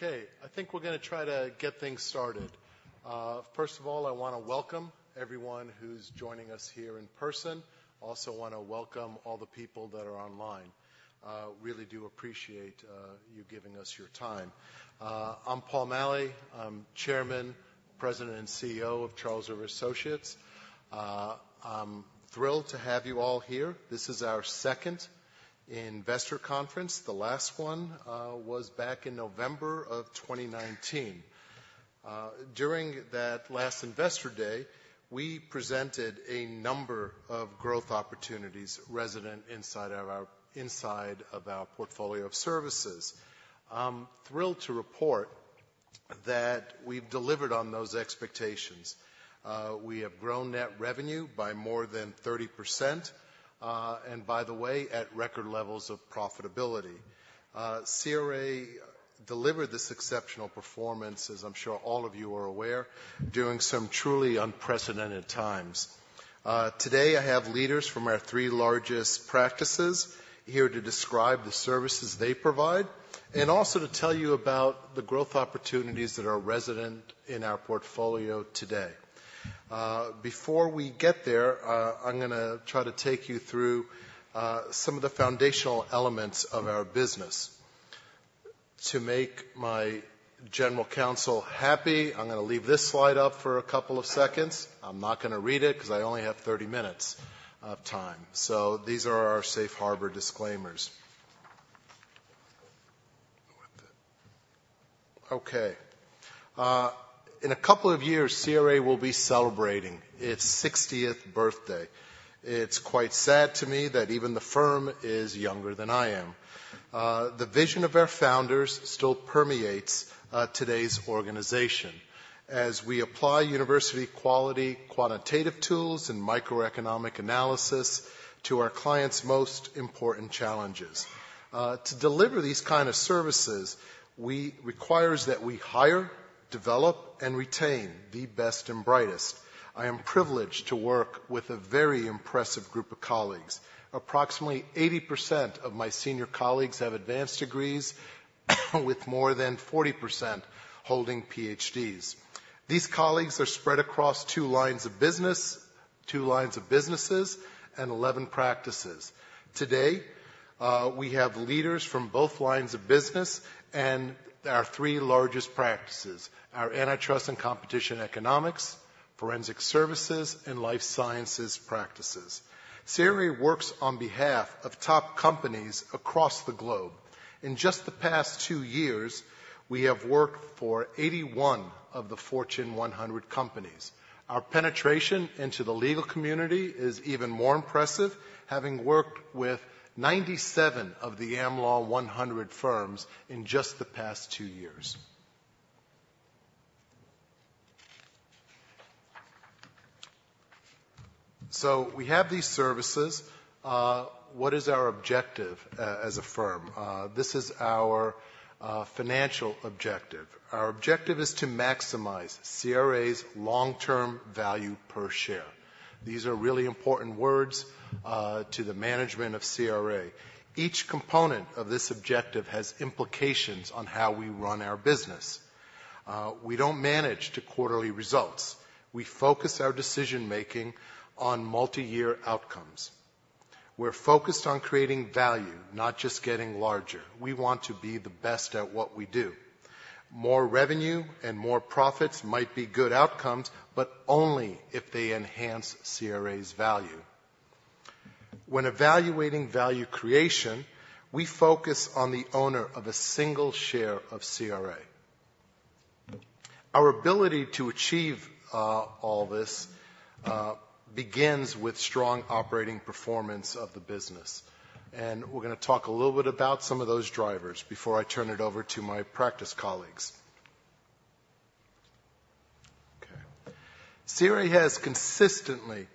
Okay, I think we're gonna try to get things started. First of all, I want to welcome everyone who's joining us here in person. Also want to welcome all the people that are online. Really do appreciate you giving us your time. I'm Paul Maleh, I'm Chairman, President, and CEO of Charles River Associates. I'm thrilled to have you all here. This is our second investor conference. The last one was back in November of 2019. During that last investor day, we presented a number of growth opportunities resident inside of our, inside of our portfolio of services. I'm thrilled to report that we've delivered on those expectations. We have grown net revenue by more than 30%, and by the way, at record levels of profitability. CRA delivered this exceptional performance, as I'm sure all of you are aware, during some truly unprecedented times. Today, I have leaders from our three largest practices here to describe the services they provide and also to tell you about the growth opportunities that are resident in our portfolio today. Before we get there, I'm gonna try to take you through some of the foundational elements of our business. To make my general counsel happy, I'm gonna leave this slide up for a couple of seconds. I'm not gonna read it 'cause I only have 30 minutes of time. So these are our safe harbor disclaimers. Okay, in a couple of years, CRA will be celebrating its sixtieth birthday. It's quite sad to me that even the firm is younger than I am. The vision of our founders still permeates today's organization as we apply university-quality quantitative tools and microeconomic analysis to our clients' most important challenges. To deliver these kind of services, we requires that we hire, develop, and retain the best and brightest. I am privileged to work with a very impressive group of colleagues. Approximately 80% of my senior colleagues have advanced degrees, with more than 40% holding PhDs. These colleagues are spread across two lines of business, two lines of businesses, and 11 practices. Today, we have leaders from both lines of business and our three largest practices, our antitrust and competition economics, forensic services, and life sciences practices. CRA works on behalf of top companies across the globe. In just the past two years, we have worked for 81 of the Fortune 100 companies. Our penetration into the legal community is even more impressive, having worked with 97 of the Am Law 100 firms in just the past two years. So we have these services. What is our objective as a firm? This is our financial objective. Our objective is to maximize CRA's long-term value per share. These are really important words to the management of CRA. Each component of this objective has implications on how we run our business. We don't manage to quarterly results. We focus our decision-making on multiyear outcomes. We're focused on creating value, not just getting larger. We want to be the best at what we do. More revenue and more profits might be good outcomes, but only if they enhance CRA's value. When evaluating value creation, we focus on the owner of a single share of CRA. Our ability to achieve all this begins with strong operating performance of the business, and we're gonna talk a little bit about some of those drivers before I turn it over to my practice colleagues. Okay. CRA has consistently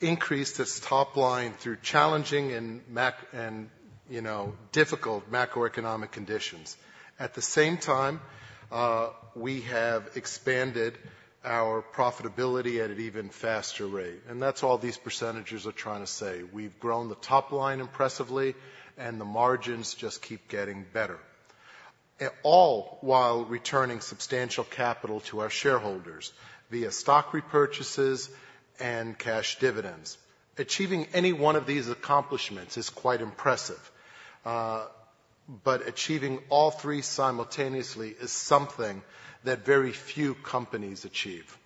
increased its top line through challenging and, you know, difficult macroeconomic conditions. At the same time, we have expanded our profitability at an even faster rate, and that's all these percentages are trying to say. We've grown the top line impressively, and the margins just keep getting better, all while returning substantial capital to our shareholders via stock repurchases and cash dividends. Achieving any one of these accomplishments is quite impressive, but achieving all three simultaneously is something that very few companies achieve.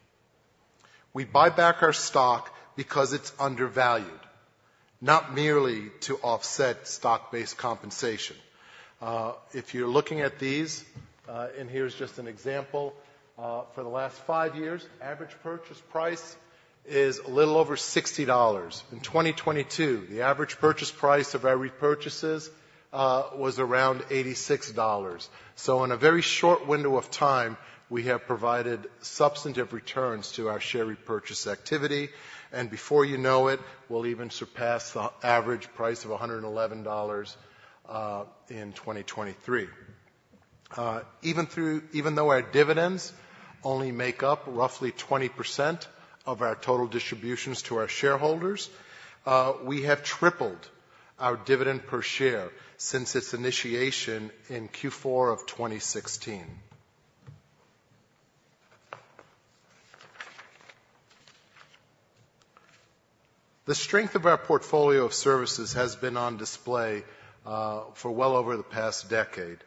We buy back our stock because it's undervalued, not merely to offset stock-based compensation. If you're looking at these, and here's just an example, for the last five years, average purchase price is a little over $60. In 2022, the average purchase price of our repurchases was around $86. So in a very short window of time, we have provided substantive returns to our share repurchase activity, and before you know it, we'll even surpass the average price of $111 in 2023. Even though our dividends only make up roughly 20% of our total distributions to our shareholders, we have tripled our dividend per share since its initiation in Q4 of 2016. The strength of our portfolio of services has been on display for well over the past decade,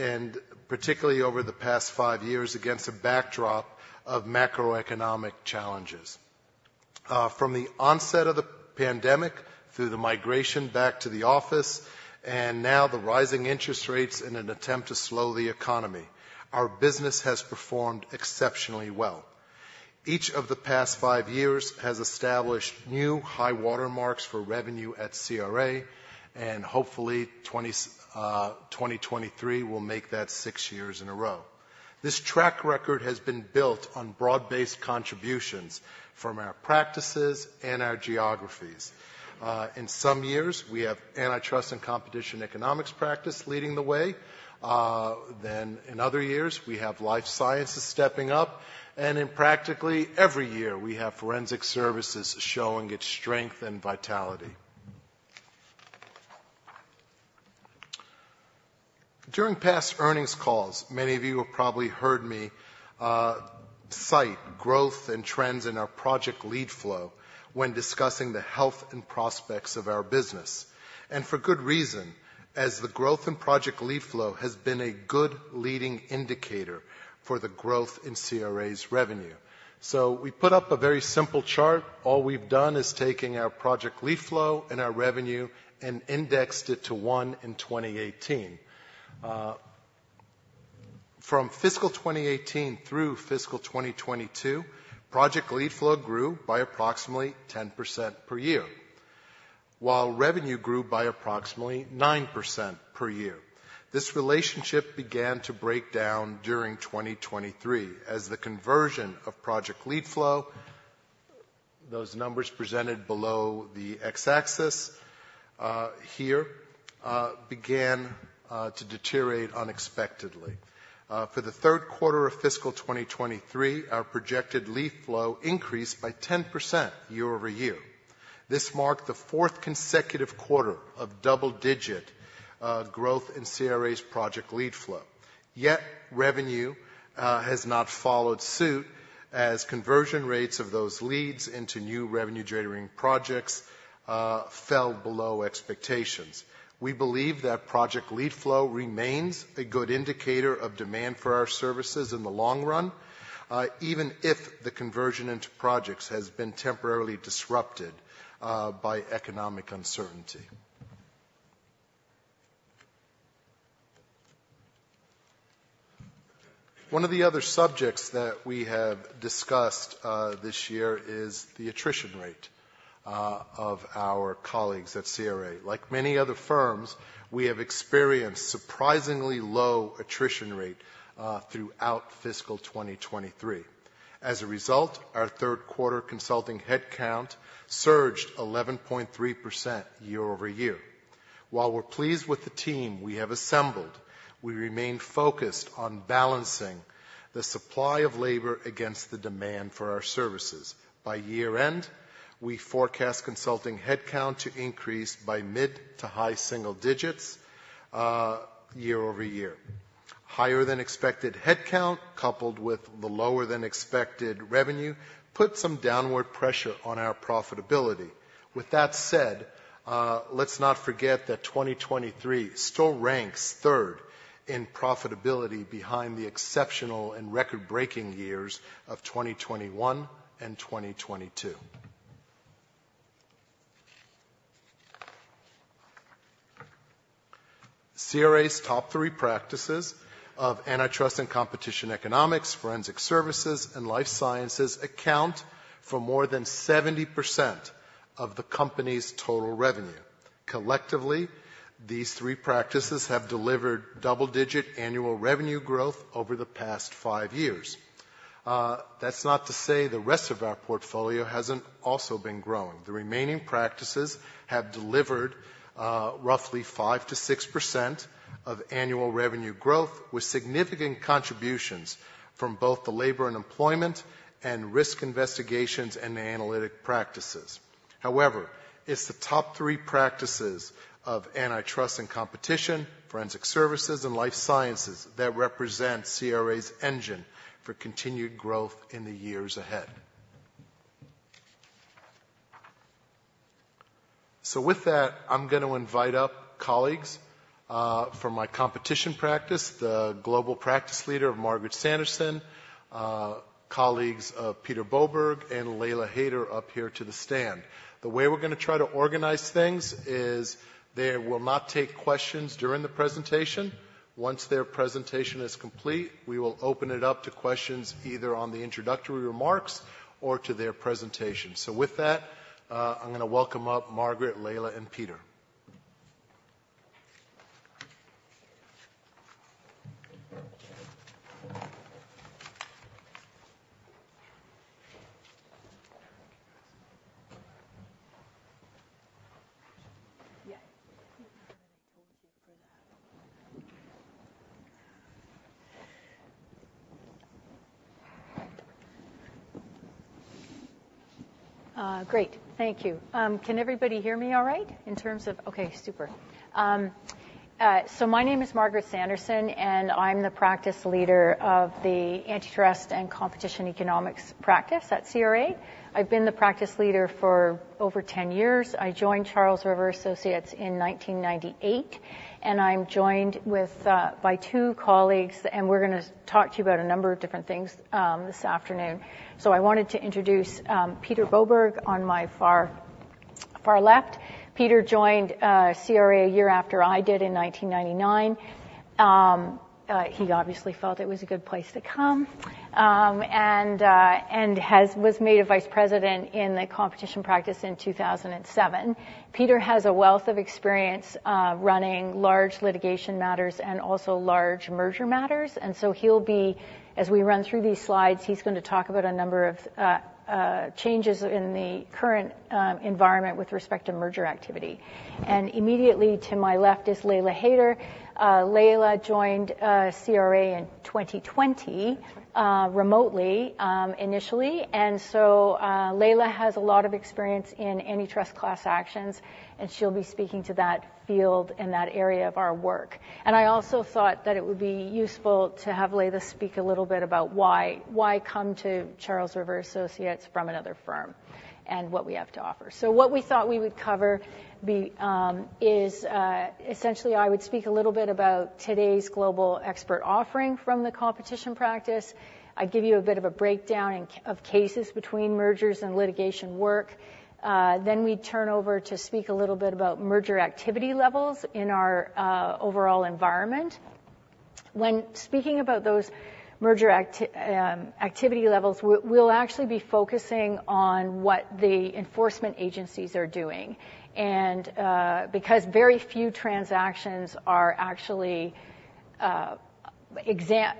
and particularly over the past five years, against a backdrop of macroeconomic challenges. From the onset of the pandemic, through the migration back to the office, and now the rising interest rates in an attempt to slow the economy, our business has performed exceptionally well. Each of the past five years has established new high water marks for revenue at CRA, and hopefully, 2023 will make that six years in a row. This track record has been built on broad-based contributions from our practices and our geographies. In some years, we have antitrust and competition economics practice leading the way, then in other years, we have life sciences stepping up, and in practically every year, we have forensic services showing its strength and vitality. During past earnings calls, many of you have probably heard me cite growth and trends in our project lead flow when discussing the health and prospects of our business, and for good reason, as the growth in project lead flow has been a good leading indicator for the growth in CRA's revenue. So we put up a very simple chart. All we've done is taking our project lead flow and our revenue and indexed it to one in 2018. From fiscal 2018 through fiscal 2022, project lead flow grew by approximately 10% per year, while revenue grew by approximately 9% per year. This relationship began to break down during 2023 as the conversion of project lead flow, those numbers presented below the X-axis here, began to deteriorate unexpectedly. For the third quarter of fiscal 2023, our projected lead flow increased by 10% year-over-year. This marked the fourth consecutive quarter of double-digit growth in CRA's project lead flow. Yet, revenue has not followed suit, as conversion rates of those leads into new revenue-generating projects fell below expectations. We believe that project lead flow remains a good indicator of demand for our services in the long run, even if the conversion into projects has been temporarily disrupted by economic uncertainty. One of the other subjects that we have discussed this year is the attrition rate of our colleagues at CRA. Like many other firms, we have experienced surprisingly low attrition rate throughout fiscal 2023. As a result, our third quarter consulting headcount surged 11.3% year-over-year. While we're pleased with the team we have assembled, we remain focused on balancing the supply of labor against the demand for our services. By year-end, we forecast consulting headcount to increase by mid- to high-single digits year-over-year. Higher than expected headcount, coupled with the lower-than-expected revenue, put some downward pressure on our profitability. With that said, let's not forget that 2023 still ranks third in profitability behind the exceptional and record-breaking years of 2021 and 2022. CRA's top three practices of antitrust and competition economics, forensic services, and life sciences account for more than 70% of the company's total revenue. Collectively, these three practices have delivered double-digit annual revenue growth over the past 5 years. That's not to say the rest of our portfolio hasn't also been growing. The remaining practices have delivered, roughly 5%-6% of annual revenue growth, with significant contributions from both the labor and employment and risk investigations and analytics practices. However, it's the top three practices of antitrust and competition, forensic services, and life sciences that represent CRA's engine for continued growth in the years ahead. So with that, I'm going to invite up colleagues, from my competition practice, the Global Practice Leader, Margaret Sanderson, colleagues, Peter Boberg, and Laila Haider up here to the stand. The way we're going to try to organize things is they will not take questions during the presentation. Once their presentation is complete, we will open it up to questions, either on the introductory remarks or to their presentation. So with that, I'm going to welcome up Margaret, Laila, and Peter. Yeah. Great. Thank you. Can everybody hear me all right in terms of. Okay, super. So my name is Margaret Sanderson, and I'm the Practice Leader of the Antitrust and Competition Economics Practice at CRA. I've been the Practice Leader for over 10 years. I joined Charles River Associates in 1998, and I'm joined by two colleagues, and we're gonna talk to you about a number of different things this afternoon. So I wanted to introduce Peter Boberg on my far, far left. Peter joined CRA a year after I did in 1999. He obviously felt it was a good place to come, and has been made a vice president in the competition practice in 2007. Peter has a wealth of experience running large litigation matters and also large merger matters, and so he'll be. As we run through these slides, he's going to talk about a number of changes in the current environment with respect to merger activity. And immediately to my left is Laila Haider. Laila joined CRA in 2020 remotely initially. And so Laila has a lot of experience in antitrust class actions, and she'll be speaking to that field and that area of our work. And I also thought that it would be useful to have Laila speak a little bit about why come to Charles River Associates from another firm and what we have to offer. So what we thought we would cover is essentially, I would speak a little bit about today's global expert offering from the competition practice. I'd give you a bit of a breakdown of cases between mergers and litigation work. Then we'd turn over to speak a little bit about merger activity levels in our overall environment. When speaking about those merger activity levels, we'll actually be focusing on what the enforcement agencies are doing and because very few transactions are actually, I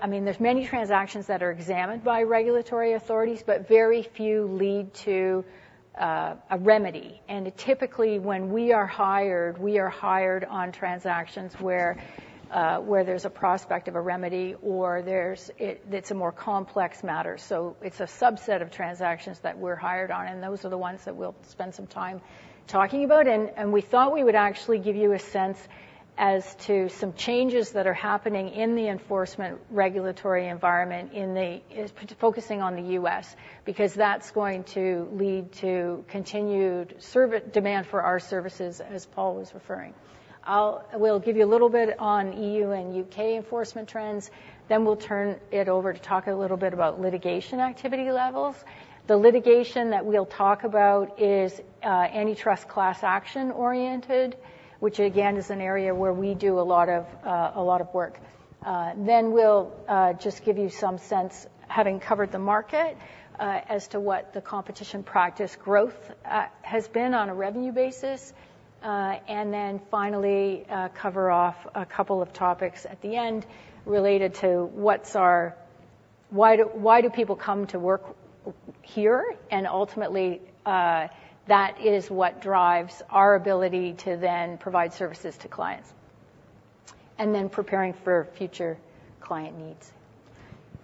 mean, there's many transactions that are examined by regulatory authorities, but very few lead to a remedy. And typically, when we are hired, we are hired on transactions where there's a prospect of a remedy or it's a more complex matter. So it's a subset of transactions that we're hired on, and those are the ones that we'll spend some time talking about. We thought we would actually give you a sense as to some changes that are happening in the enforcement regulatory environment, focusing on the U.S., because that's going to lead to continued service demand for our services, as Paul was referring. We'll give you a little bit on E.U. and U.K. enforcement trends, then we'll turn it over to talk a little bit about litigation activity levels. The litigation that we'll talk about is antitrust class action-oriented, which again, is an area where we do a lot of work. Then we'll just give you some sense, having covered the market, as to what the competition practice growth has been on a revenue basis. And then finally, cover off a couple of topics at the end related to what's our... Why do, why do people come to work here? And ultimately, that is what drives our ability to then provide services to clients, and then preparing for future client needs.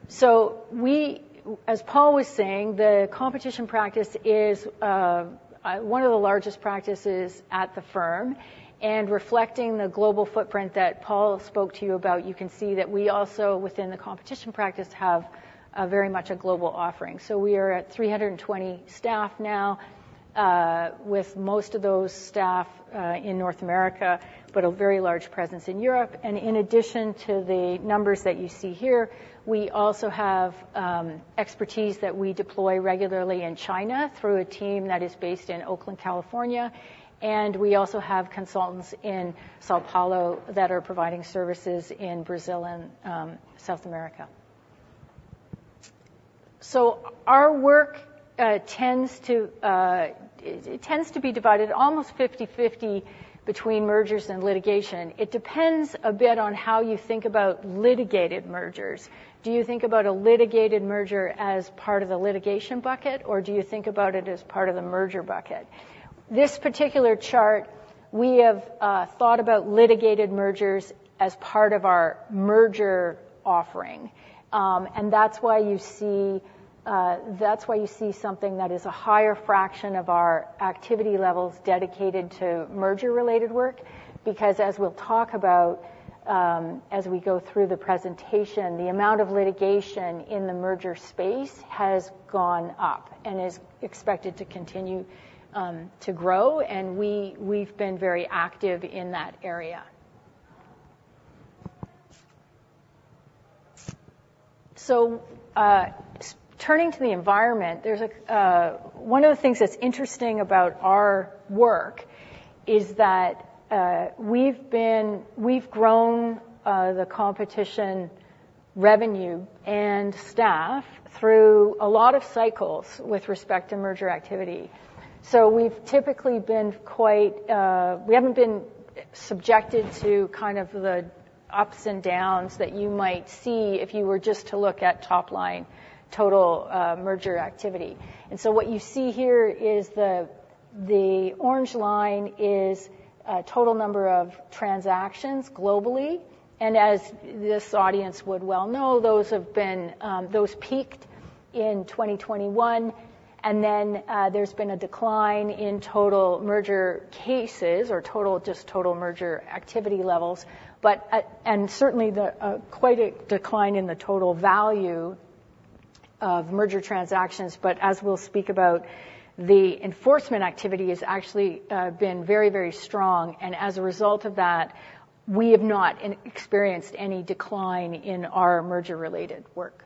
So we, as Paul was saying, the competition practice is, one of the largest practices at the firm. And reflecting the global footprint that Paul spoke to you about, you can see that we also, within the competition practice, have a very much a global offering. So we are at 320 staff now, with most of those staff, in North America, but a very large presence in Europe. In addition to the numbers that you see here, we also have expertise that we deploy regularly in China through a team that is based in Oakland, California, and we also have consultants in São Paulo that are providing services in Brazil and South America. So our work tends to be divided almost 50/50 between mergers and litigation. It depends a bit on how you think about litigated mergers. Do you think about a litigated merger as part of the litigation bucket, or do you think about it as part of the merger bucket? This particular chart, we have thought about litigated mergers as part of our merger offering. And that's why you see something that is a higher fraction of our activity levels dedicated to merger-related work. Because as we'll talk about, as we go through the presentation, the amount of litigation in the merger space has gone up and is expected to continue to grow, and we, we've been very active in that area. So, turning to the environment, there's a... One of the things that's interesting about our work is that, we've grown the competition revenue and staff through a lot of cycles with respect to merger activity. So we've typically been quite, we haven't been subjected to kind of the ups and downs that you might see if you were just to look at top-line total merger activity. And so what you see here is the orange line is a total number of transactions globally, and as this audience would well know, those have been, those peaked in 2021. And then, there's been a decline in total merger cases or total, just total merger activity levels, but certainly, there's quite a decline in the total value of merger transactions, but as we'll speak about, the enforcement activity has actually been very, very strong, and as a result of that, we have not experienced any decline in our merger-related work.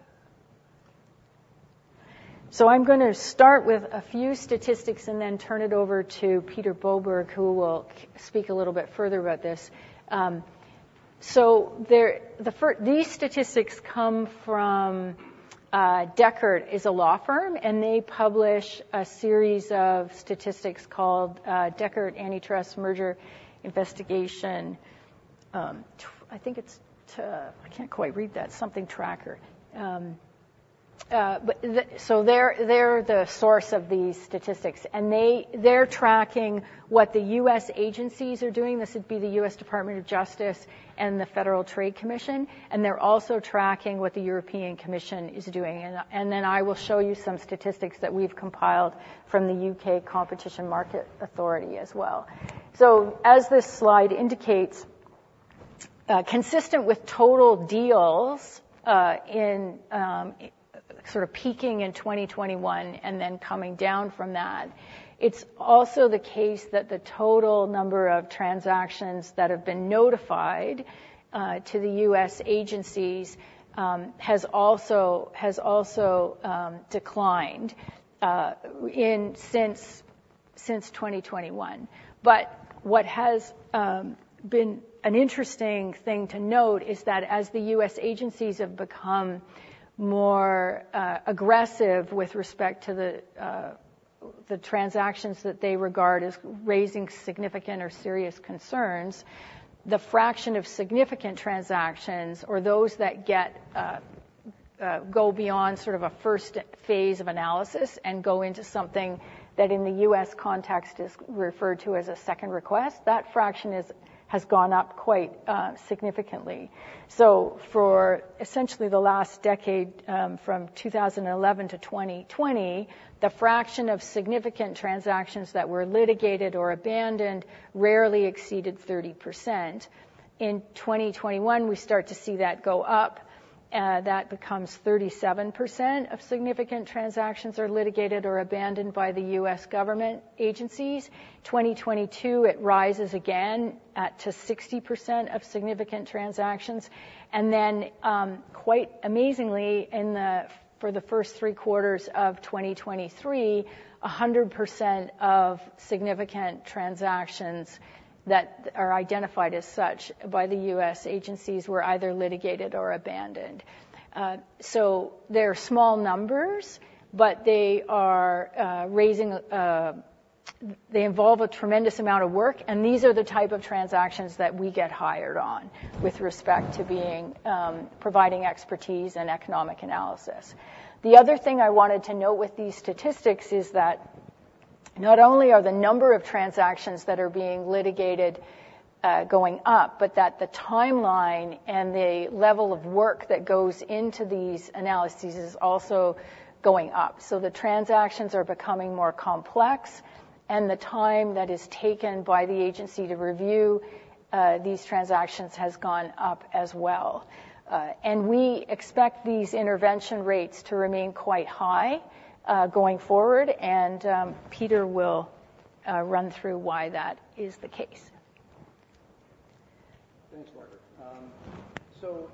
So I'm gonna start with a few statistics and then turn it over to Peter Boberg, who will speak a little bit further about this. These statistics come from Dechert, a law firm, and they publish a series of statistics called Dechert Antitrust Merger Investigation. I think it's, I can't quite read that, something tracker. So they're the source of these statistics, and they're tracking what the US agencies are doing. This would be the US Department of Justice and the Federal Trade Commission, and they're also tracking what the European Commission is doing. And then I will show you some statistics that we've compiled from the UK Competition and Markets Authority as well. So as this slide indicates, consistent with total deals, in sort of peaking in 2021 and then coming down from that, it's also the case that the total number of transactions that have been notified to the US agencies has also declined since 2021. But what has been an interesting thing to note is that as the U.S. agencies have become more aggressive with respect to the transactions that they regard as raising significant or serious concerns, the fraction of significant transactions or those that go beyond sort of a first phase of analysis and go into something that in the U.S. context is referred to as a second request, that fraction has gone up quite significantly. So for essentially the last decade from 2011 to 2020, the fraction of significant transactions that were litigated or abandoned rarely exceeded 30%. In 2021, we start to see that go up. That becomes 37% of significant transactions are litigated or abandoned by the U.S. government agencies. 2022, it rises again to 60% of significant transactions. Then, quite amazingly, for the first three quarters of 2023, 100% of significant transactions that are identified as such by the U.S. agencies were either litigated or abandoned. So they're small numbers, but they are, they involve a tremendous amount of work, and these are the type of transactions that we get hired on with respect to providing expertise and economic analysis. The other thing I wanted to note with these statistics is that not only are the number of transactions that are being litigated going up, but that the timeline and the level of work that goes into these analyses is also going up. So the transactions are becoming more complex, and the time that is taken by the agency to review these transactions has gone up as well. We expect these intervention rates to remain quite high, going forward, and Peter will run through why that is the case. Thanks, Margaret. So,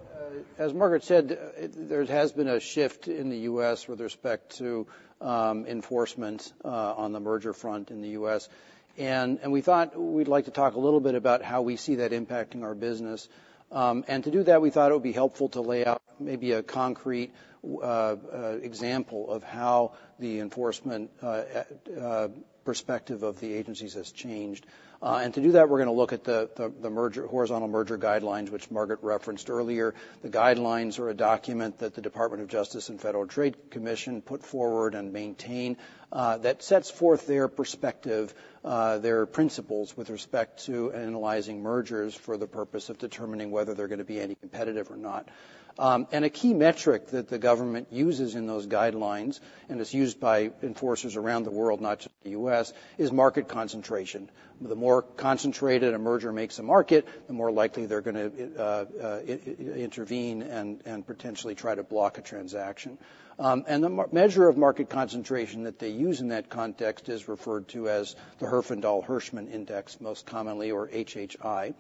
as Margaret said, there has been a shift in the U.S. with respect to enforcement on the merger front in the U.S. We thought we'd like to talk a little bit about how we see that impacting our business. To do that, we thought it would be helpful to lay out maybe a concrete example of how the enforcement perspective of the agencies has changed. To do that, we're gonna look at the merger, Horizontal Merger Guidelines, which Margaret referenced earlier. The guidelines are a document that the Department of Justice and Federal Trade Commission put forward and maintain that sets forth their perspective, their principles with respect to analyzing mergers for the purpose of determining whether they're gonna be anti-competitive or not. A key metric that the government uses in those guidelines, and it's used by enforcers around the world, not just the U.S., is market concentration. The more concentrated a merger makes a market, the more likely they're gonna intervene and potentially try to block a transaction. The measure of market concentration that they use in that context is referred to as the Herfindahl-Hirschman Index, most commonly, or HHI.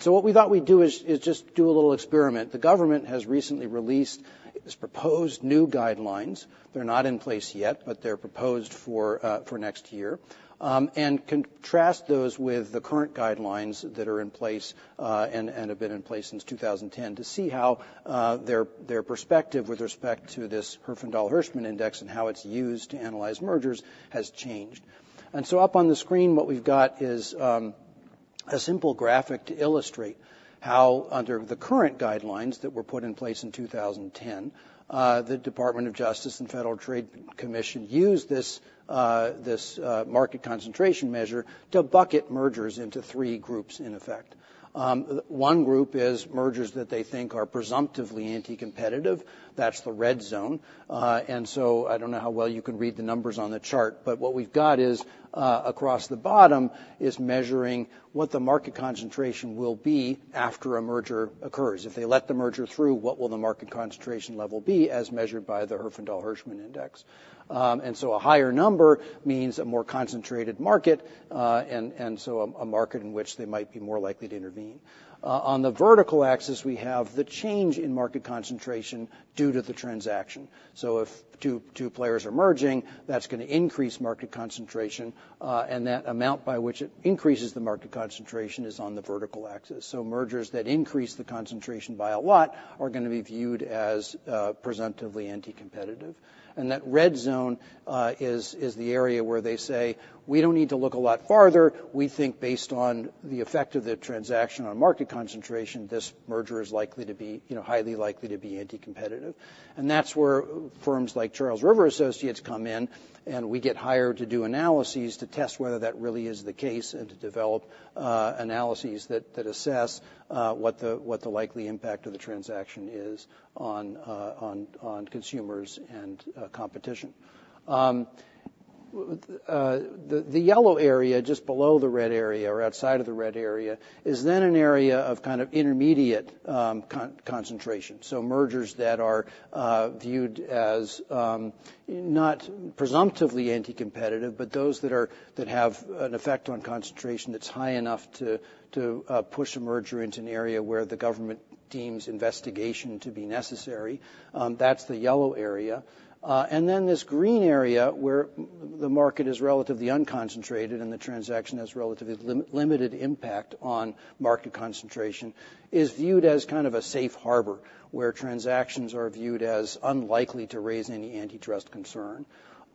So what we thought we'd do is just do a little experiment. The government has recently released its proposed new guidelines. They're not in place yet, but they're proposed for next year. And contrast those with the current guidelines that are in place, and have been in place since 2010, to see how their perspective with respect to this Herfindahl-Hirschman Index and how it's used to analyze mergers has changed. And so up on the screen, what we've got is a simple graphic to illustrate how, under the current guidelines that were put in place in 2010, the Department of Justice and Federal Trade Commission used this market concentration measure to bucket mergers into three groups, in effect. One group is mergers that they think are presumptively anti-competitive. That's the red zone. And so I don't know how well you can read the numbers on the chart, but what we've got is, across the bottom, is measuring what the market concentration will be after a merger occurs. If they let the merger through, what will the market concentration level be, as measured by the Herfindahl-Hirschman Index? And so a higher number means a more concentrated market, and a market in which they might be more likely to intervene. On the vertical axis, we have the change in market concentration due to the transaction. So if two players are merging, that's gonna increase market concentration, and that amount by which it increases the market concentration is on the vertical axis. So mergers that increase the concentration by a lot are gonna be viewed as presumptively anti-competitive. And that red zone is the area where they say, "We don't need to look a lot farther. We think based on the effect of the transaction on market concentration, this merger is likely to be... you know, highly likely to be anti-competitive." And that's where firms like Charles River Associates come in, and we get hired to do analyses to test whether that really is the case, and to develop analyses that assess what the likely impact of the transaction is on on consumers and competition. The yellow area just below the red area or outside of the red area is then an area of kind of intermediate concentration. So mergers that are viewed as not presumptively anti-competitive, but those that have an effect on concentration that's high enough to push a merger into an area where the government deems investigation to be necessary. That's the yellow area. And then this green area, where the market is relatively unconcentrated and the transaction has relatively limited impact on market concentration, is viewed as kind of a safe harbor, where transactions are viewed as unlikely to raise any antitrust concern.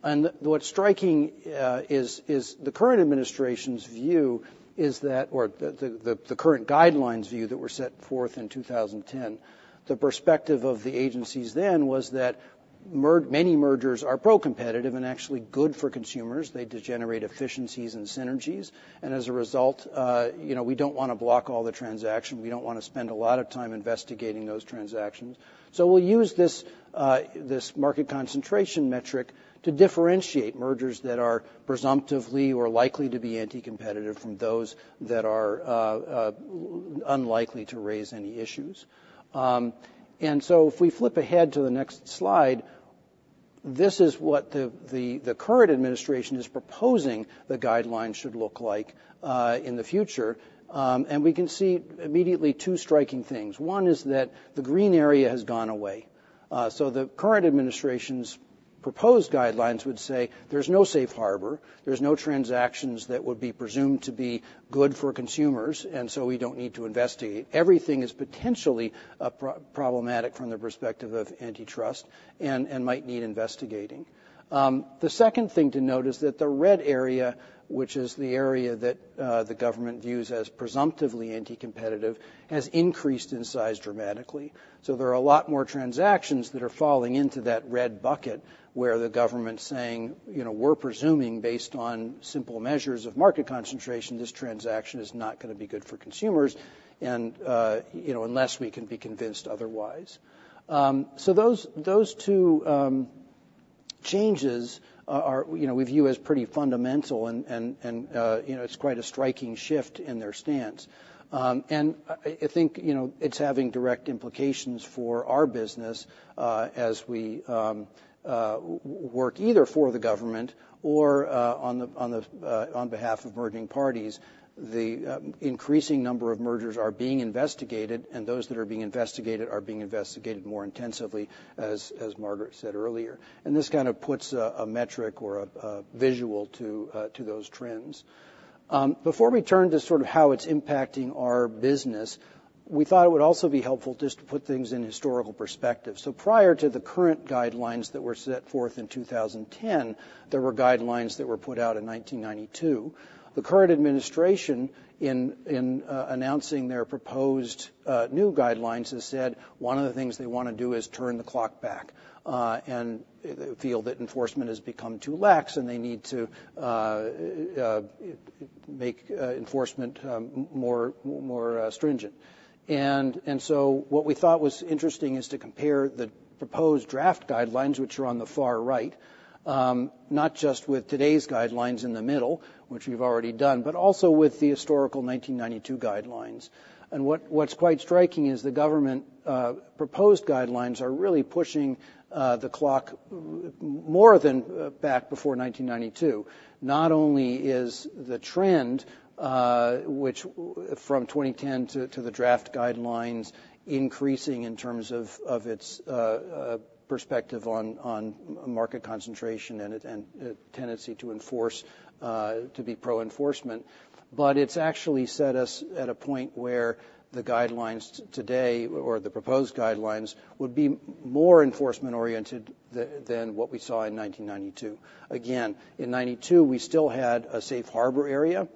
And what's striking is the current administration's view, is that or the current guidelines' view that were set forth in 2010, the perspective of the agencies then, was that many mergers are pro-competitive and actually good for consumers. They generate efficiencies and synergies, and as a result, you know, we don't wanna block all the transaction. We don't wanna spend a lot of time investigating those transactions. So we'll use this, this market concentration metric to differentiate mergers that are presumptively or likely to be anti-competitive from those that are, unlikely to raise any issues. And so if we flip ahead to the next slide, this is what the current administration is proposing the guidelines should look like, in the future. And we can see immediately two striking things. One is that the green area has gone away. So the current administration's proposed guidelines would say, "There's no safe harbor. There's no transactions that would be presumed to be good for consumers, and so we don't need to investigate. Everything is potentially problematic from the perspective of antitrust and might need investigating." The second thing to note is that the red area, which is the area that the government views as presumptively anti-competitive, has increased in size dramatically. So there are a lot more transactions that are falling into that red bucket, where the government's saying, "You know, we're presuming, based on simple measures of market concentration, this transaction is not gonna be good for consumers, and you know, unless we can be convinced otherwise." So those two changes are, you know, we view as pretty fundamental and, you know, it's quite a striking shift in their stance. And I think, you know, it's having direct implications for our business, as we work either for the government or on behalf of merging parties. The increasing number of mergers are being investigated, and those that are being investigated are being investigated more intensively, as Margaret said earlier, and this kind of puts a metric or a visual to those trends. Before we turn to sort of how it's impacting our business, we thought it would also be helpful just to put things in historical perspective. Prior to the current guidelines that were set forth in 2010, there were guidelines that were put out in 1992. The current administration, announcing their proposed new guidelines, has said one of the things they wanna do is turn the clock back, and they feel that enforcement has become too lax, and they need to make enforcement more stringent. So what we thought was interesting is to compare the proposed draft guidelines, which are on the far right, not just with today's guidelines in the middle, which we've already done, but also with the historical 1992 guidelines. What's quite striking is the government proposed guidelines are really pushing the clock more than back before 1992. Not only is the trend, which from 2010 to the draft guidelines, increasing in terms of its perspective on market concentration and a tendency to enforce to be pro-enforcement. But it's actually set us at a point where the guidelines today or the proposed guidelines would be more enforcement-oriented than what we saw in 1992. Again, in 1992, we still had a safe harbor area.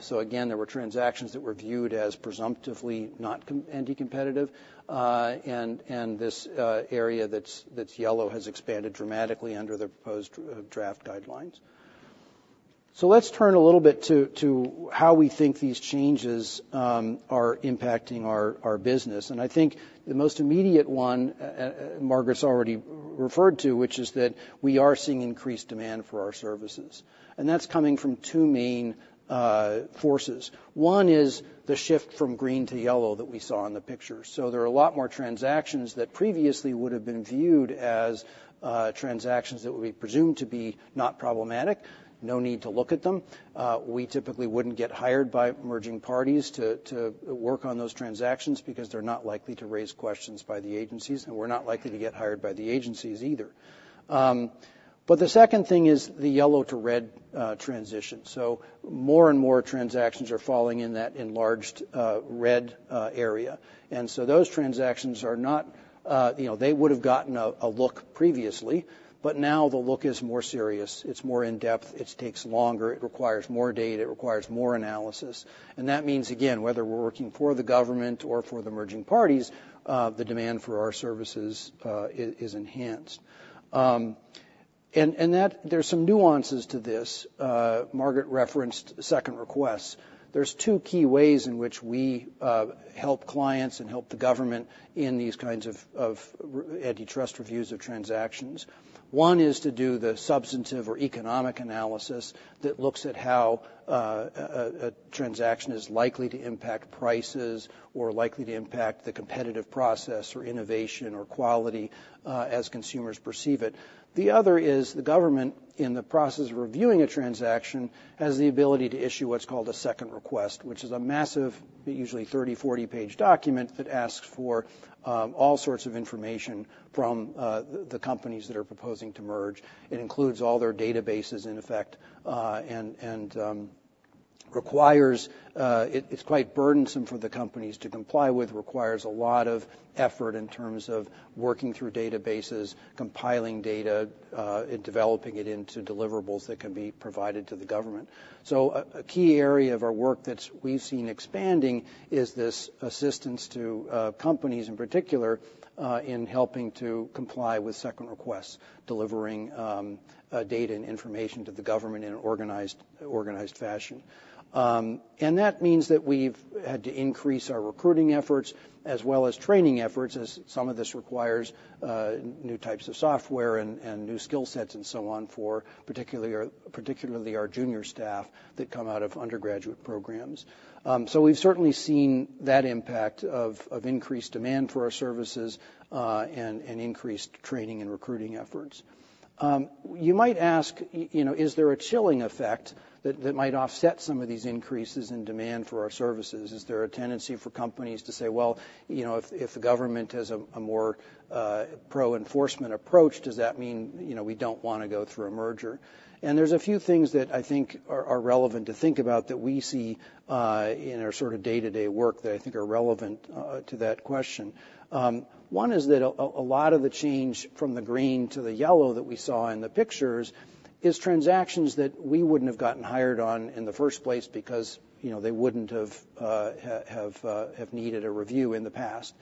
So again, there were transactions that were viewed as presumptively not anti-competitive. And this area that's yellow has expanded dramatically under the proposed draft guidelines. So let's turn a little bit to how we think these changes are impacting our business. I think the most immediate one, Margaret's already referred to, which is that we are seeing increased demand for our services, and that's coming from two main forces. One is the shift from green to yellow that we saw in the picture. So there are a lot more transactions that previously would have been viewed as transactions that would be presumed to be not problematic, no need to look at them. We typically wouldn't get hired by merging parties to work on those transactions because they're not likely to raise questions by the agencies, and we're not likely to get hired by the agencies either. But the second thing is the yellow-to-red transition. So more and more transactions are falling in that enlarged red area. And so those transactions are not... You know, they would have gotten a look previously, but now the look is more serious, it's more in-depth, it takes longer, it requires more data, it requires more analysis. And that means, again, whether we're working for the government or for the merging parties, the demand for our services is enhanced. And that there's some nuances to this. Margaret referenced second requests. There's two key ways in which we help clients and help the government in these kinds of antitrust reviews of transactions. One is to do the substantive or economic analysis that looks at how a transaction is likely to impact prices or likely to impact the competitive process or innovation or quality as consumers perceive it. The other is the government, in the process of reviewing a transaction, has the ability to issue what's called a Second Request, which is a massive, usually 30-40 page document that asks for all sorts of information from the companies that are proposing to merge. It includes all their databases in effect, and requires. It, it's quite burdensome for the companies to comply with, requires a lot of effort in terms of working through databases, compiling data, and developing it into deliverables that can be provided to the government. So a key area of our work that's we've seen expanding is this assistance to companies in particular in helping to comply with Second Requests, delivering data and information to the government in an organized fashion. And that means that we've had to increase our recruiting efforts as well as training efforts, as some of this requires new types of software and new skill sets and so on, for particularly our junior staff that come out of undergraduate programs. So we've certainly seen that impact of increased demand for our services and increased training and recruiting efforts. You might ask, you know, is there a chilling effect that might offset some of these increases in demand for our services? Is there a tendency for companies to say, "Well, you know, if the government has a more pro-enforcement approach, does that mean, you know, we don't want to go through a merger?" There's a few things that I think are relevant to think about that we see in our sort of day-to-day work that I think are relevant to that question. One is that a lot of the change from the green to the yellow that we saw in the pictures is transactions that we wouldn't have gotten hired on in the first place because, you know, they wouldn't have needed a review in the past.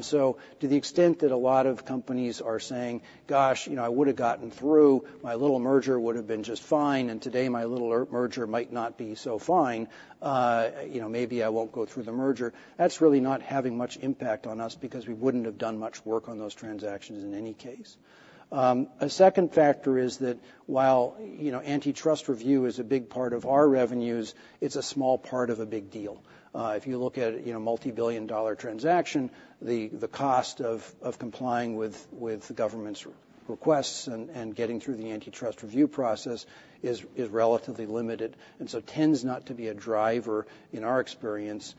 So to the extent that a lot of companies are saying, "Gosh, you know, I would have gotten through. My little merger would have been just fine, and today my little merger might not be so fine, you know, maybe I won't go through the merger," that's really not having much impact on us because we wouldn't have done much work on those transactions in any case. A second factor is that while, you know, antitrust review is a big part of our revenues, it's a small part of a big deal. If you look at, you know, multibillion-dollar transaction, the cost of complying with the government's requests and getting through the antitrust review process is relatively limited. And so tends not to be a driver, in our experience,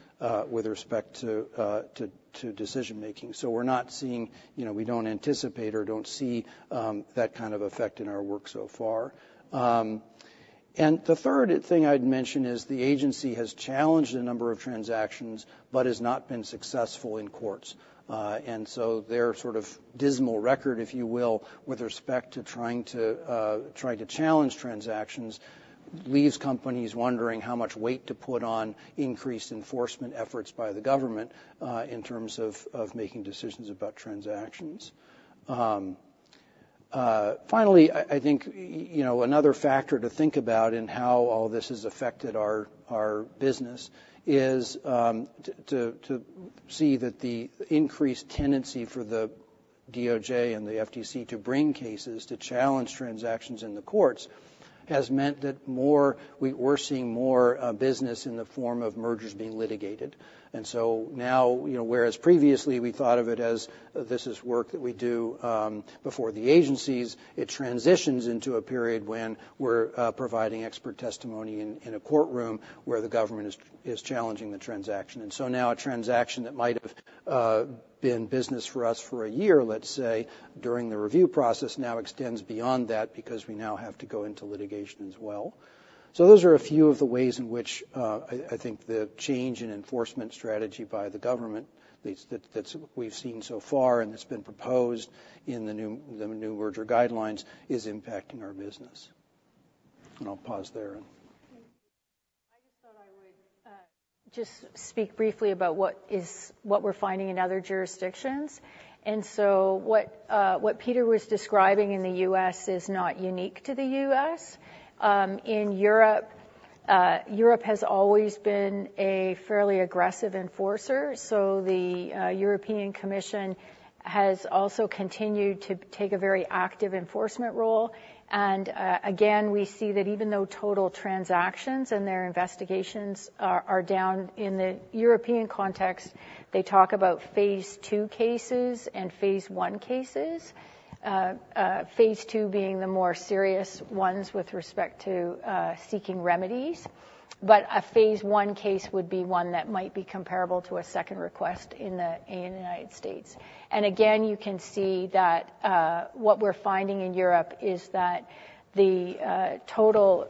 with respect to to decision making. So we're not seeing. You know, we don't anticipate or don't see that kind of effect in our work so far. And the third thing I'd mention is the agency has challenged a number of transactions but has not been successful in courts. And so their sort of dismal record, if you will, with respect to trying to challenge transactions, leaves companies wondering how much weight to put on increased enforcement efforts by the government, in terms of making decisions about transactions. Finally, I think you know, another factor to think about in how all this has affected our business is to see that the increased tendency for the DOJ and the FTC to bring cases to challenge transactions in the courts has meant that we're seeing more business in the form of mergers being litigated. So now, you know, whereas previously we thought of it as this is work that we do before the agencies, it transitions into a period when we're providing expert testimony in a courtroom where the government is challenging the transaction. So now a transaction that might have been business for us for a year, let's say, during the review process, now extends beyond that because we now have to go into litigation as well. So those are a few of the ways in which I think the change in enforcement strategy by the government, at least that we've seen so far and that's been proposed in the new merger guidelines, is impacting our business. I'll pause there. Just speak briefly about what is, what we're finding in other jurisdictions. So what, what Peter was describing in the U.S. is not unique to the U.S. In Europe, Europe has always been a fairly aggressive enforcer. So the European Commission has also continued to take a very active enforcement role. And again, we see that even though total transactions and their investigations are down in the European context, they talk about Phase Two cases and Phase One cases. Phase Two being the more serious ones with respect to seeking remedies. But a Phase One case would be one that might be comparable to a Second Request in the United States. Again, you can see that what we're finding in Europe is that the total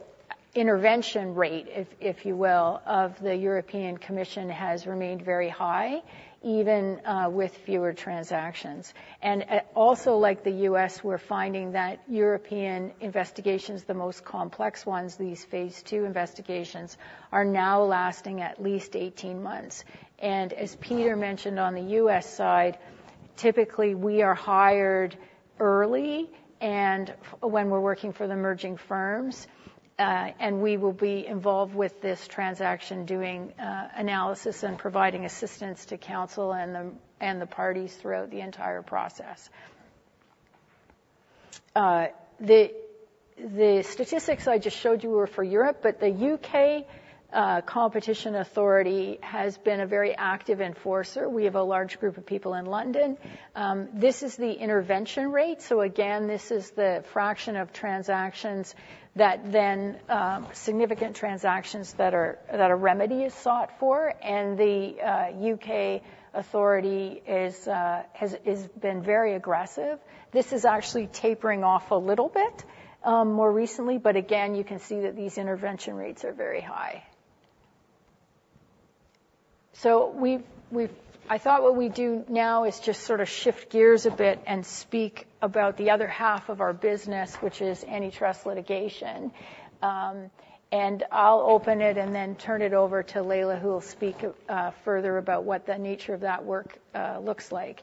intervention rate, if you will, of the European Commission, has remained very high, even with fewer transactions. Also like the U.S., we're finding that European investigations, the most complex ones, these phase two investigations, are now lasting at least 18 months. As Peter mentioned on the U.S. side, typically, we are hired early and when we're working for the merging firms. And we will be involved with this transaction, doing analysis and providing assistance to counsel and the parties throughout the entire process. The statistics I just showed you were for Europe, but the U.K. competition authority has been a very active enforcer. We have a large group of people in London. This is the intervention rate. So again, this is the fraction of significant transactions that a remedy is sought for, and the U.K. authority has been very aggressive. This is actually tapering off a little bit more recently, but again, you can see that these intervention rates are very high. So I thought what we'd do now is just sort of shift gears a bit and speak about the other half of our business, which is antitrust litigation. And I'll open it and then turn it over to Laila, who will speak further about what the nature of that work looks like.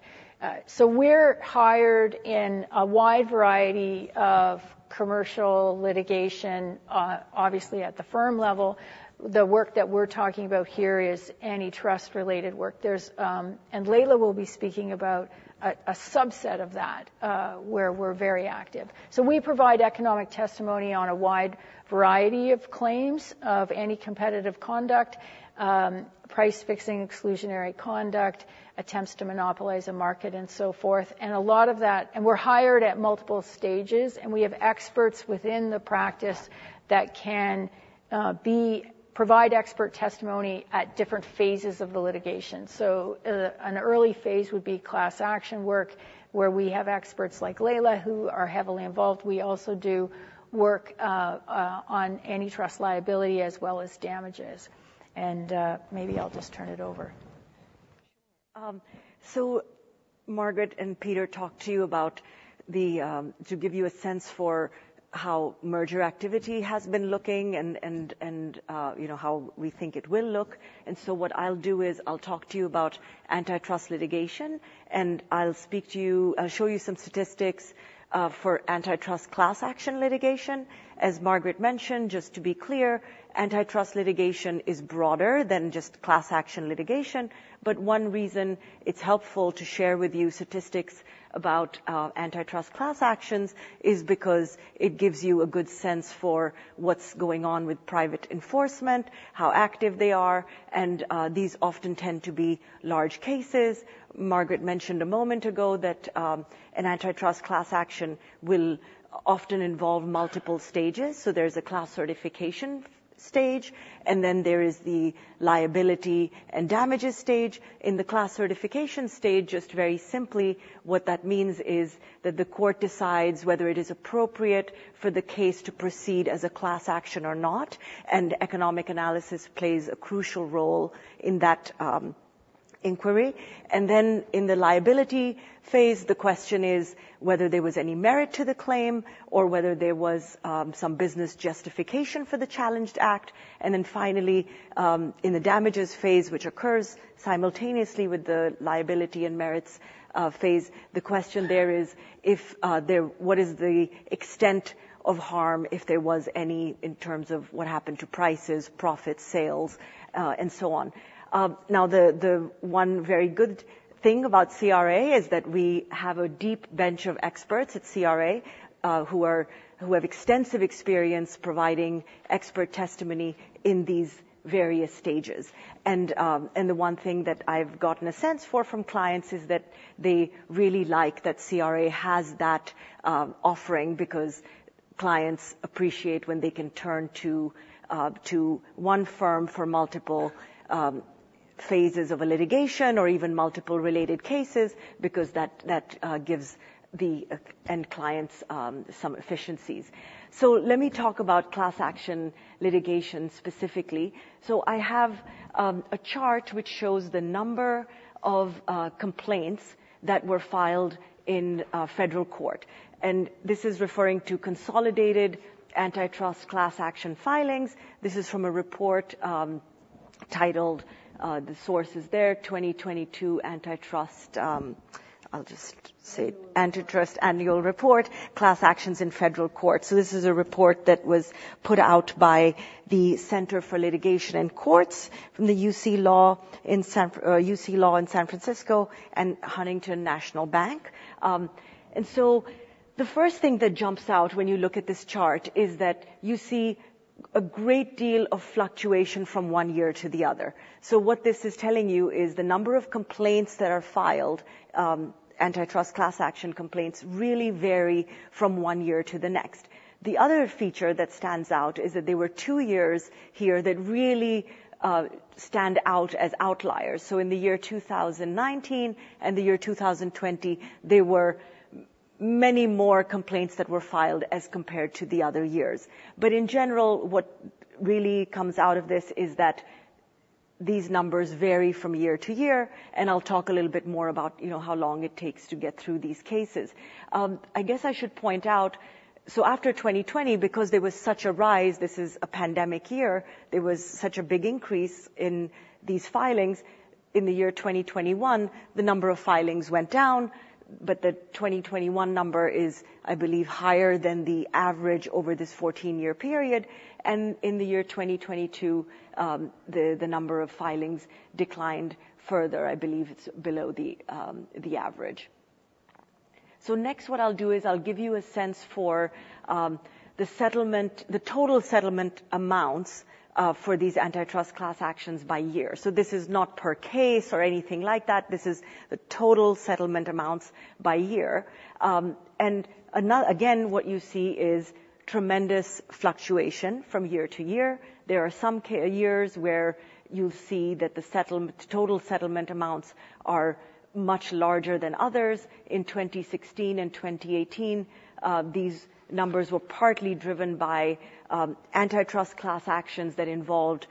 So we're hired in a wide variety of commercial litigation. Obviously, at the firm level, the work that we're talking about here is antitrust-related work. There's and Laila will be speaking about a subset of that, where we're very active. So we provide economic testimony on a wide variety of claims of anticompetitive conduct, price fixing, exclusionary conduct, attempts to monopolize a market, and so forth. A lot of that- and we're hired at multiple stages, and we have experts within the practice that can provide expert testimony at different phases of the litigation. So, an early phase would be class action work, where we have experts like Laila, who are heavily involved. We also do work on antitrust liability as well as damages. And, maybe I'll just turn it over. So Margaret and Peter talked to you about to give you a sense for how merger activity has been looking and, you know, how we think it will look. So what I'll do is I'll talk to you about antitrust litigation, and I'll show you some statistics for antitrust class action litigation. As Margaret mentioned, just to be clear, antitrust litigation is broader than just class action litigation. But one reason it's helpful to share with you statistics about antitrust class actions is because it gives you a good sense for what's going on with private enforcement, how active they are, and these often tend to be large cases. Margaret mentioned a moment ago that an antitrust class action will often involve multiple stages. So there's a class certification stage, and then there is the liability and damages stage. In the class certification stage, just very simply, what that means is that the court decides whether it is appropriate for the case to proceed as a class action or not, and economic analysis plays a crucial role in that, inquiry. And then, in the liability phase, the question is whether there was any merit to the claim or whether there was, some business justification for the challenged act. And then finally, in the damages phase, which occurs simultaneously with the liability and merits, phase, the question there is if, what is the extent of harm, if there was any, in terms of what happened to prices, profits, sales, and so on. Now, the one very good thing about CRA is that we have a deep bench of experts at CRA, who have extensive experience providing expert testimony in these various stages. And the one thing that I've gotten a sense for from clients is that they really like that CRA has that offering, because clients appreciate when they can turn to one firm for multiple phases of a litigation or even multiple related cases, because that gives the end clients some efficiencies. So let me talk about class action litigation specifically. So I have a chart which shows the number of complaints that were filed in federal court, and this is referring to consolidated antitrust class action filings. This is from a report... titled, the source is there, "2022 Antitrust," I'll just say, "Antitrust Annual Report, Class Actions in Federal Court." So this is a report that was put out by the Center for Litigation and Courts from the UC Law in San Francisco and Huntington National Bank. And so the first thing that jumps out when you look at this chart is that you see a great deal of fluctuation from one year to the other. So what this is telling you is the number of complaints that are filed, antitrust class action complaints, really vary from one year to the next. The other feature that stands out is that there were two years here that really stand out as outliers. So in the year 2019 and the year 2020, there were many more complaints that were filed as compared to the other years. But in general, what really comes out of this is that these numbers vary from year to year, and I'll talk a little bit more about, you know, how long it takes to get through these cases. I guess I should point out... So after 2020, because there was such a rise, this is a pandemic year, there was such a big increase in these filings. In the year 2021, the number of filings went down, but the 2021 number is, I believe, higher than the average over this 14-year period. And in the year 2022, the number of filings declined further. I believe it's below the average. So next, what I'll do is I'll give you a sense for the total settlement amounts for these antitrust class actions by year. So this is not per case or anything like that. This is the total settlement amounts by year. And again, what you see is tremendous fluctuation from year to year. There are some years where you see that the total settlement amounts are much larger than others. In 2016 and 2018, these numbers were partly driven by antitrust class actions that involved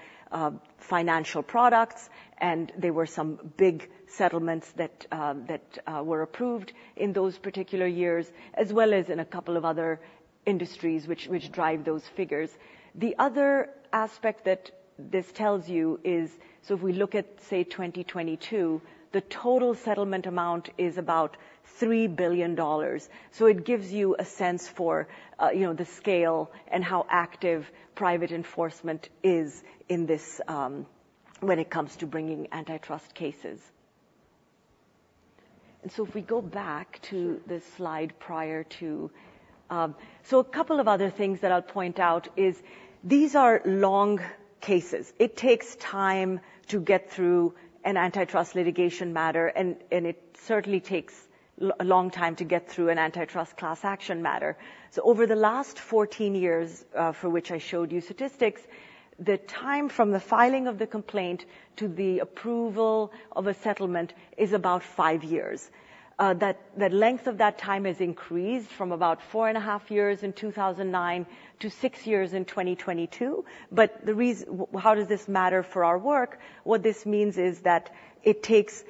financial products, and there were some big settlements that were approved in those particular years, as well as in a couple of other industries, which drive those figures. The other aspect that this tells you is, so if we look at, say, 2022, the total settlement amount is about $3 billion. So it gives you a sense for, you know, the scale and how active private enforcement is in this, when it comes to bringing antitrust cases. And so if we go back to this slide prior to... So a couple of other things that I'll point out is these are long cases. It takes time to get through an antitrust litigation matter, and, and it certainly takes a long time to get through an antitrust class action matter. So over the last 14 years, for which I showed you statistics, the time from the filing of the complaint to the approval of a settlement is about 5 years. That, the length of that time has increased from about 4.5 years in 2009 to 6 years in 2022. But the reason... how does this matter for our work? What this means is that it takes,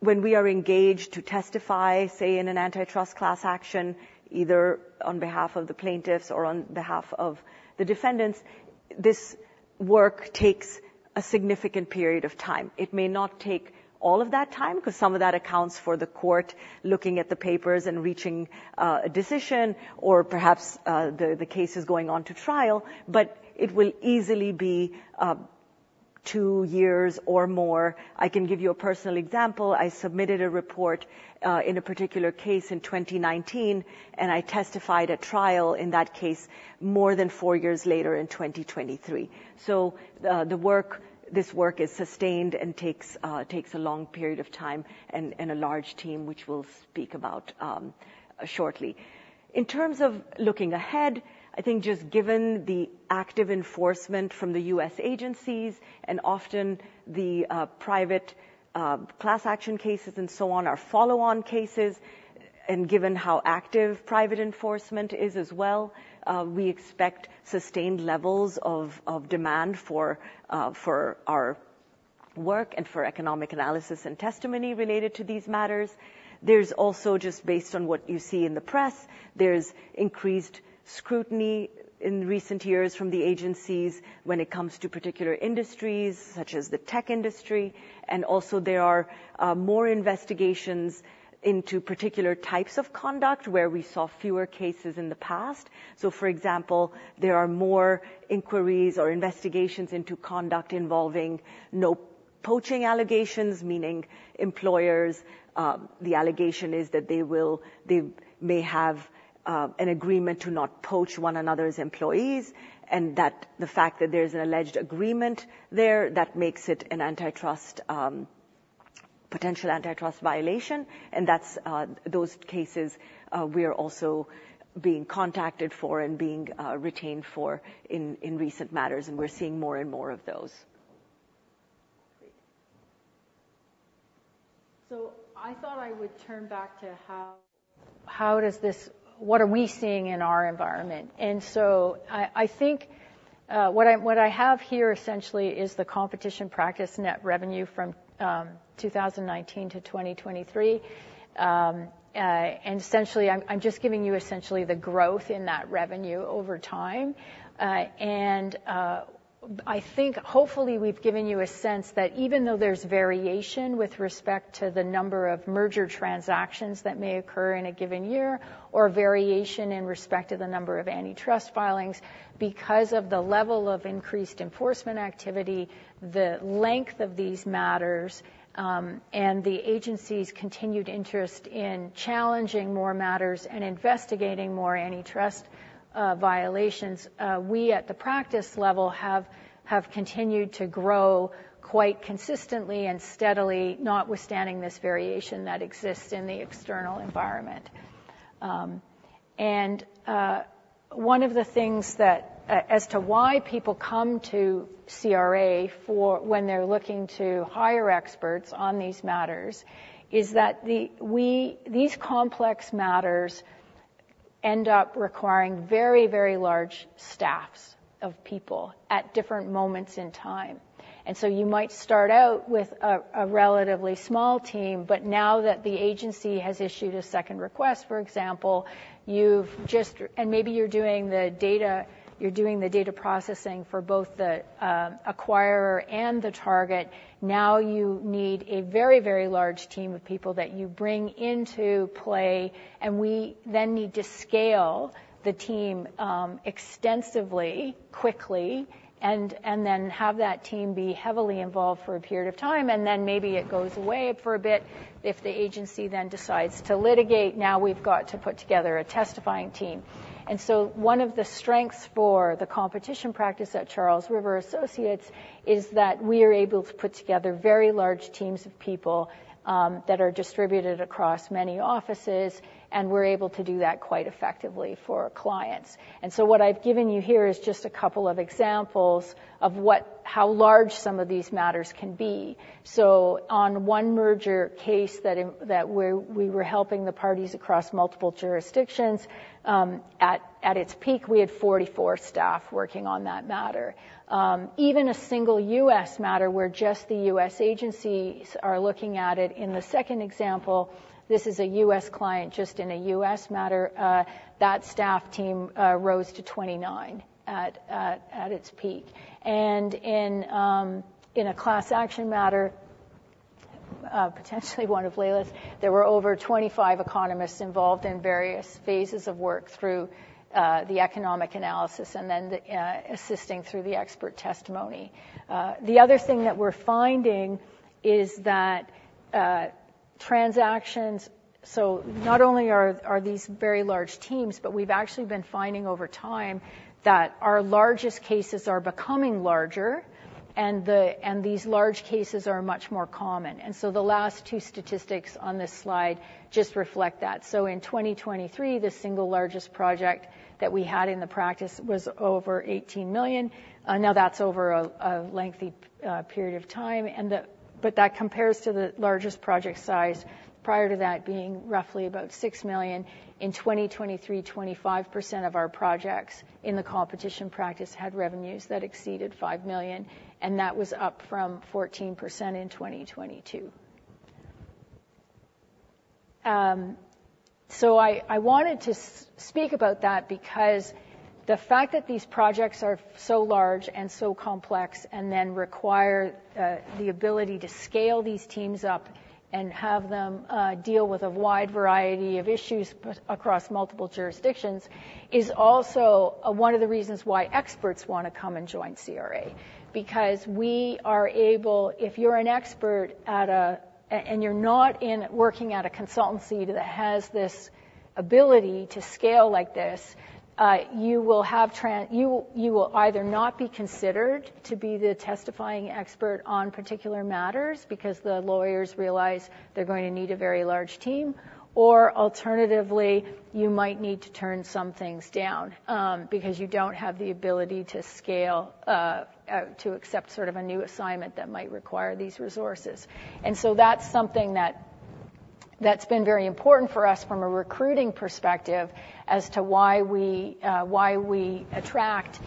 when we are engaged to testify, say, in an antitrust class action, either on behalf of the plaintiffs or on behalf of the defendants, this work takes a significant period of time. It may not take all of that time, 'cause some of that accounts for the court looking at the papers and reaching a decision, or perhaps the case is going on to trial, but it will easily be 2 years or more. I can give you a personal example. I submitted a report in a particular case in 2019, and I testified at trial in that case more than four years later in 2023. So, the work, this work is sustained and takes a long period of time and a large team, which we'll speak about shortly. In terms of looking ahead, I think just given the active enforcement from the U.S. agencies, and often the private class action cases and so on are follow-on cases, and given how active private enforcement is as well, we expect sustained levels of demand for our work and for economic analysis and testimony related to these matters. There's also, just based on what you see in the press, there's increased scrutiny in recent years from the agencies when it comes to particular industries, such as the tech industry. And also, there are more investigations into particular types of conduct where we saw fewer cases in the past. So for example, there are more inquiries or investigations into conduct involving no-poaching allegations, meaning employers. The allegation is that they may have an agreement to not poach one another's employees, and that the fact that there's an alleged agreement there, that makes it an antitrust potential antitrust violation. And that's those cases, we are also being contacted for and being retained for in recent matters, and we're seeing more and more of those. So I thought I would turn back to what are we seeing in our environment? And so I think what I have here essentially is the competition practice net revenue from 2019 to 2023. And essentially, I'm just giving you essentially the growth in that revenue over time. I think hopefully we've given you a sense that even though there's variation with respect to the number of merger transactions that may occur in a given year, or variation in respect to the number of antitrust filings, because of the level of increased enforcement activity, the length of these matters, and the agency's continued interest in challenging more matters and investigating more antitrust violations. We, at the practice level, have continued to grow quite consistently and steadily, notwithstanding this variation that exists in the external environment. One of the things that as to why people come to CRA for when they're looking to hire experts on these matters, is that the we these complex matters end up requiring very, very large staffs of people at different moments in time. And so you might start out with a relatively small team, but now that the agency has issued a Second Request, for example, you've just. And maybe you're doing the data, you're doing the data processing for both the acquirer and the target. Now, you need a very, very large team of people that you bring into play, and we then need to scale the team, extensively, quickly, and then have that team be heavily involved for a period of time, and then maybe it goes away for a bit. If the agency then decides to litigate, now we've got to put together a testifying team. And so one of the strengths for the competition practice at Charles River Associates is that we are able to put together very large teams of people, that are distributed across many offices, and we're able to do that quite effectively for our clients. And so what I've given you here is just a couple of examples of what how large some of these matters can be. So on one merger case that we're, we were helping the parties across multiple jurisdictions, at its peak, we had 44 staff working on that matter. Even a single U.S. matter, where just the U.S. agencies are looking at it, in the second example, this is a U.S. client, just in a U.S. matter, that staff team rose to 29 at its peak. In a class action matter, potentially one of Laila's, there were over 25 economists involved in various phases of work through the economic analysis and then the assisting through the expert testimony. The other thing that we're finding is that transactions... So not only are these very large teams, but we've actually been finding over time that our largest cases are becoming larger, and these large cases are much more common. And so the last two statistics on this slide just reflect that. So in 2023, the single largest project that we had in the practice was over $18 million. Now that's over a lengthy period of time, but that compares to the largest project size prior to that being roughly about $6 million. In 2023, 25% of our projects in the competition practice had revenues that exceeded $5 million, and that was up from 14% in 2022. So I wanted to speak about that because the fact that these projects are so large and so complex and then require the ability to scale these teams up and have them deal with a wide variety of issues across multiple jurisdictions is also one of the reasons why experts want to come and join CRA. Because we are able... If you're an expert and you're not working at a consultancy that has this ability to scale like this, you will either not be considered to be the testifying expert on particular matters because the lawyers realize they're going to need a very large team, or alternatively, you might need to turn some things down because you don't have the ability to scale to accept sort of a new assignment that might require these resources. And so that's something that that's been very important for us from a recruiting perspective as to why we attract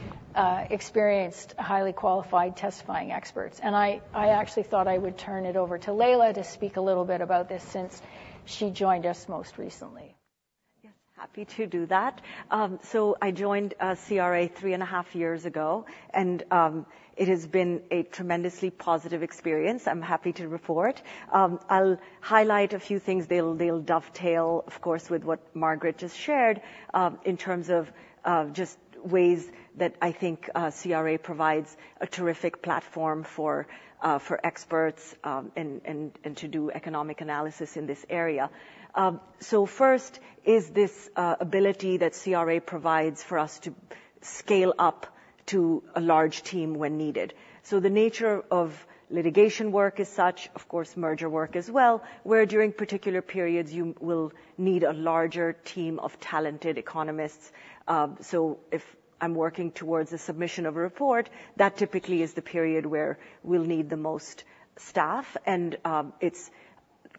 experienced, highly qualified, testifying experts. And I actually thought I would turn it over to Laila to speak a little bit about this since she joined us most recently. Yes, happy to do that. So I joined CRA 3.5 years ago, and it has been a tremendously positive experience. I'm happy to report. I'll highlight a few things. They'll dovetail, of course, with what Margaret just shared, in terms of just ways that I think CRA provides a terrific platform for experts and to do economic analysis in this area. So first is this ability that CRA provides for us to scale up to a large team when needed. So the nature of litigation work is such, of course, merger work as well, where during particular periods you will need a larger team of talented economists. So if I'm working towards the submission of a report, that typically is the period where we'll need the most staff, and it's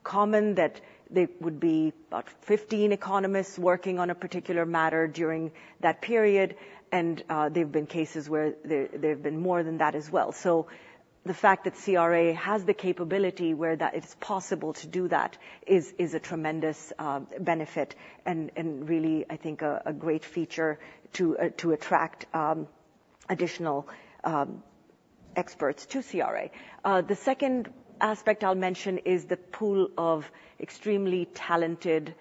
common that there would be about 15 economists working on a particular matter during that period. And there've been cases where there have been more than that as well. So the fact that CRA has the capability where that it's possible to do that is a tremendous benefit and really, I think, a great feature to attract additional experts to CRA. The second aspect I'll mention is the pool of extremely talented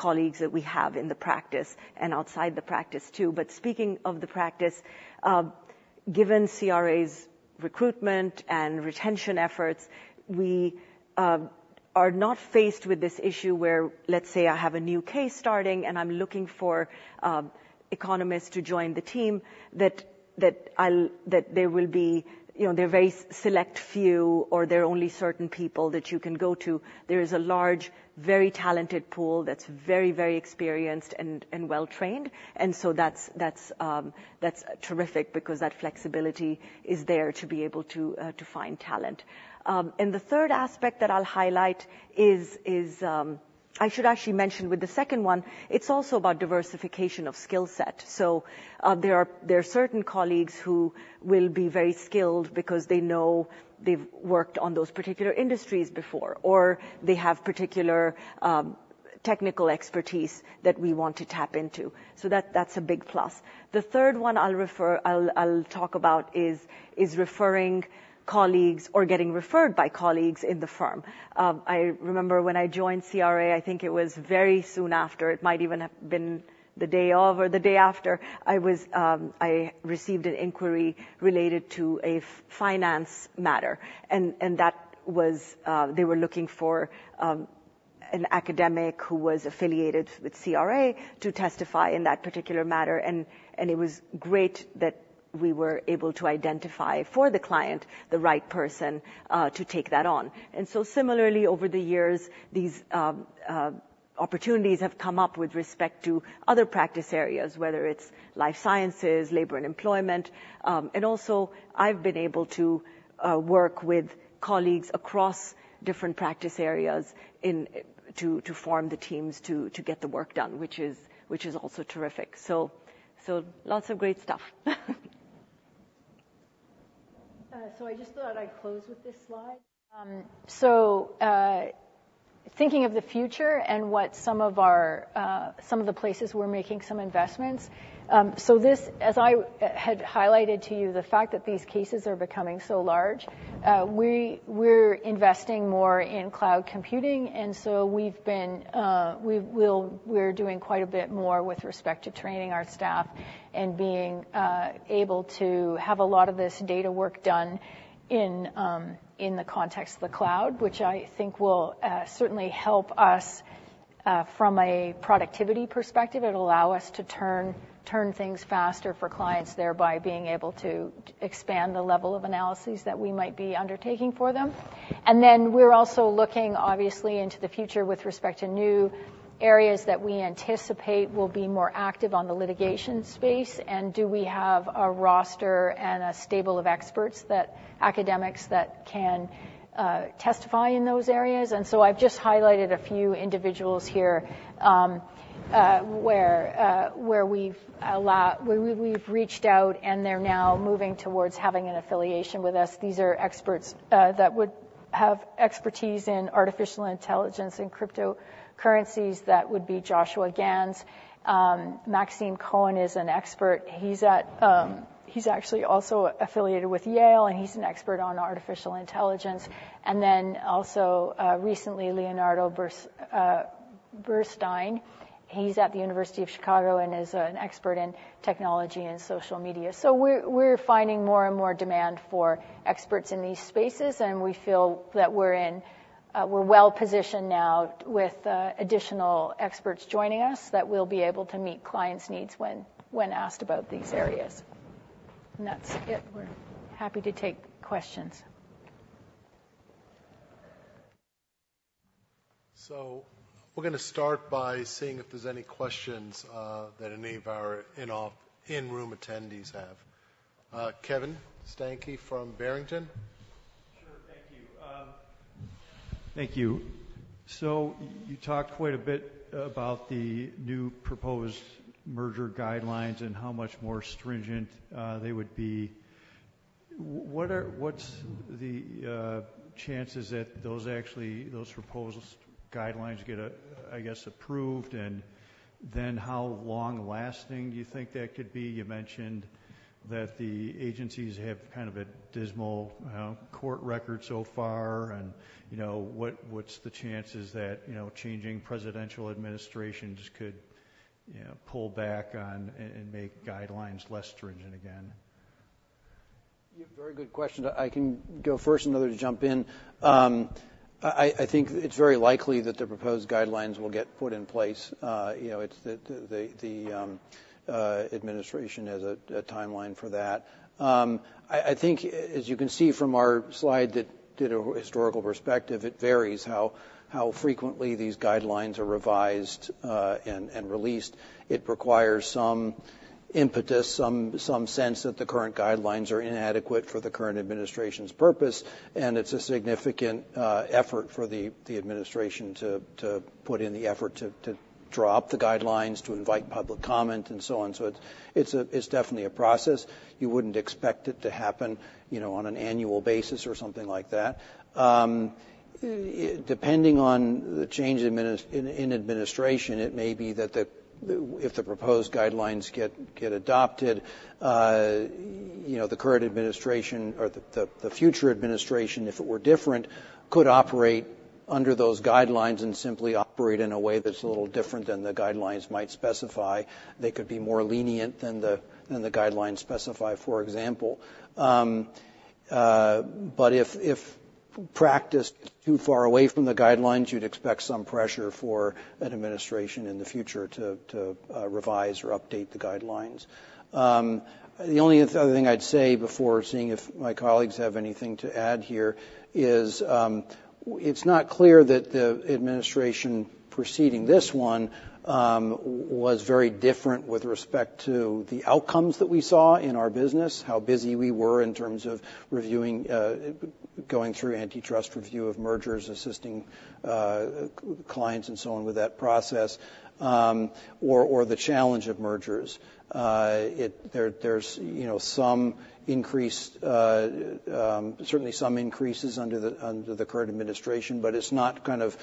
colleagues that we have in the practice and outside the practice, too. But speaking of the practice, given CRA's recruitment and retention efforts, we are not faced with this issue where, let's say, I have a new case starting, and I'm looking for economists to join the team that there will be... You know, there are very select few, or there are only certain people that you can go to. There is a large, very talented pool that's very experienced and well-trained, and so that's terrific because that flexibility is there to be able to find talent. And the third aspect that I'll highlight is... I should actually mention with the second one, it's also about diversification of skill set. So, there are certain colleagues who will be very skilled because they know they've worked on those particular industries before, or they have particular technical expertise that we want to tap into, so that's a big plus. The third one I'll refer to. I'll talk about is referring colleagues or getting referred by colleagues in the firm. I remember when I joined CRA, I think it was very soon after, it might even have been the day of or the day after, I received an inquiry related to a finance matter, and that was. They were looking for an academic who was affiliated with CRA to testify in that particular matter, and it was great that we were able to identify, for the client, the right person to take that on. Similarly, over the years, these opportunities have come up with respect to other practice areas, whether it's life sciences, labor and employment. Also, I've been able to work with colleagues across different practice areas in to form the teams to get the work done, which is also terrific. So lots of great stuff. So I just thought I'd close with this slide. So, thinking of the future and what some of our, some of the places we're making some investments. So this, as I had highlighted to you, the fact that these cases are becoming so large, we're investing more in cloud computing, and so we've been... we're doing quite a bit more with respect to training our staff and being able to have a lot of this data work done in, in the context of the cloud, which I think will certainly help us from a productivity perspective. It'll allow us to turn things faster for clients, thereby being able to expand the level of analyses that we might be undertaking for them. And then we're also looking, obviously, into the future with respect to new areas that we anticipate will be more active on the litigation space, and do we have a roster and a stable of experts that academics that can testify in those areas? And so I've just highlighted a few individuals here, where we've reached out, and they're now moving towards having an affiliation with us. These are experts that would have expertise in artificial intelligence and cryptocurrencies. That would be Joshua Gans. Maxime Cohen is an expert. He's at... He's actually also affiliated with Yale, and he's an expert on artificial intelligence. And then also, recently, Leonardo Bursztyn, he's at the University of Chicago and is an expert in technology and social media. So we're finding more and more demand for experts in these spaces, and we feel that we're in, we're well-positioned now, with additional experts joining us, that we'll be able to meet clients' needs when asked about these areas. And that's it. We're happy to take questions. We're gonna start by seeing if there's any questions that any of our in-room attendees have. Kevin Steinke from Barrington? Sure. Thank you. Thank you. So you talked quite a bit about the new proposed merger guidelines and how much more stringent they would be. What's the chances that those actually, those proposed guidelines, get, I guess, approved? And then how long-lasting do you think that could be? You mentioned that the agencies have kind of a dismal court record so far, and, you know, what's the chances that, you know, changing presidential administrations could, you know, pull back on and, and make guidelines less stringent again? Yeah, very good question. I can go first and others jump in. I think it's very likely that the proposed guidelines will get put in place. You know, it's the administration has a timeline for that. I think, as you can see from our slide, that did a historical perspective, it varies how frequently these guidelines are revised and released. It requires some impetus, some sense that the current guidelines are inadequate for the current administration's purpose, and it's a significant effort for the administration to put in the effort to draw up the guidelines, to invite public comment, and so on. So it's definitely a process. You wouldn't expect it to happen, you know, on an annual basis or something like that. Depending on the change in administration, it may be that if the proposed guidelines get adopted, you know, the current administration or the future administration, if it were different, could operate under those guidelines and simply operate in a way that's a little different than the guidelines might specify. They could be more lenient than the guidelines specify, for example. But if practiced too far away from the guidelines, you'd expect some pressure for an administration in the future to revise or update the guidelines. The only other thing I'd say before seeing if my colleagues have anything to add here is, it's not clear that the administration preceding this one was very different with respect to the outcomes that we saw in our business, how busy we were in terms of reviewing, going through antitrust review of mergers, assisting, clients and so on with that process, or, or the challenge of mergers. There, there's, you know, some increased, certainly some increases under the, under the current administration, but it's not kind of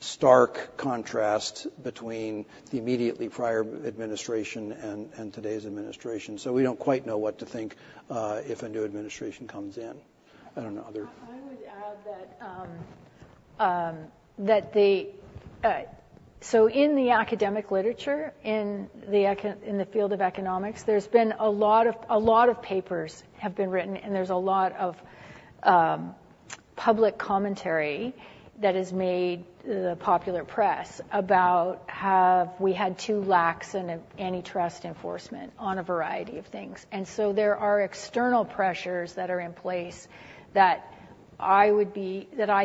stark contrast between the immediately prior administration and, and today's administration. So we don't quite know what to think, if a new administration comes in. I don't know, other- I would add that, that the... So in the academic literature, in the field of economics, there's been a lot of... A lot of papers have been written, and there's a lot of public commentary that has made the popular press about have we had too lax antitrust enforcement on a variety of things? And so there are external pressures that are in place that I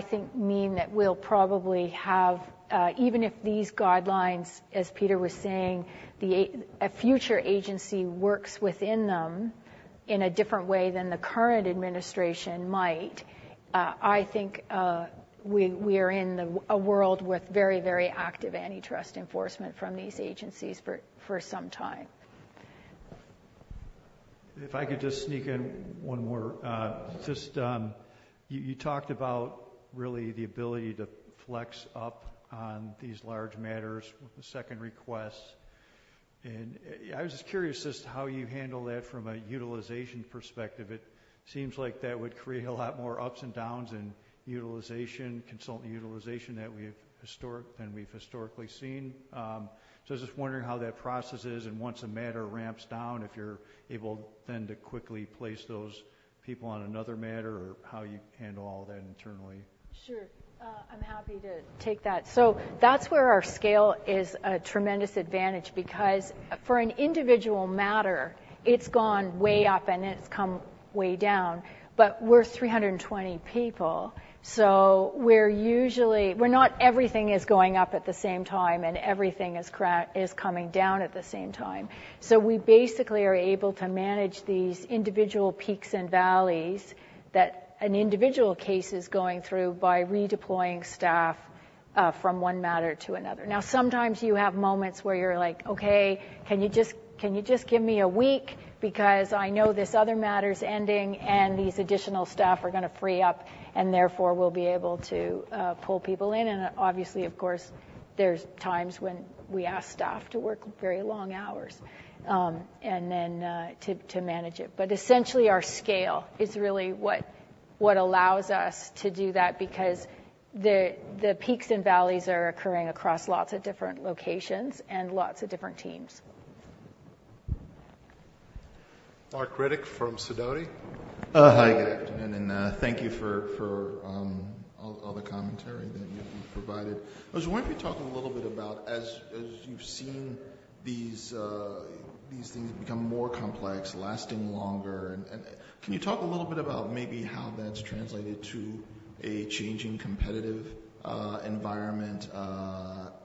think mean that we'll probably have, even if these guidelines, as Peter was saying, a future agency works within them in a different way than the current administration might. I think we are in a world with very, very active antitrust enforcement from these agencies for some time. If I could just sneak in one more. Just, you talked about really the ability to flex up on these large matters with the second request, and I was just curious as to how you handle that from a utilization perspective. It seems like that would create a lot more ups and downs in utilization, consultant utilization, than we've historically seen. So I was just wondering how that process is, and once a matter ramps down, if you're able then to quickly place those people on another matter or how you handle all that internally. Sure. I'm happy to take that. So that's where our scale is a tremendous advantage because for an individual matter, it's gone way up, and it's come way down. But we're 320 people, so we're usually... We're not everything is going up at the same time, and everything is coming down at the same time. So we basically are able to manage these individual peaks and valleys that an individual case is going through by redeploying staff from one matter to another. Now, sometimes you have moments where you're like: "Okay, can you just, can you just give me a week? Because I know this other matter's ending, and these additional staff are gonna free up, and therefore, we'll be able to pull people in. And obviously, of course, there's times when we ask staff to work very long hours, and then to manage it. But essentially, our scale is really what allows us to do that because the peaks and valleys are occurring across lots of different locations and lots of different teams. Marc Riddick from Sidoti. Hi, good afternoon, and thank you for all the commentary that you've provided. I just wonder if you talk a little bit about as you've seen these things become more complex, lasting longer, and can you talk a little bit about maybe how that's translated to a changing competitive environment,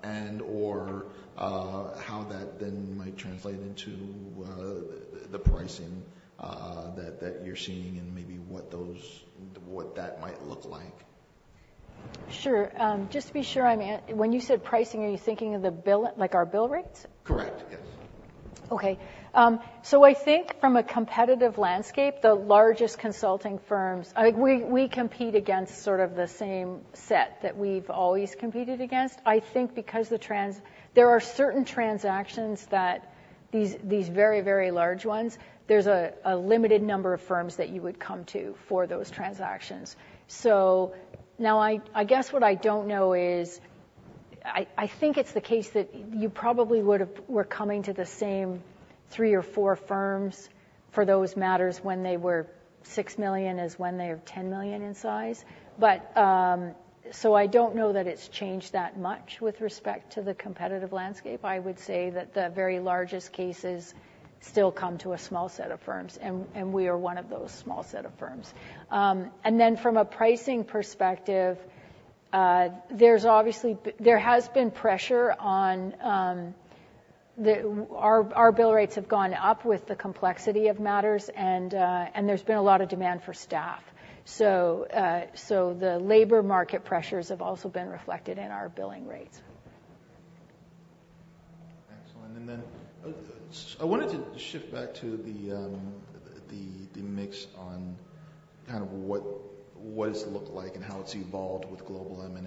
and/or how that then might translate into the pricing that you're seeing and maybe what that might look like? Sure. Just to be sure, when you said pricing, are you thinking of the bill, like our bill rates? Correct, yes. Okay. So I think from a competitive landscape, the largest consulting firms, we compete against sort of the same set that we've always competed against. I think because there are certain transactions that these very, very large ones, there's a limited number of firms that you would come to for those transactions. So now I guess what I don't know is, I think it's the case that you probably would have were coming to the same three or four firms for those matters when they were $6 million as when they are $10 million in size. But, so I don't know that it's changed that much with respect to the competitive landscape. I would say that the very largest cases still come to a small set of firms, and we are one of those small set of firms. And then from a pricing perspective, there's obviously... There has been pressure on the... Our bill rates have gone up with the complexity of matters, and there's been a lot of demand for staff. So, the labor market pressures have also been reflected in our billing rates. Excellent. And then I wanted to shift back to the mix on kind of what does it look like and how it's evolved with global M&A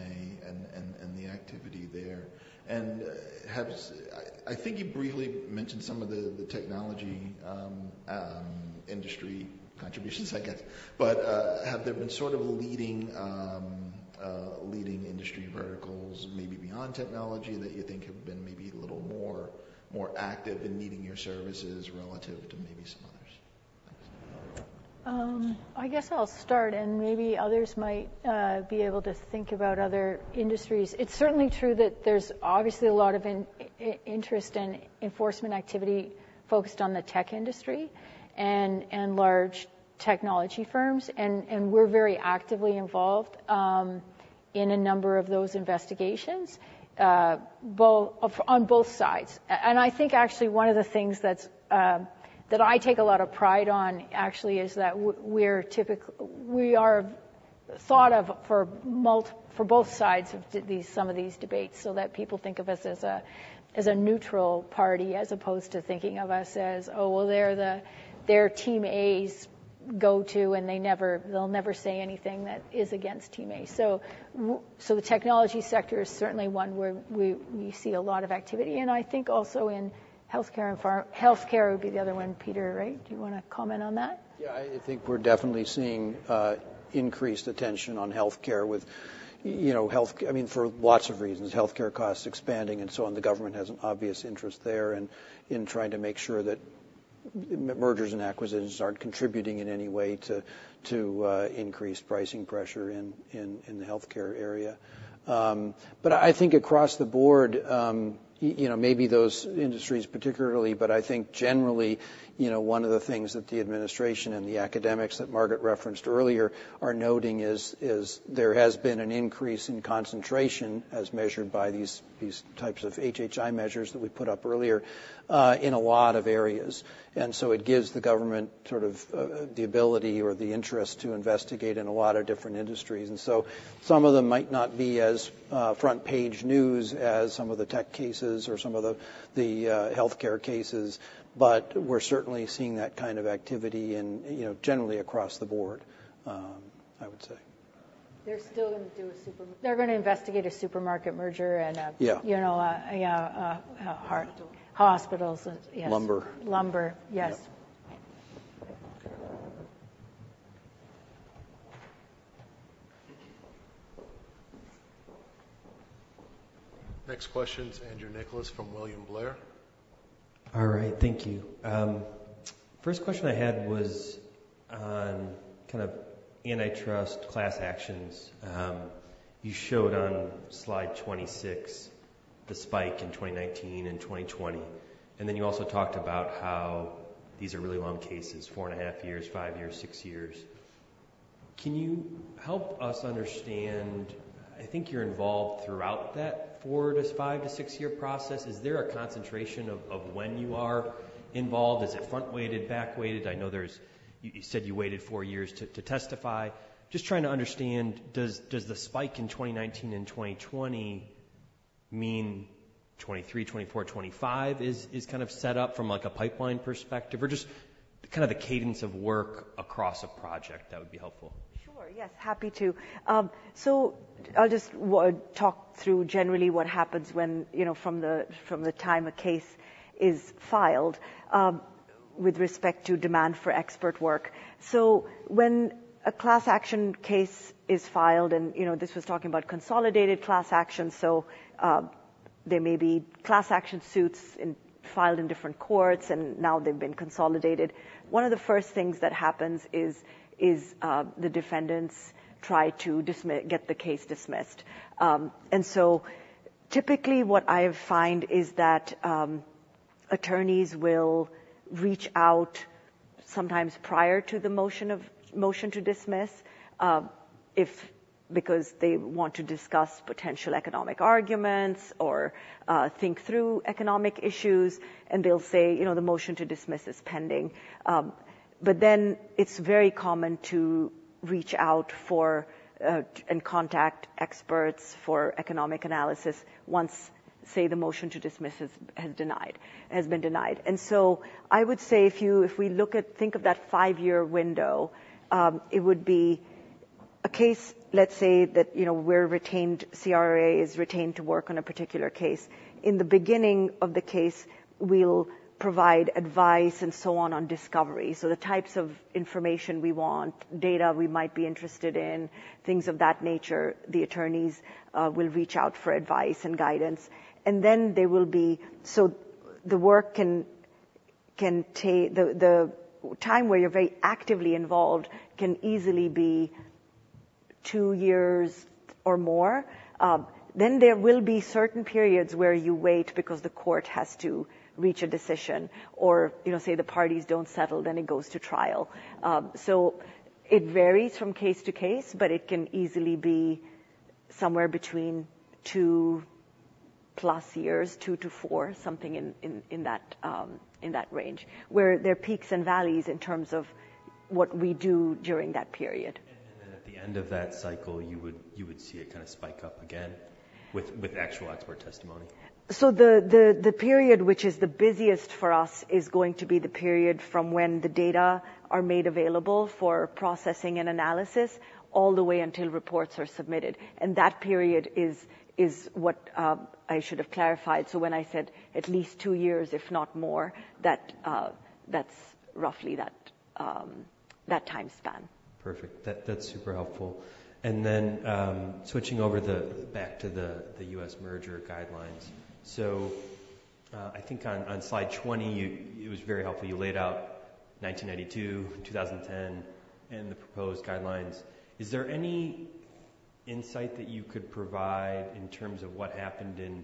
and... and the activity there. I think you briefly mentioned some of the technology industry contributions, I guess. But have there been sort of leading industry verticals, maybe beyond technology, that you think have been maybe a little more active in needing your services relative to maybe some others? I guess I'll start, and maybe others might be able to think about other industries. It's certainly true that there's obviously a lot of interest and enforcement activity focused on the tech industry and large technology firms. We're very actively involved in a number of those investigations on both sides. And I think actually one of the things that's that I take a lot of pride on, actually, is that we are thought of for both sides of these, some of these debates, so that people think of us as a, as a neutral party, as opposed to thinking of us as: "Oh, well, they're the, they're Team A's go-to, and they never-- they'll never say anything that is against Team A." So the technology sector is certainly one where we see a lot of activity, and I think also in healthcare and Pharma. Healthcare would be the other one. Peter, right? Do you wanna comment on that? Yeah, I think we're definitely seeing increased attention on healthcare with, you know, I mean, for lots of reasons, healthcare costs expanding and so on. The government has an obvious interest there in trying to make sure that mergers and acquisitions aren't contributing in any way to increase pricing pressure in the healthcare area. But I think across the board, you know, maybe those industries particularly, but I think generally, you know, one of the things that the administration and the academics that Margaret referenced earlier are noting is there has been an increase in concentration, as measured by these types of HHI measures that we put up earlier, in a lot of areas. And so it gives the government sort of the ability or the interest to investigate in a lot of different industries. Some of them might not be as front-page news as some of the tech cases or some of the healthcare cases, but we're certainly seeing that kind of activity, you know, generally across the board, I would say. They're gonna investigate a supermarket merger and a- Yeah. You know, hospitals and... Yes. Lumber. Lumber. Yes. Yep. Next question is Andrew Nicholas from William Blair. All right. Thank you. First question I had was on kind of antitrust class actions. You showed on slide 26, the spike in 2019 and 2020, and then you also talked about how these are really long cases, 4.5 years, five years, six years. Can you help us understand? I think you're involved throughout that four- to five- to six-year process. Is there a concentration of when you are involved? Is it front-weighted, back-weighted? I know there's. You said you waited four years to testify. Just trying to understand, does the spike in 2019 and 2020 mean 2023, 2024, 2025 is kind of set up from, like, a pipeline perspective? Or just kind of the cadence of work across a project, that would be helpful. Sure, yes, happy to. I'll just talk through generally what happens when, you know, from the time a case is filed, with respect to demand for expert work. So when a class action case is filed, and, you know, this was talking about consolidated class actions, so there may be class action suits filed in different courts, and now they've been consolidated. One of the first things that happens is the defendants try to get the case dismissed. And so typically, what I find is that, attorneys will reach out sometimes prior to the motion to dismiss, if because they want to discuss potential economic arguments or, think through economic issues, and they'll say: "You know, the motion to dismiss is pending." But then it's very common to reach out and contact experts for economic analysis once, say, the motion to dismiss has been denied. So I would say if we look at... think of that five-year window, it would be a case, let's say, that, you know, we're retained, CRA is retained to work on a particular case. In the beginning of the case, we'll provide advice and so on, on discovery. So the types of information we want, data we might be interested in, things of that nature, the attorneys will reach out for advice and guidance. And then they will be... So the work can take... The time where you're very actively involved can easily be 2 years or more. Then there will be certain periods where you wait because the court has to reach a decision or, you know, say, the parties don't settle, then it goes to trial. So it varies from case to case, but it can easily be somewhere between 2+ years, 2-4, something in that range, where there are peaks and valleys in terms of what we do during that period.... at the end of that cycle, you would see it kind of spike up again with actual expert testimony? So the period which is the busiest for us is going to be the period from when the data are made available for processing and analysis, all the way until reports are submitted, and that period is what I should have clarified. So when I said at least two years, if not more, that's roughly that time span. Perfect. That, that's super helpful. And then, switching over back to the, the U.S. Merger Guidelines. So, I think on, on slide 20, you... It was very helpful. You laid out 1992, 2010, and the proposed guidelines. Is there any insight that you could provide in terms of what happened in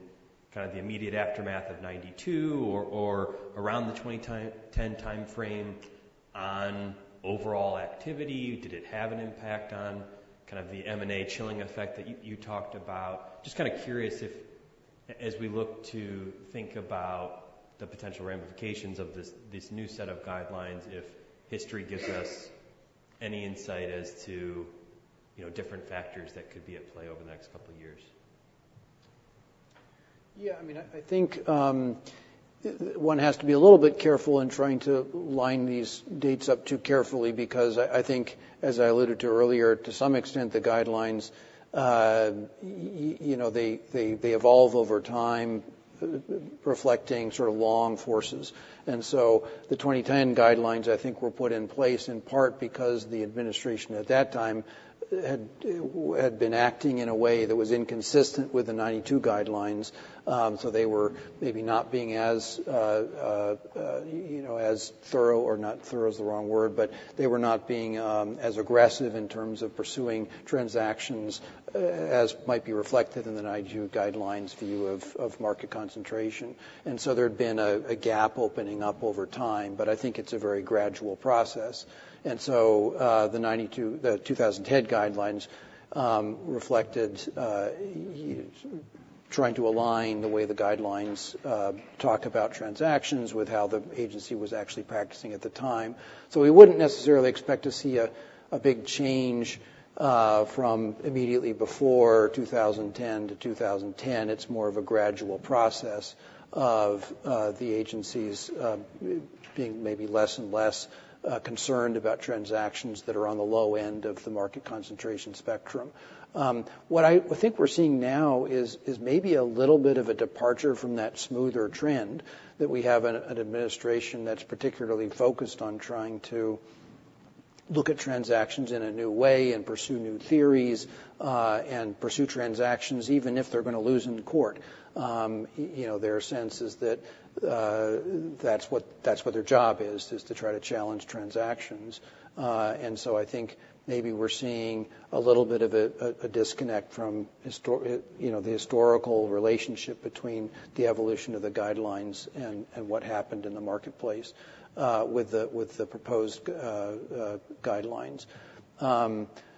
kind of the immediate aftermath of '92 or, or around the 2010 timeframe on overall activity? Did it have an impact on kind of the M&A chilling effect that you, you talked about? Just kind of curious if, as we look to think about the potential ramifications of this, this new set of guidelines, if history gives us any insight as to, you know, different factors that could be at play over the next couple of years. Yeah, I mean, I think one has to be a little bit careful in trying to line these dates up too carefully, because I think, as I alluded to earlier, to some extent, the guidelines, you know, they evolve over time, reflecting sort of long forces. And so the 2010 guidelines, I think, were put in place in part because the administration at that time had been acting in a way that was inconsistent with the 1992 guidelines. So they were maybe not being as, you know, as thorough, or not, thorough is the wrong word, but they were not being as aggressive in terms of pursuing transactions, as might be reflected in the 1992 guidelines view of market concentration. There had been a gap opening up over time, but I think it's a very gradual process. The 2010 guidelines reflected trying to align the way the guidelines talked about transactions with how the agency was actually practicing at the time. We wouldn't necessarily expect to see a big change from immediately before 2010 to 2010. It's more of a gradual process of the agencies being maybe less and less concerned about transactions that are on the low end of the market concentration spectrum. What we think we're seeing now is maybe a little bit of a departure from that smoother trend, that we have an administration that's particularly focused on trying to look at transactions in a new way and pursue new theories, and pursue transactions even if they're gonna lose in court. You know, their sense is that that's what their job is to try to challenge transactions. And so I think maybe we're seeing a little bit of a disconnect from historical, you know, the historical relationship between the evolution of the guidelines and what happened in the marketplace, with the proposed guidelines.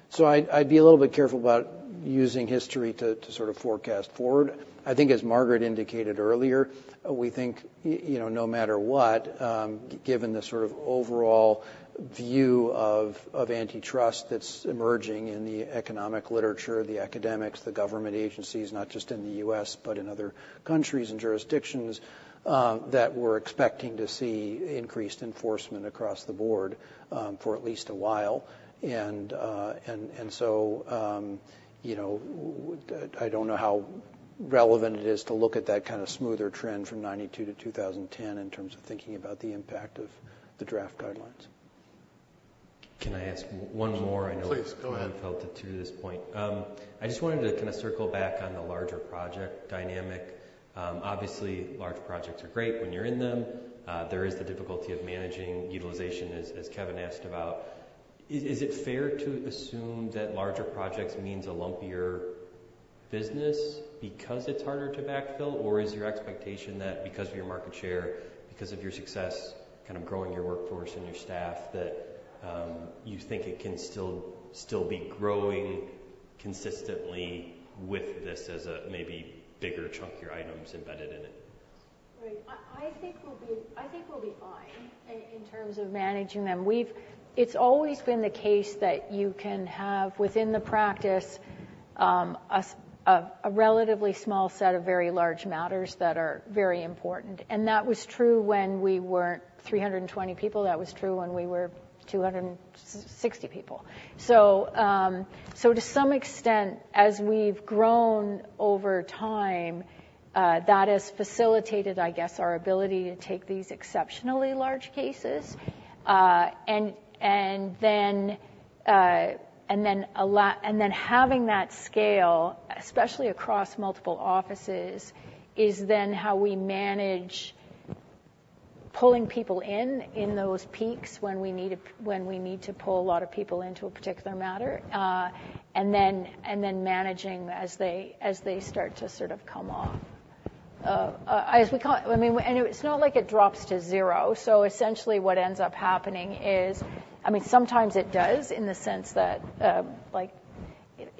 So I'd be a little bit careful about using history to sort of forecast forward. I think, as Margaret indicated earlier, we think you know, no matter what, given the sort of overall view of antitrust that's emerging in the economic literature, the academics, the government agencies, not just in the U.S., but in other countries and jurisdictions, that we're expecting to see increased enforcement across the board, for at least a while. And so, you know, I don't know how relevant it is to look at that kind of smoother trend from 1992 to 2010 in terms of thinking about the impact of the draft guidelines. Can I ask one more? Please, go ahead. I know we're kind of tilted to this point. I just wanted to kind of circle back on the larger project dynamic. Obviously, large projects are great when you're in them. There is the difficulty of managing utilization, as Kevin asked about. Is it fair to assume that larger projects means a lumpier business because it's harder to backfill? Or is your expectation that because of your market share, because of your success, kind of growing your workforce and your staff, that you think it can still be growing consistently with this as a maybe bigger chunk of your items embedded in it? Right. I think we'll be fine in terms of managing them. We've. It's always been the case that you can have, within the practice, a relatively small set of very large matters that are very important, and that was true when we weren't 300 people. That was true when we were 260 people. So, to some extent, as we've grown over time, that has facilitated, I guess, our ability to take these exceptionally large cases. And then having that scale, especially across multiple offices, is then how we manage pulling people in those peaks when we need to pull a lot of people into a particular matter, and then managing as they start to sort of come off. As we call it, I mean, and it's not like it drops to zero, so essentially what ends up happening is... I mean, sometimes it does in the sense that, like-...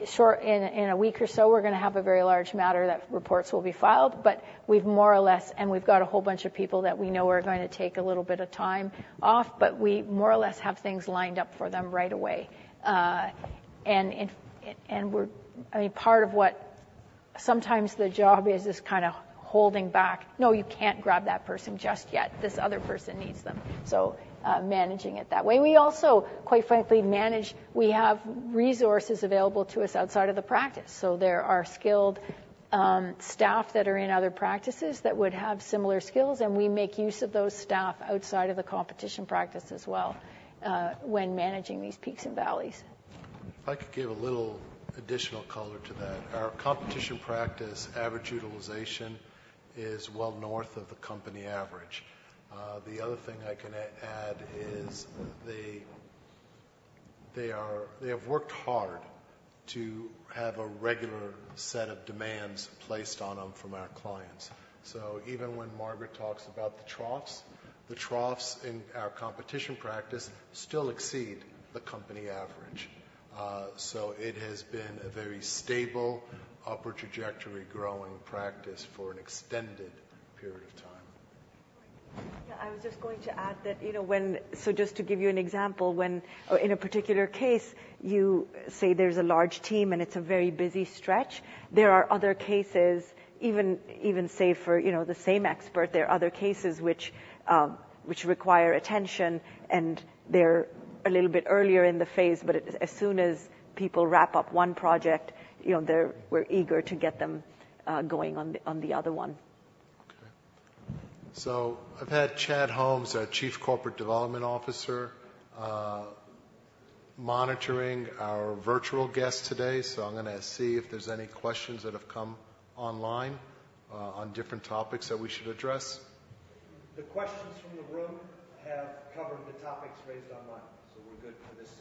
Sure, in a week or so, we're going to have a very large matter that reports will be filed, but we've more or less, and we've got a whole bunch of people that we know are going to take a little bit of time off, but we more or less have things lined up for them right away. I mean, part of what sometimes the job is, is kind of holding back. "No, you can't grab that person just yet. This other person needs them." So, managing it that way. We also, quite frankly, manage. We have resources available to us outside of the practice. So there are skilled staff that are in other practices that would have similar skills, and we make use of those staff outside of the competition practice as well, when managing these peaks and valleys. If I could give a little additional color to that, our competition practice average utilization is well north of the company average. The other thing I can add is they have worked hard to have a regular set of demands placed on them from our clients. So even when Margaret talks about the troughs, the troughs in our competition practice still exceed the company average. So it has been a very stable, upper trajectory growing practice for an extended period of time. Yeah, I was just going to add that, you know, when... So just to give you an example, when in a particular case, you say there's a large team, and it's a very busy stretch, there are other cases, even, even say for, you know, the same expert, there are other cases which, which require attention, and they're a little bit earlier in the phase. But as soon as people wrap up one project, you know, they're, we're eager to get them going on the other one. Okay. So I've had Chad Holmes, our Chief Corporate Development Officer, monitoring our virtual guests today. So I'm going to see if there's any questions that have come online, on different topics that we should address. The questions from the room have covered the topics raised online, so we're good for this session.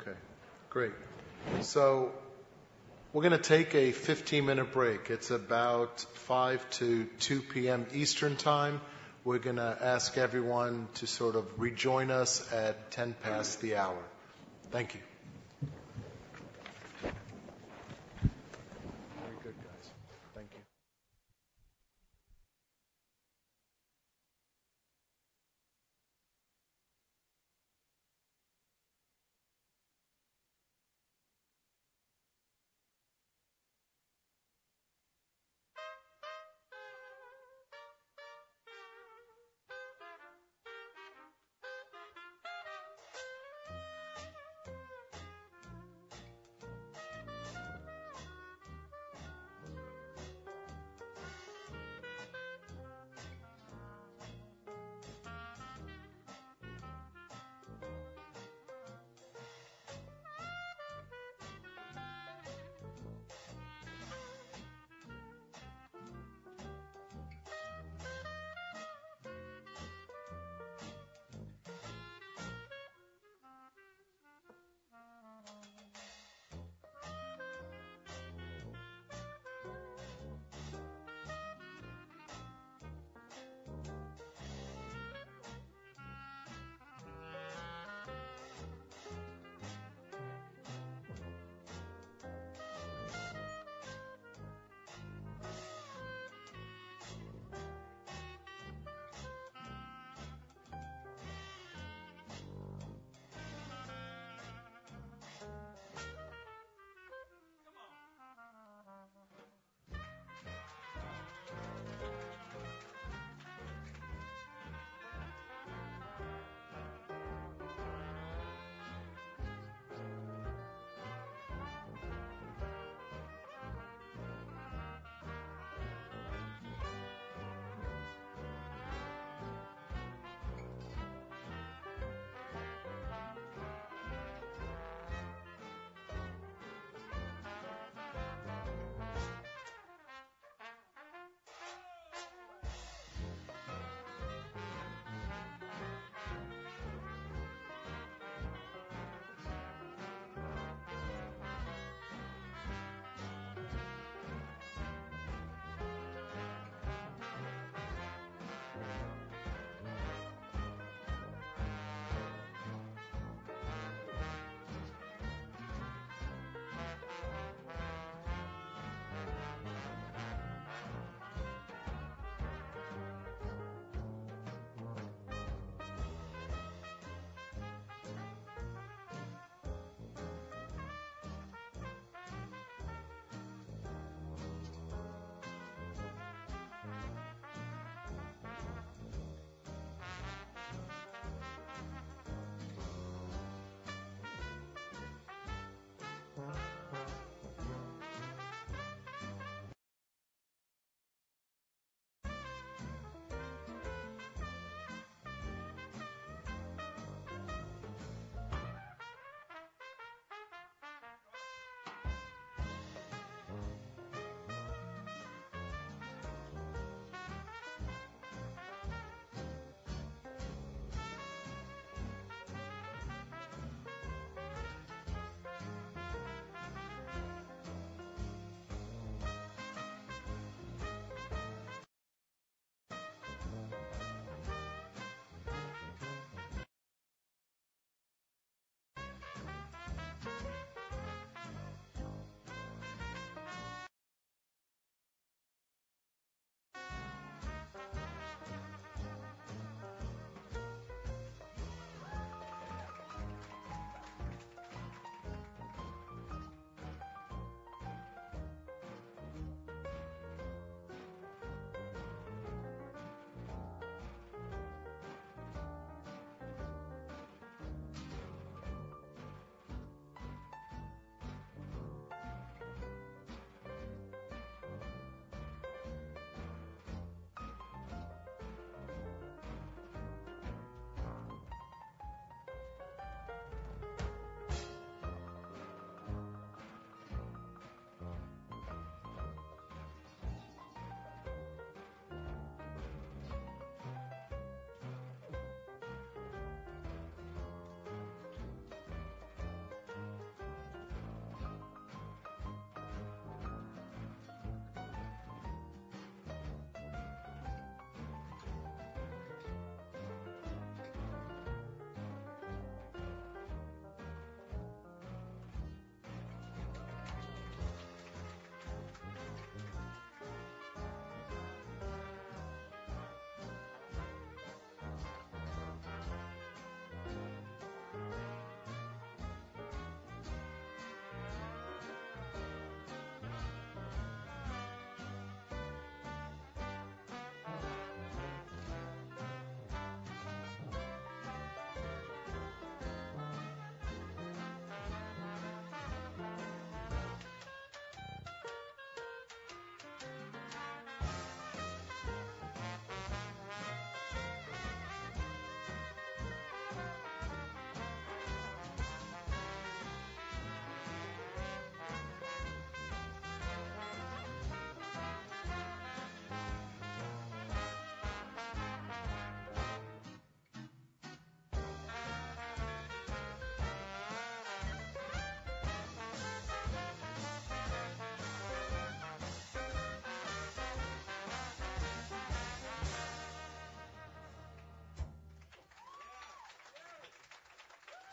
Okay, great. So we're gonna take a 15-minute break. It's about 5 to 2 P.M. Eastern Time. We're gonna ask everyone to sort of rejoin us at 10 past the hour. Thank you.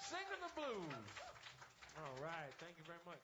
Very good, guys. Thank you. Okay.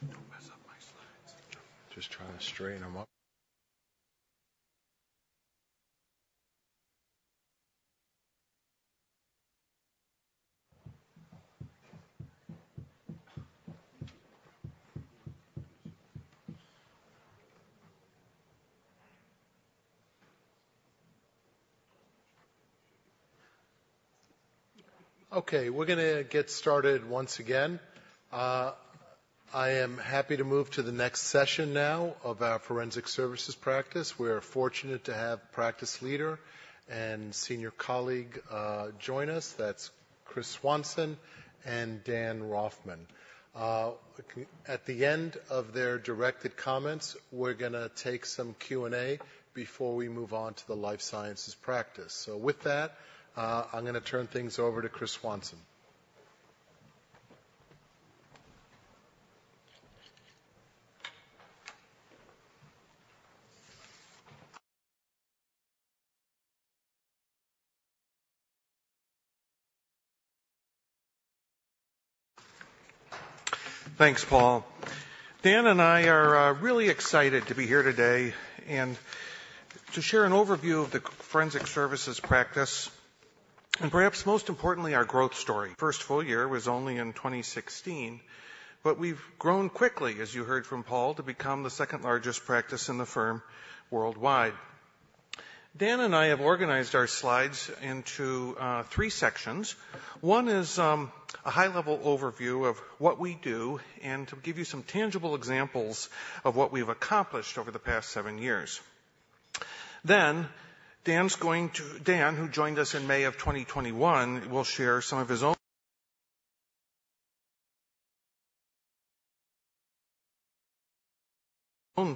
Don't mess up my slides. Just trying to straighten them up. Okay, we're gonna get started once again. I am happy to move to the next session now of our forensic services practice. We are fortunate to have practice leader and senior colleague join us. That's Kris Swanson and Dan Roffman. At the end of their directed comments, we're gonna take some Q&A before we move on to the life sciences practice. So with that, I'm gonna turn things over to Kris Swanson. Thanks, Paul. Dan and I are really excited to be here today and to share an overview of the forensic services practice, and perhaps most importantly, our growth story. First full year was only in 2016, but we've grown quickly, as you heard from Paul, to become the second-largest practice in the firm worldwide. Dan and I have organized our slides into three sections. One is a high-level overview of what we do and to give you some tangible examples of what we've accomplished over the past 7 years. Then Dan's going to... Dan, who joined us in May of 2021, will share some of his own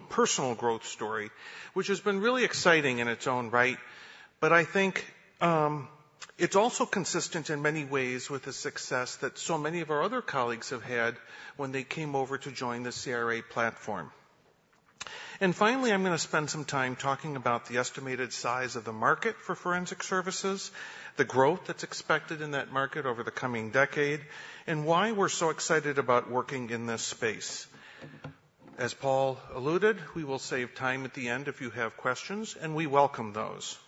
personal growth story, which has been really exciting in its own right. I think it's also consistent in many ways with the success that so many of our other colleagues have had when they came over to join the CRA platform. Finally, I'm gonna spend some time talking about the estimated size of the market for forensic services, the growth that's expected in that market over the coming decade, and why we're so excited about working in this space. As Paul alluded, we will save time at the end if you have questions, and we welcome those.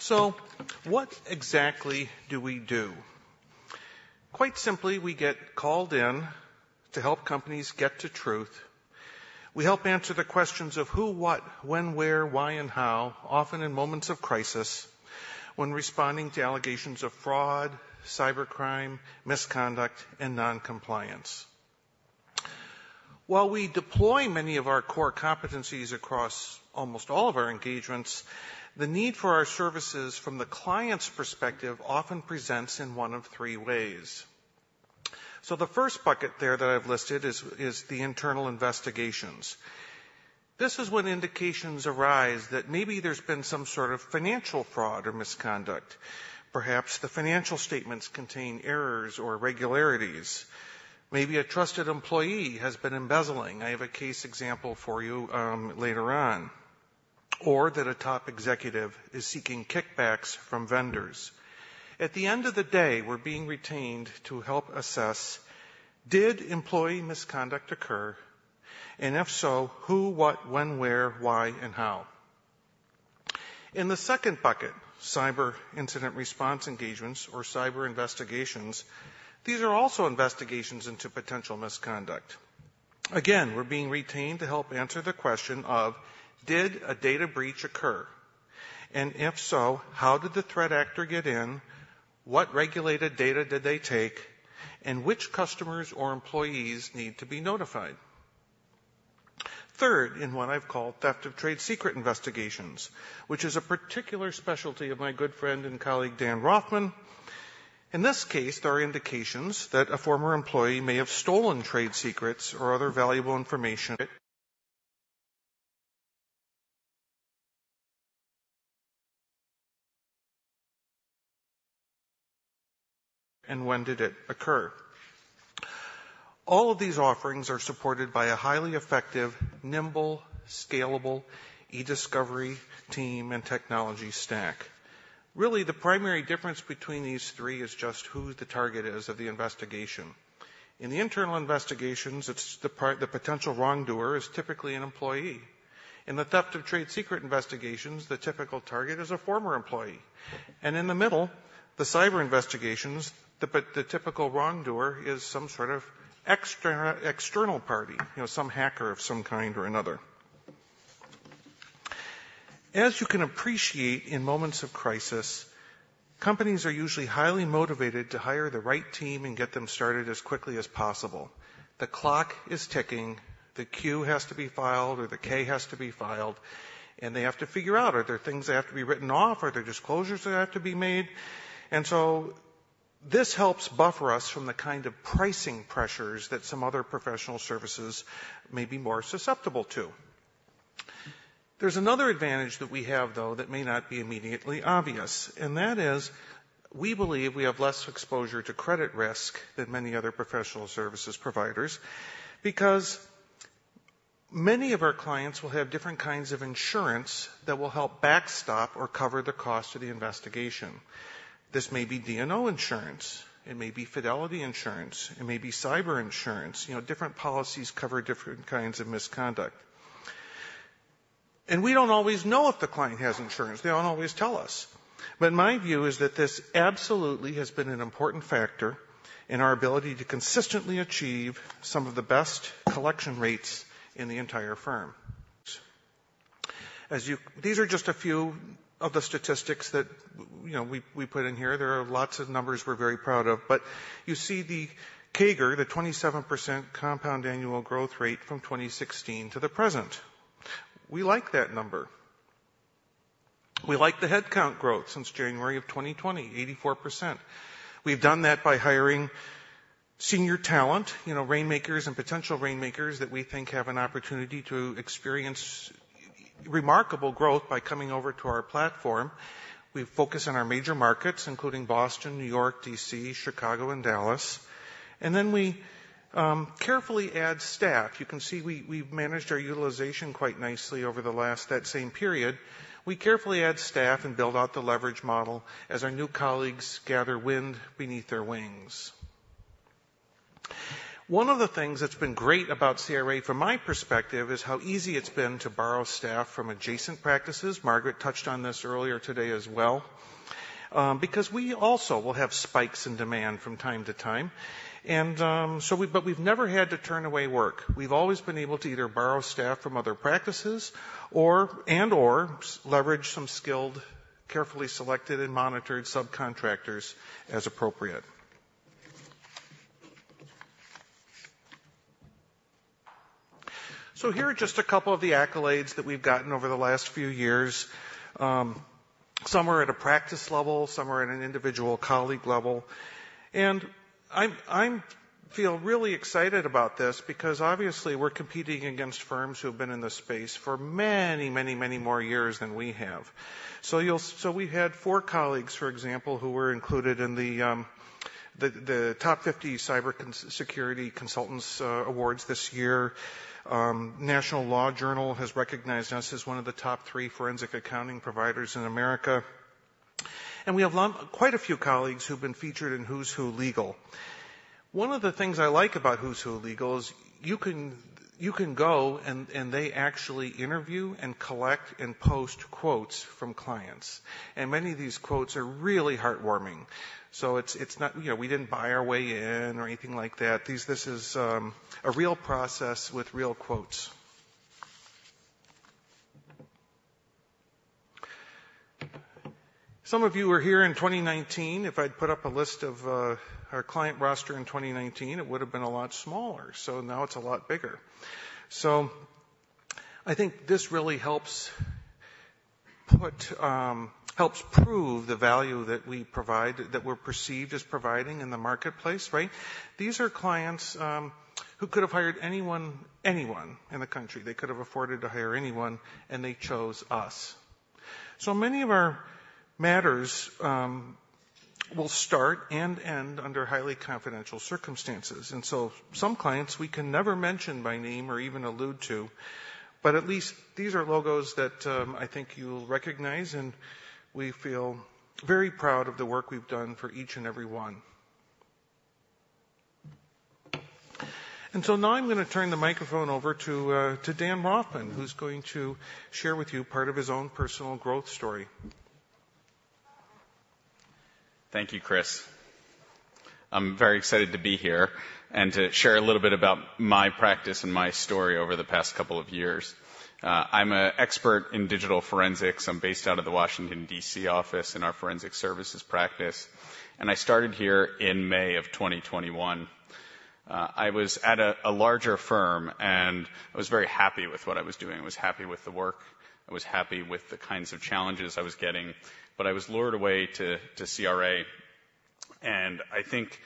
So what exactly do we do? Quite simply, we get called in to help companies get to truth. We help answer the questions of who, what, when, where, why, and how, often in moments of crisis when responding to allegations of fraud, cybercrime, misconduct, and non-compliance. While we deploy many of our core competencies across almost all of our engagements, the need for our services from the client's perspective often presents in one of three ways. So the first bucket there that I've listed is the internal investigations. This is when indications arise that maybe there's been some sort of financial fraud or misconduct. Perhaps the financial statements contain errors or irregularities. Maybe a trusted employee has been embezzling. I have a case example for you, later on. Or that a top executive is seeking kickbacks from vendors. At the end of the day, we're being retained to help assess: Did employee misconduct occur? and if so, who, what, when, where, why, and how? In the second bucket, cyber incident response engagements or cyber investigations, these are also investigations into potential misconduct. Again, we're being retained to help answer the question of: Did a data breach occur? And if so, how did the threat actor get in? What regulated data did they take? And which customers or employees need to be notified? Third, in what I've called theft of trade secret investigations, which is a particular specialty of my good friend and colleague, Dan Roffman. In this case, there are indications that a former employee may have stolen trade secrets or other valuable information, and when did it occur? All of these offerings are supported by a highly effective, nimble, scalable e-discovery team and technology stack. Really, the primary difference between these three is just who the target is of the investigation. In the internal investigations, it's the part, the potential wrongdoer is typically an employee. In the theft of trade secret investigations, the typical target is a former employee. In the middle, the cyber investigations, but the typical wrongdoer is some sort of external party, you know, some hacker of some kind or another. As you can appreciate, in moments of crisis, companies are usually highly motivated to hire the right team and get them started as quickly as possible. The clock is ticking, the Q has to be filed, or the K has to be filed, and they have to figure out, are there things that have to be written off? Are there disclosures that have to be made? So this helps buffer us from the kind of pricing pressures that some other professional services may be more susceptible to. There's another advantage that we have, though, that may not be immediately obvious, and that is, we believe we have less exposure to credit risk than many other professional services providers because many of our clients will have different kinds of insurance that will help backstop or cover the cost of the investigation. This may be D&O insurance, it may be fidelity insurance, it may be cyber insurance. You know, different policies cover different kinds of misconduct. And we don't always know if the client has insurance. They don't always tell us. But my view is that this absolutely has been an important factor in our ability to consistently achieve some of the best collection rates in the entire firm. As you-- These are just a few of the statistics that, you know, we put in here. There are lots of numbers we're very proud of, but you see the CAGR, the 27% compound annual growth rate from 2016 to the present. We like that number. We like the headcount growth since January of 2020, 84%. We've done that by hiring senior talent, you know, rainmakers and potential rainmakers that we think have an opportunity to experience remarkable growth by coming over to our platform. We focus on our major markets, including Boston, New York, D.C., Chicago, and Dallas, and then we carefully add staff. You can see we've managed our utilization quite nicely over the last... that same period. We carefully add staff and build out the leverage model as our new colleagues gather wind beneath their wings. One of the things that's been great about CRA from my perspective is how easy it's been to borrow staff from adjacent practices. Margaret touched on this earlier today as well. Because we also will have spikes in demand from time to time, but we've never had to turn away work. We've always been able to either borrow staff from other practices or and/or leverage some skilled, carefully selected, and monitored subcontractors as appropriate. So here are just a couple of the accolades that we've gotten over the last few years. Some are at a practice level, some are at an individual colleague level. And I feel really excited about this because obviously we're competing against firms who have been in this space for many, many, many more years than we have. So we've had four colleagues, for example, who were included in the top 50 cybersecurity consultants awards this year. National Law Journal has recognized us as one of the top three forensic accounting providers in America, and we have quite a few colleagues who've been featured in Who's Who Legal. One of the things I like about Who's Who Legal is you can go and they actually interview and collect and post quotes from clients, and many of these quotes are really heartwarming. So it's not, you know, we didn't buy our way in or anything like that. This is a real process with real quotes. Some of you were here in 2019. If I'd put up a list of our client roster in 2019, it would have been a lot smaller, so now it's a lot bigger. So I think this really helps put helps prove the value that we provide, that we're perceived as providing in the marketplace, right? These are clients who could have hired anyone, anyone in the country. They could have afforded to hire anyone, and they chose us. So many of our matters will start and end under highly confidential circumstances, and so some clients we can never mention by name or even allude to, but at least these are logos that I think you'll recognize, and we feel very proud of the work we've done for each and every one. So now I'm gonna turn the microphone over to, to Dan Roffman, who's going to share with you part of his own personal growth story. Thank you, Kris. I'm very excited to be here and to share a little bit about my practice and my story over the past couple of years. I'm a expert in digital forensics. I'm based out of the Washington, DC office in our forensic services practice, and I started here in May 2021. I was at a larger firm, and I was very happy with what I was doing. I was happy with the work, I was happy with the kinds of challenges I was getting, but I was lured away to CRA. I think,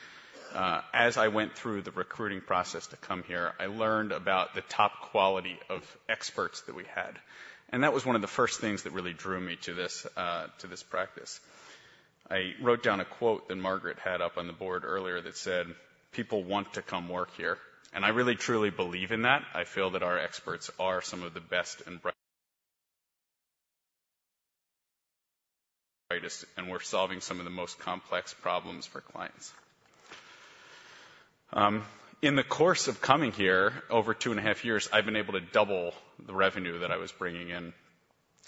as I went through the recruiting process to come here, I learned about the top quality of experts that we had, and that was one of the first things that really drew me to this practice. I wrote down a quote that Margaret had up on the board earlier that said, "People want to come work here." I really, truly believe in that. I feel that our experts are some of the best and greatest, and we're solving some of the most complex problems for clients. In the course of coming here, over 2.5 years, I've been able to double the revenue that I was bringing in.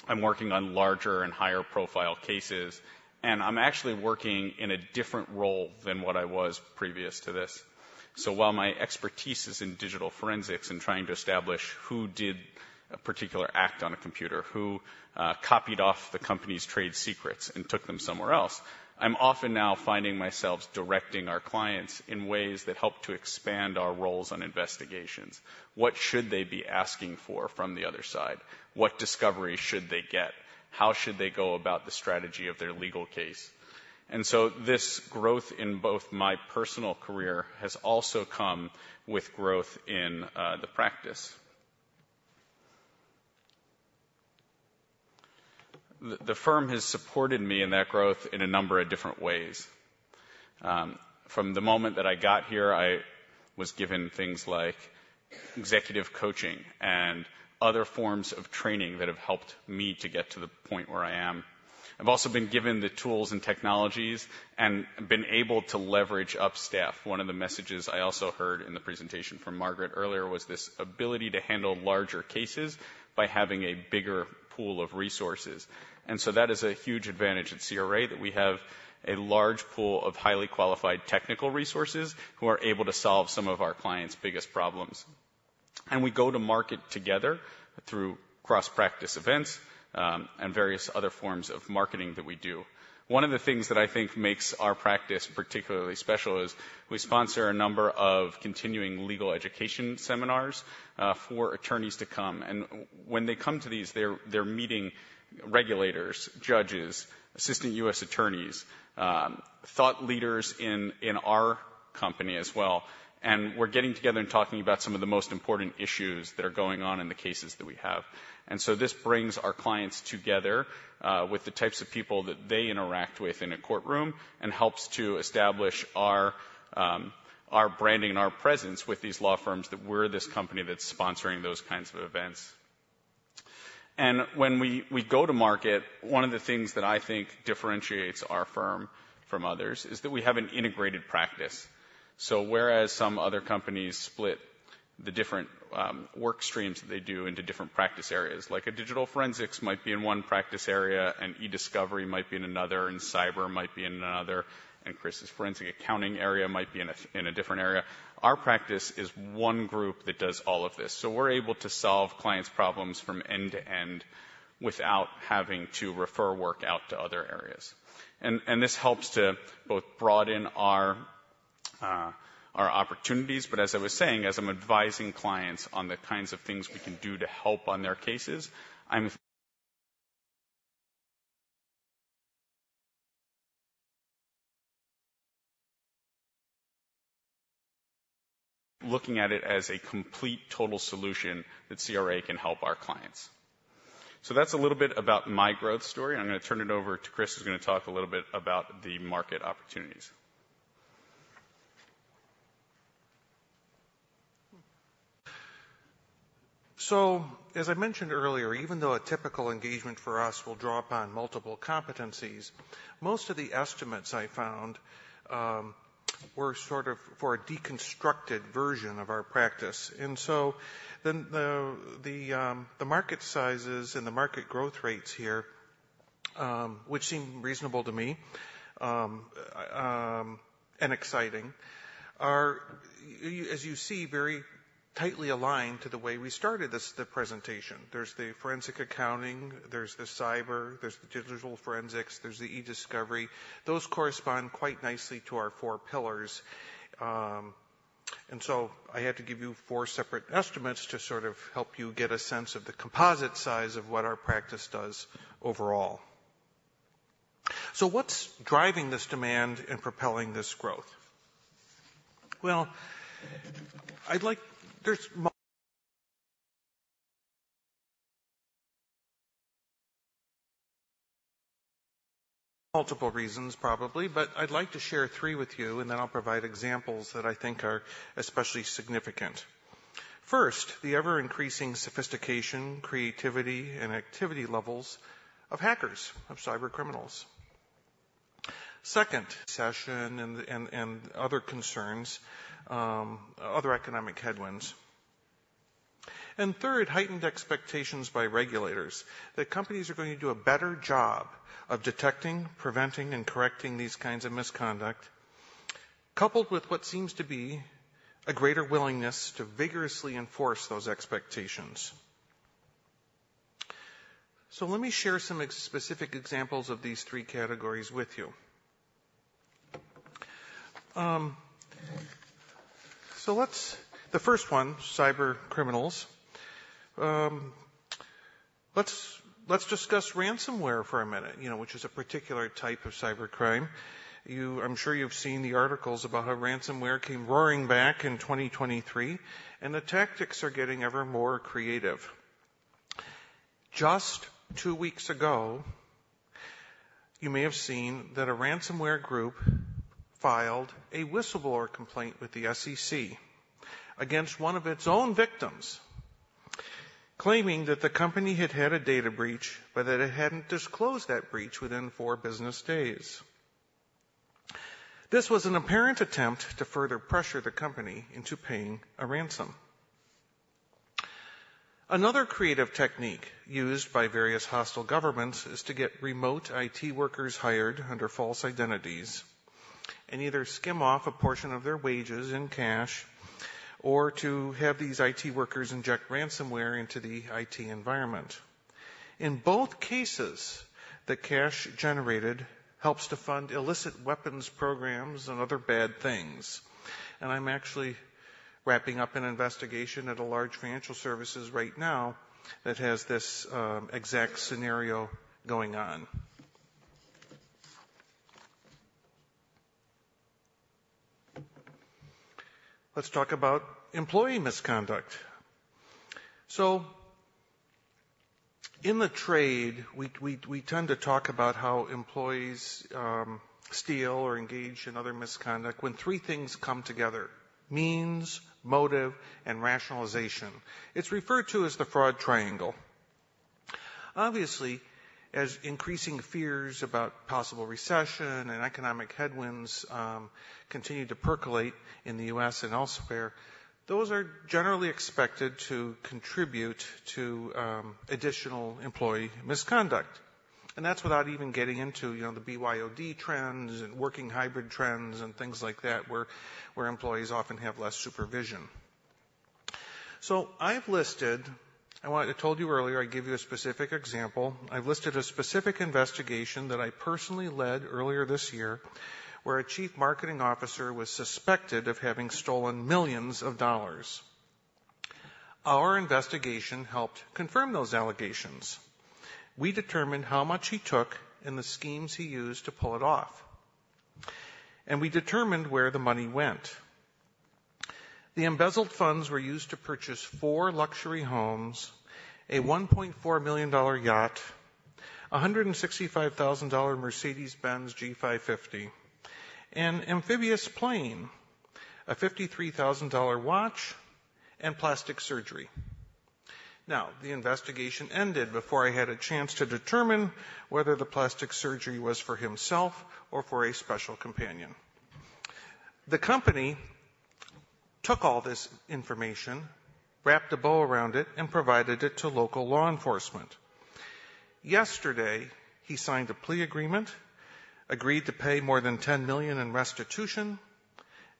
I'm working on larger and higher profile cases, and I'm actually working in a different role than what I was previous to this. So while my expertise is in digital forensics and trying to establish who did a particular act on a computer, who copied off the company's trade secrets and took them somewhere else, I'm often now finding myself directing our clients in ways that help to expand our roles on investigations. What should they be asking for from the other side? What discovery should they get? How should they go about the strategy of their legal case? And so this growth in both my personal career has also come with growth in the practice. The firm has supported me in that growth in a number of different ways. From the moment that I got here, I was given things like executive coaching and other forms of training that have helped me to get to the point where I am. I've also been given the tools and technologies and been able to leverage up staff. One of the messages I also heard in the presentation from Margaret earlier was this ability to handle larger cases by having a bigger pool of resources. And so that is a huge advantage at CRA, that we have a large pool of highly qualified technical resources who are able to solve some of our clients' biggest problems. And we go to market together through cross-practice events, and various other forms of marketing that we do. One of the things that I think makes our practice particularly special is we sponsor a number of continuing legal education seminars for attorneys to come, and when they come to these, they're meeting regulators, judges, assistant U.S. attorneys, thought leaders in our company as well, and we're getting together and talking about some of the most important issues that are going on in the cases that we have. And so this brings our clients together with the types of people that they interact with in a courtroom and helps to establish our branding and our presence with these law firms, that we're this company that's sponsoring those kinds of events. And when we go to market, one of the things that I think differentiates our firm from others is that we have an integrated practice. So whereas some other companies split the different work streams they do into different practice areas, like a digital forensics might be in one practice area, and e-discovery might be in another, and cyber might be in another, and Kris's forensic accounting area might be in a different area. Our practice is one group that does all of this, so we're able to solve clients' problems from end to end without having to refer work out to other areas. And this helps to both broaden our opportunities, but as I was saying, as I'm advising clients on the kinds of things we can do to help on their cases, I'm looking at it as a complete, total solution that CRA can help our clients. So that's a little bit about my growth story. I'm gonna turn it over to Kris, who's gonna talk a little bit about the market opportunities. So, as I mentioned earlier, even though a typical engagement for us will draw upon multiple competencies, most of the estimates I found were sort of for a deconstructed version of our practice. And so then the, the, the market sizes and the market growth rates here, which seem reasonable to me, and exciting, are as you see, very tightly aligned to the way we started this, the presentation. There's the forensic accounting, there's the cyber, there's the digital forensics, there's the e-Discovery. Those correspond quite nicely to our four pillars. And so I had to give you four separate estimates to sort of help you get a sense of the composite size of what our practice does overall. So what's driving this demand and propelling this growth? Well, I'd like... There's multiple reasons, probably, but I'd like to share three with you, and then I'll provide examples that I think are especially significant. First, the ever-increasing sophistication, creativity, and activity levels of hackers, of cybercriminals. Second, recession and other concerns, other economic headwinds. And third, heightened expectations by regulators that companies are going to do a better job of detecting, preventing, and correcting these kinds of misconduct, coupled with what seems to be a greater willingness to vigorously enforce those expectations. So let me share some specific examples of these three categories with you. So let's the first one, cybercriminals. Let's discuss ransomware for a minute, you know, which is a particular type of cybercrime. I'm sure you've seen the articles about how ransomware came roaring back in 2023, and the tactics are getting ever more creative. Just two weeks ago, you may have seen that a ransomware group filed a whistleblower complaint with the SEC against one of its own victims, claiming that the company had had a data breach, but that it hadn't disclosed that breach within four business days. This was an apparent attempt to further pressure the company into paying a ransom. Another creative technique used by various hostile governments is to get remote IT workers hired under false identities and either skim off a portion of their wages in cash or to have these IT workers inject ransomware into the IT environment. In both cases, the cash generated helps to fund illicit weapons programs and other bad things, and I'm actually wrapping up an investigation at a large financial services right now that has this, exact scenario going on. Let's talk about employee misconduct. So in the trade, we tend to talk about how employees steal or engage in other misconduct when three things come together: means, motive, and rationalization. It's referred to as the fraud triangle. Obviously, as increasing fears about possible recession and economic headwinds continue to percolate in the U.S. and elsewhere, those are generally expected to contribute to additional employee misconduct. And that's without even getting into, you know, the BYOD trends and working hybrid trends and things like that, where employees often have less supervision. So I told you earlier, I'd give you a specific example. I've listed a specific investigation that I personally led earlier this year, where a Chief Marketing Officer was suspected of having stolen $ millions. Our investigation helped confirm those allegations. We determined how much he took and the schemes he used to pull it off, and we determined where the money went. The embezzled funds were used to purchase four luxury homes, a $1.4 million yacht, a $165,000 Mercedes-Benz G550, an amphibious plane, a $53,000 watch, and plastic surgery. Now, the investigation ended before I had a chance to determine whether the plastic surgery was for himself or for a special companion. The company took all this information, wrapped a bow around it, and provided it to local law enforcement. Yesterday, he signed a plea agreement, agreed to pay more than $10 million in restitution,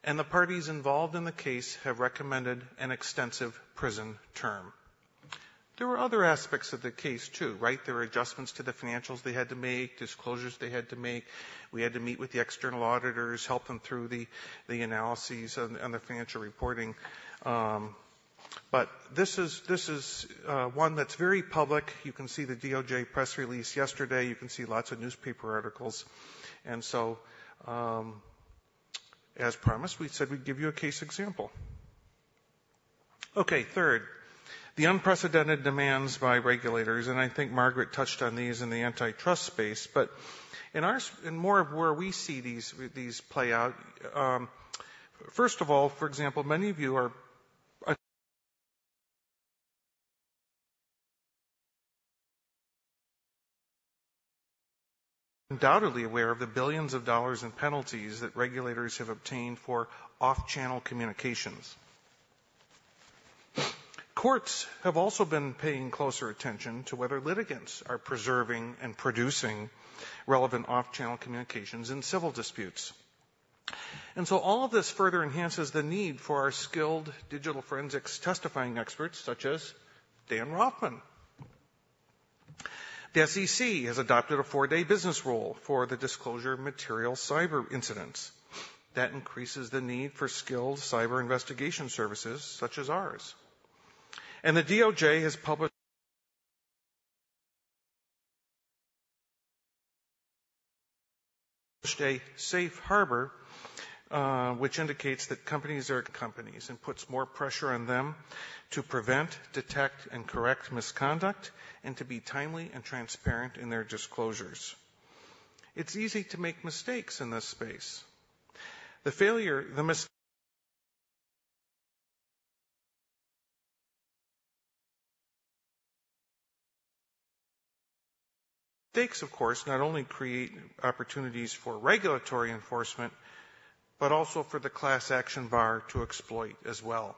and the parties involved in the case have recommended an extensive prison term. There were other aspects of the case, too, right? There were adjustments to the financials they had to make, disclosures they had to make. We had to meet with the external auditors, help them through the analyses and the financial reporting. But this is one that's very public. You can see the DOJ press release yesterday. You can see lots of newspaper articles. And so, as promised, we said we'd give you a case example. Okay, third, the unprecedented demands by regulators, and I think Margaret touched on these in the antitrust space, but in more of where we see these play out, first of all, for example, many of you are undoubtedly aware of the $ billions in penalties that regulators have obtained for off-channel communications. Courts have also been paying closer attention to whether litigants are preserving and producing relevant off-channel communications in civil disputes. And so all of this further enhances the need for our skilled digital forensics testifying experts, such as Dan Roffman. The SEC has adopted a four-day business rule for the disclosure of material cyber incidents. That increases the need for skilled cyber investigation services, such as ours. And the DOJ has published a safe harbor, which indicates that companies are companies, and puts more pressure on them to prevent, detect, and correct misconduct and to be timely and transparent in their disclosures. It's easy to make mistakes in this space. The failure, the mistakes, of course, not only create opportunities for regulatory enforcement, but also for the class action bar to exploit as well.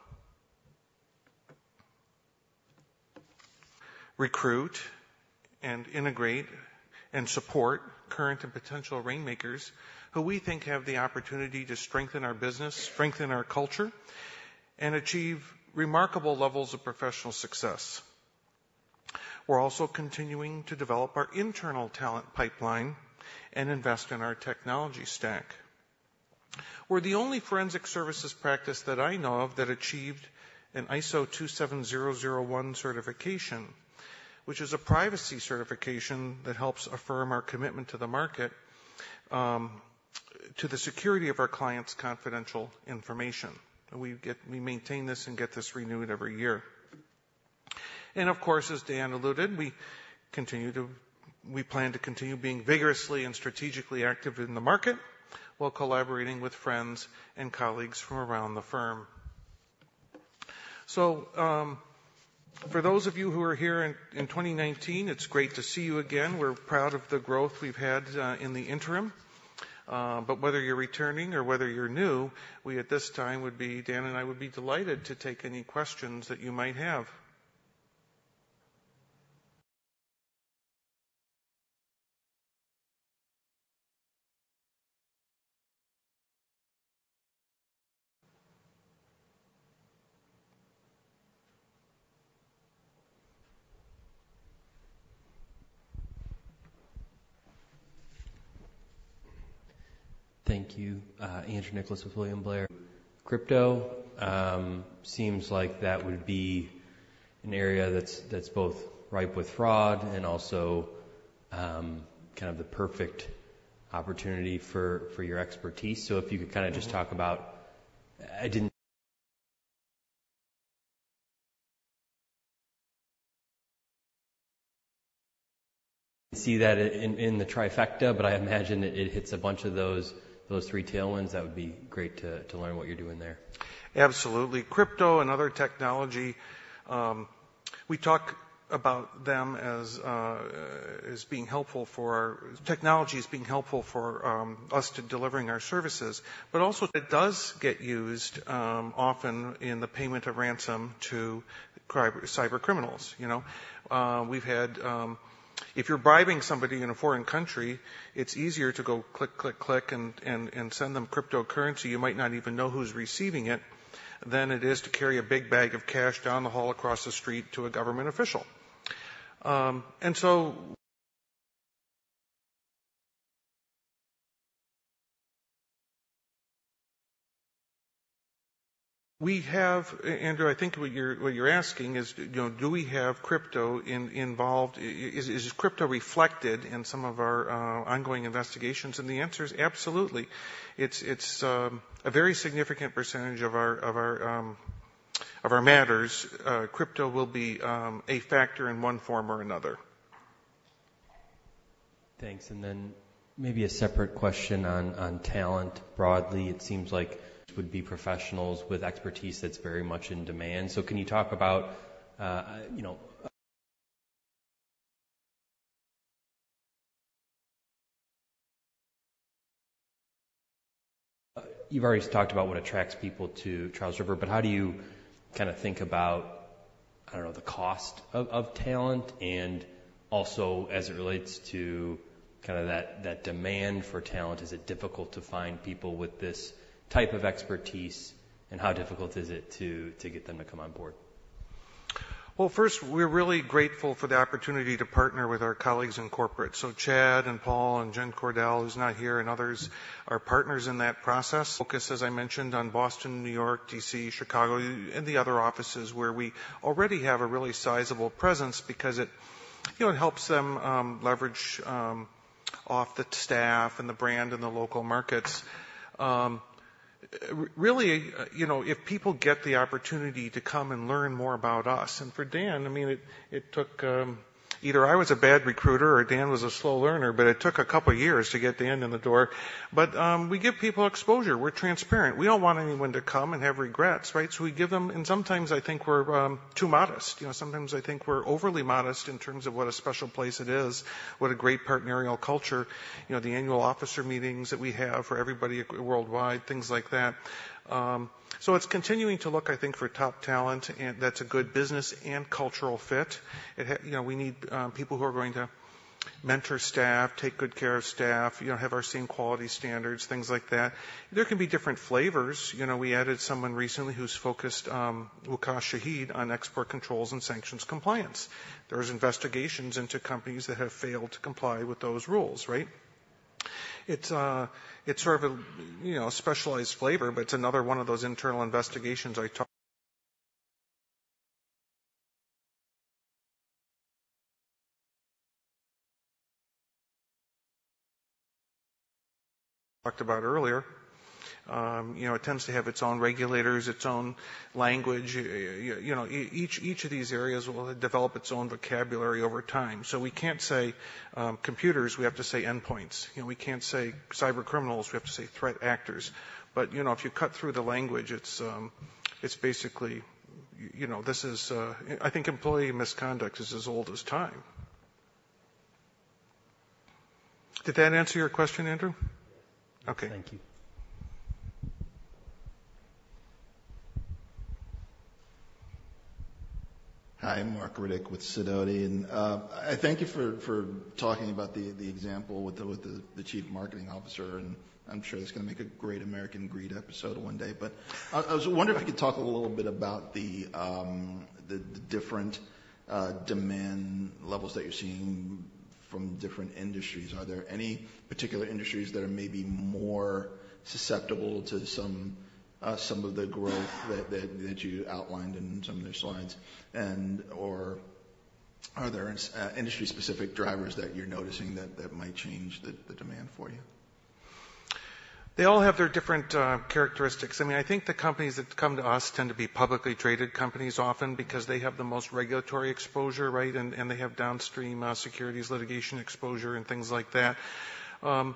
Recruit and integrate and support current and potential rainmakers who we think have the opportunity to strengthen our business, strengthen our culture, and achieve remarkable levels of professional success. We're also continuing to develop our internal talent pipeline and invest in our technology stack. We're the only forensic services practice that I know of that achieved an ISO 27001 certification, which is a privacy certification that helps affirm our commitment to the market, to the security of our clients' confidential information. We maintain this and get this renewed every year. And of course, as Dan alluded, we plan to continue being vigorously and strategically active in the market while collaborating with friends and colleagues from around the firm. So, for those of you who are here in 2019, it's great to see you again. We're proud of the growth we've had in the interim. Whether you're returning or whether you're new, we, at this time, would be, Dan and I would be delighted to take any questions that you might have. Thank you. Andrew Nicholas with William Blair. Crypto seems like that would be an area that's, that's both ripe with fraud and also kind of the perfect opportunity for, for your expertise. So if you could kinda just talk about... I didn't see that in, in the trifecta, but I imagine it, it hits a bunch of those, those three tailwinds. That would be great to, to learn what you're doing there. Absolutely. Crypto and other technology, we talk about them as, as being helpful for—technology as being helpful for, us to delivering our services, but also it does get used, often in the payment of ransom to cybercriminals. You know, we've had... If you're bribing somebody in a foreign country, it's easier to go click, click, click and, and, and send them cryptocurrency. You might not even know who's receiving it, than it is to carry a big bag of cash down the hall across the street to a government official. And so—we have... Andrew, I think what you're, what you're asking is, you know, do we have crypto involved? Is, is crypto reflected in some of our, ongoing investigations? And the answer is absolutely. It's, it's, a very significant percentage of our, of our, of our matters. Crypto will be a factor in one form or another. Thanks. Then maybe a separate question on talent. Broadly, it seems like would be professionals with expertise that's very much in demand. So can you talk about, uh, you know—You've already talked about what attracts people to Charles River, but how do you kinda think about, I don't know, the cost of talent and also as it relates to kinda that demand for talent? Is it difficult to find people with this type of expertise, and how difficult is it to get them to come on board? Well, first, we're really grateful for the opportunity to partner with our colleagues in corporate. So Chad and Paul and Jen Cordell, who's not here, and others are partners in that process. Focus, as I mentioned, on Boston, New York, D.C., Chicago, and the other offices where we already have a really sizable presence because it, you know, it helps them, leverage off the staff and the brand in the local markets. Really, you know, if people get the opportunity to come and learn more about us, and for Dan, I mean, it took either I was a bad recruiter or Dan was a slow learner, but it took a couple of years to get Dan in the door. But we give people exposure. We're transparent. We don't want anyone to come and have regrets, right? So we give them... And sometimes I think we're too modest. You know, sometimes I think we're overly modest in terms of what a special place it is, what a great partnerial culture, you know, the annual officer meetings that we have for everybody worldwide, things like that. So it's continuing to look, I think, for top talent, and that's a good business and cultural fit. You know, we need people who are going to mentor staff, take good care of staff, you know, have our same quality standards, things like that. There can be different flavors. You know, we added someone recently who's focused, Waqas Shahid, on export controls and sanctions compliance. There's investigations into companies that have failed to comply with those rules, right? It's a, it's sort of a, you know, specialized flavor, but it's another one of those internal investigations I talked-... talked about earlier. You know, it tends to have its own regulators, its own language. You know, each of these areas will develop its own vocabulary over time. So we can't say computers, we have to say endpoints. You know, we can't say cybercriminals, we have to say threat actors. But, you know, if you cut through the language, it's basically, you know, this is... I think employee misconduct is as old as time. Did that answer your question, Andrew? Yes. Okay. Thank you. Hi, I'm Marc Riddick with Sidoti, and I thank you for talking about the example with the Chief Marketing Officer, and I'm sure that's gonna make a great American Greed episode one day. But I was wondering if I could talk a little bit about the different demand levels that you're seeing from different industries. Are there any particular industries that are maybe more susceptible to some of the growth that you outlined in some of their slides? And/or are there industry-specific drivers that you're noticing that might change the demand for you? They all have their different characteristics. I mean, I think the companies that come to us tend to be publicly traded companies often because they have the most regulatory exposure, right? And they have downstream securities litigation exposure, and things like that. You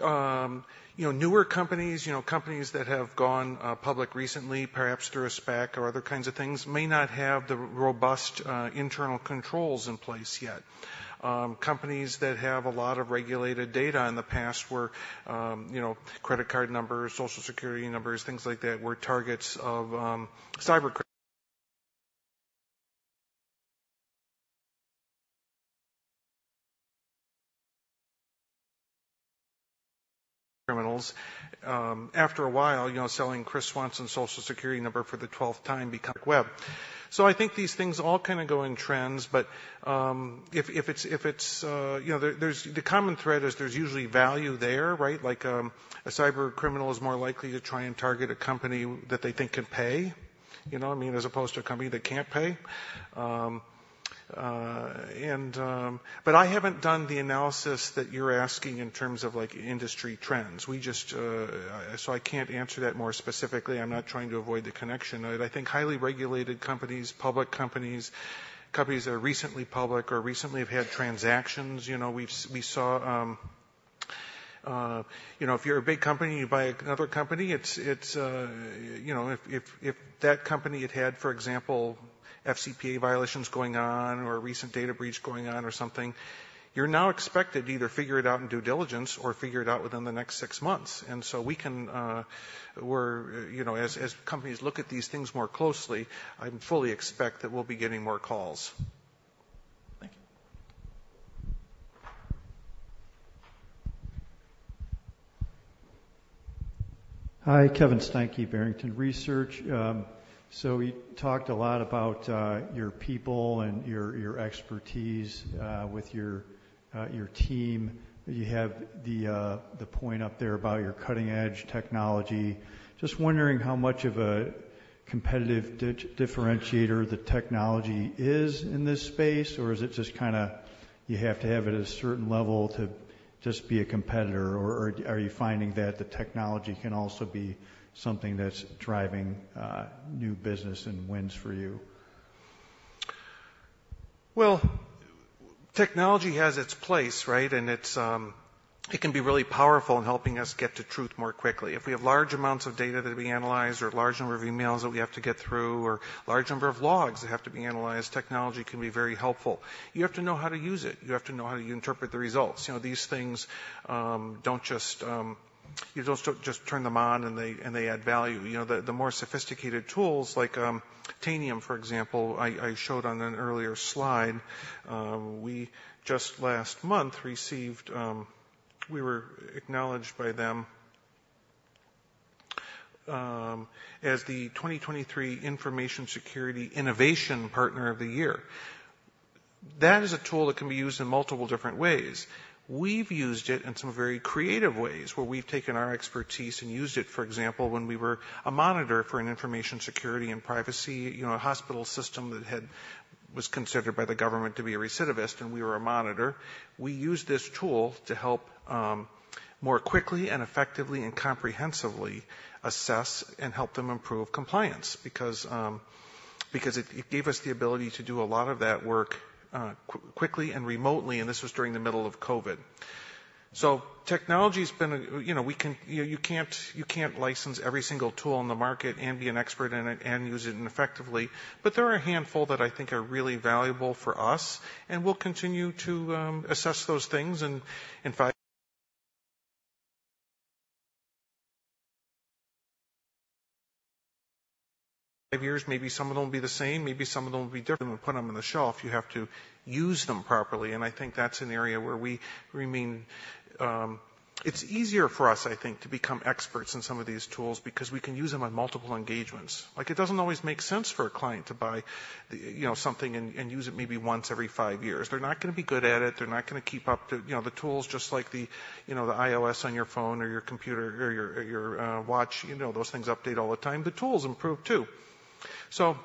know, newer companies, you know, companies that have gone public recently, perhaps through a SPAC or other kinds of things, may not have the robust internal controls in place yet. Companies that have a lot of regulated data in the past were, you know, credit card numbers, Social Security numbers, things like that, were targets of cybercriminals. After a while, you know, selling Kris Swanson's Social Security number for the twelfth time becomes worthless. So I think these things all kinda go in trends, but if it's... You know, the common thread is there's usually value there, right? Like, a cybercriminal is more likely to try and target a company that they think can pay, you know what I mean? As opposed to a company that can't pay. But I haven't done the analysis that you're asking in terms of, like, industry trends. We just... So I can't answer that more specifically. I'm not trying to avoid the connection. I think highly regulated companies, public companies, companies that are recently public or recently have had transactions. You know, we saw, you know, if you're a big company and you buy another company, it's, you know, if that company had had, for example, FCPA violations going on or a recent data breach going on or something, you're now expected to either figure it out in due diligence or figure it out within the next six months. And so we can, we're, you know, as companies look at these things more closely, I fully expect that we'll be getting more calls. Thank you. Hi, Kevin Steinke, Barrington Research. So you talked a lot about your people and your expertise with your team. You have the point up there about your cutting-edge technology. Just wondering how much of a competitive differentiator the technology is in this space, or is it just kinda, you have to have it at a certain level to just be a competitor, or are you finding that the technology can also be something that's driving new business and wins for you? Well, technology has its place, right? It's it can be really powerful in helping us get to truth more quickly. If we have large amounts of data to be analyzed or a large number of emails that we have to get through or large number of logs that have to be analyzed, technology can be very helpful. You have to know how to use it. You have to know how to interpret the results. You know, these things don't just, you don't just turn them on, and they add value. You know, the more sophisticated tools like Tanium, for example, I showed on an earlier slide, we just last month received, we were acknowledged by them, as the 2023 Information Security Innovation Partner of the Year. That is a tool that can be used in multiple different ways. We've used it in some very creative ways, where we've taken our expertise and used it, for example, when we were a monitor for an information security and privacy, you know, a hospital system that had, was considered by the government to be a recidivist, and we were a monitor. We used this tool to help more quickly and effectively and comprehensively assess and help them improve compliance because because it, it gave us the ability to do a lot of that work, quickly and remotely, and this was during the middle of COVID. So technology's been, you know, we can... You can't license every single tool on the market and be an expert in it and use it effectively, but there are a handful that I think are really valuable for us, and we'll continue to assess those things. In fact, five years, maybe some of them will be the same, maybe some of them will be different, and put them on the shelf. You have to use them properly, and I think that's an area where we remain. It's easier for us, I think, to become experts in some of these tools because we can use them on multiple engagements. Like, it doesn't always make sense for a client to buy, you know, something and use it maybe once every five years. They're not gonna be good at it. They're not gonna keep up to, you know, the tools, just like the, you know, the iOS on your phone or your computer or your watch, you know, those things update all the time. The tools improve too. So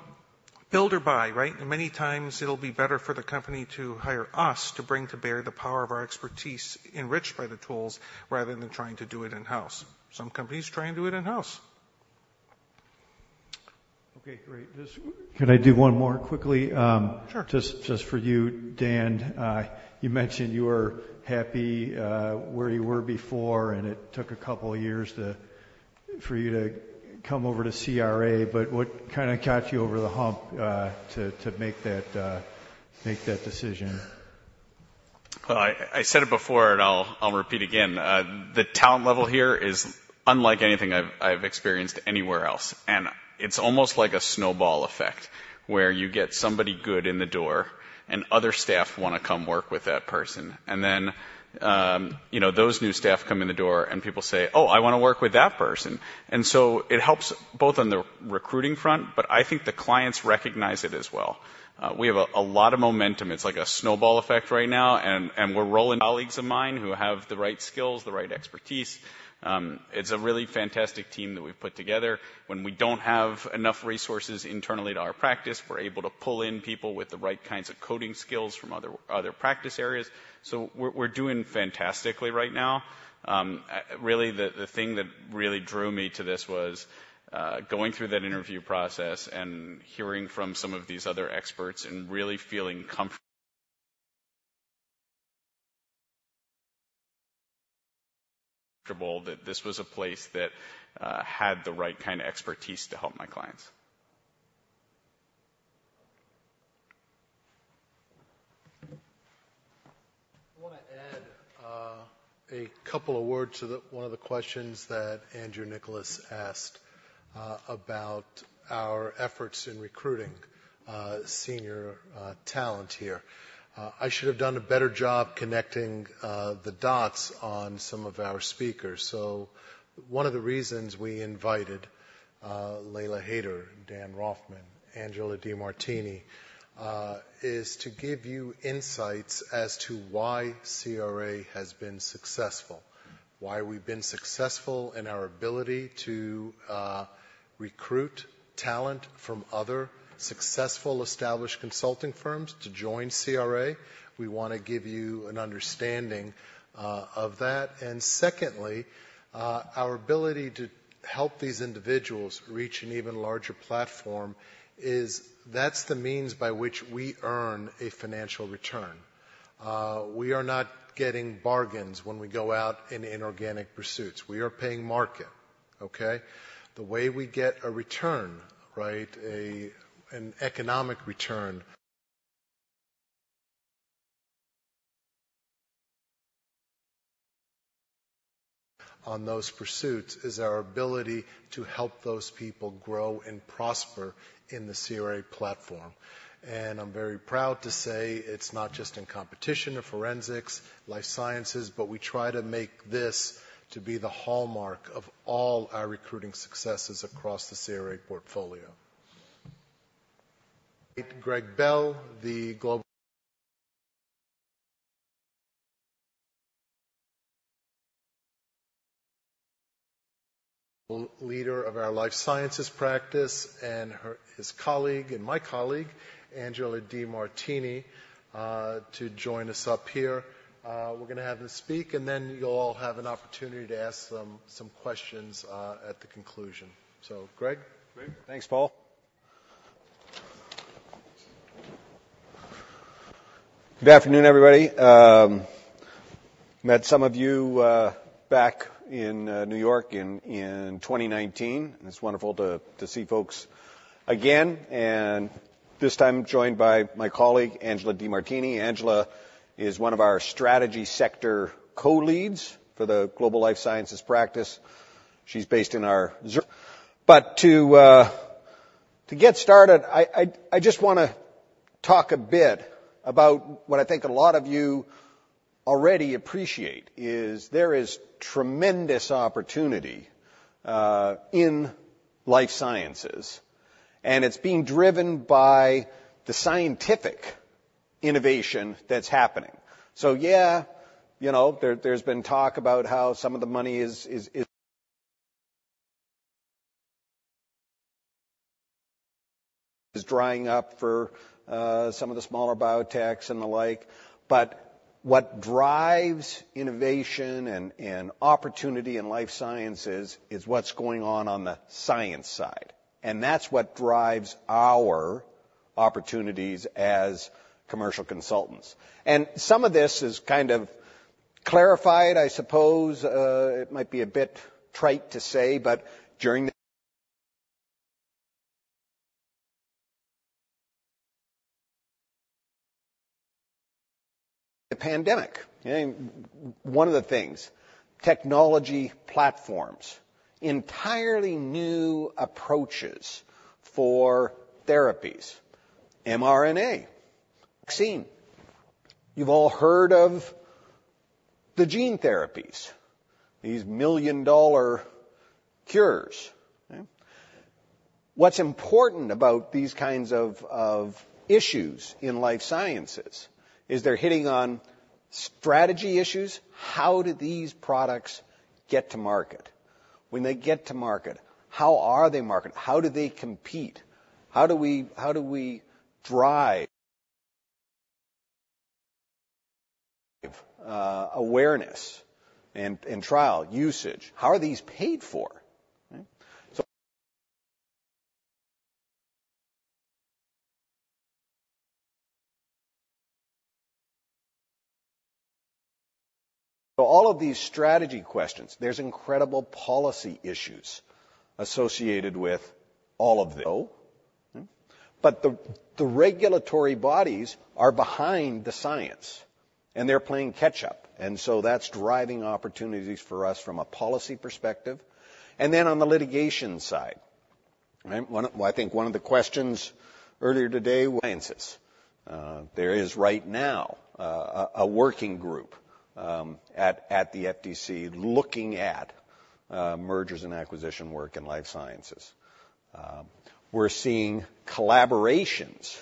build or buy, right? And many times it'll be better for the company to hire us to bring to bear the power of our expertise enriched by the tools, rather than trying to do it in-house. Some companies try and do it in-house. Okay, great. Just-- Can I do one more quickly? Sure. Just for you, Dan. You mentioned you were happy where you were before, and it took a couple of years for you to come over to CRA, but what kinda got you over the hump to make that decision? Well, I said it before, and I'll repeat again. The talent level here is unlike anything I've experienced anywhere else, and it's almost like a snowball effect, where you get somebody good in the door, and other staff wanna come work with that person. And then, you know, those new staff come in the door, and people say: "Oh, I wanna work with that person." And so it helps both on the recruiting front, but I think the clients recognize it as well. We have a lot of momentum. It's like a snowball effect right now, and we're rolling colleagues of mine who have the right skills, the right expertise. It's a really fantastic team that we've put together. When we don't have enough resources internally to our practice, we're able to pull in people with the right kinds of coding skills from other practice areas. So we're doing fantastically right now. Really, the thing that really drew me to this was going through that interview process and hearing from some of these other experts and really feeling comfortable that this was a place that had the right kind of expertise to help my clients. I wanna add a couple of words to one of the questions that Andrew Nicholas asked about our efforts in recruiting senior talent here. I should have done a better job connecting the dots on some of our speakers. So one of the reasons we invited Laila Haider, Dan Roffman, Angela DeMartini is to give you insights as to why CRA has been successful, why we've been successful in our ability to recruit talent from other successful, established consulting firms to join CRA. We wanna give you an understanding of that. And secondly, our ability to help these individuals reach an even larger platform is... That's the means by which we earn a financial return. We are not getting bargains when we go out in inorganic pursuits. We are paying market, okay? The way we get a return, right, an economic return, on those pursuits, is our ability to help those people grow and prosper in the CRA platform. And I'm very proud to say it's not just in competition or forensics, life sciences, but we try to make this to be the hallmark of all our recruiting successes across the CRA portfolio. Greg Bell, the global leader of our life sciences practice, and her, his colleague and my colleague, Angela DeMartini, to join us up here. We're gonna have them speak, and then you'll all have an opportunity to ask them some questions, at the conclusion. So, Greg? Great. Thanks, Paul. Good afternoon, everybody. Met some of you back in New York in 2019, and it's wonderful to see folks again, and this time joined by my colleague, Angela DeMartini. Angela is one of our strategy sector co-leads for the Global Life Sciences practice. She's based in our Zurich. But to get started, I just wanna talk a bit about what I think a lot of you already appreciate is there is tremendous opportunity in life sciences, and it's being driven by the scientific innovation that's happening. So, yeah, you know, there, there's been talk about how some of the money is drying up for some of the smaller biotechs and the like, but what drives innovation and opportunity in life sciences is what's going on on the science side, and that's what drives our opportunities as commercial consultants. And some of this is kind of clarified, I suppose, it might be a bit trite to say, but during the pandemic, and one of the things, technology platforms, entirely new approaches for therapies, mRNA, vaccine. You've all heard of the gene therapies, these million-dollar cures, okay? What's important about these kinds of issues in life sciences is they're hitting on strategy issues. How do these products get to market? When they get to market, how are they market? How do they compete? How do we drive awareness and trial usage? How are these paid for? So all of these strategy questions, there's incredible policy issues associated with all of this. But the regulatory bodies are behind the science, and they're playing catch-up, and so that's driving opportunities for us from a policy perspective. And then on the litigation side, right? Well, I think one of the questions earlier today was, there is right now a working group at the FTC, looking at mergers and acquisition work in life sciences. We're seeing collaborations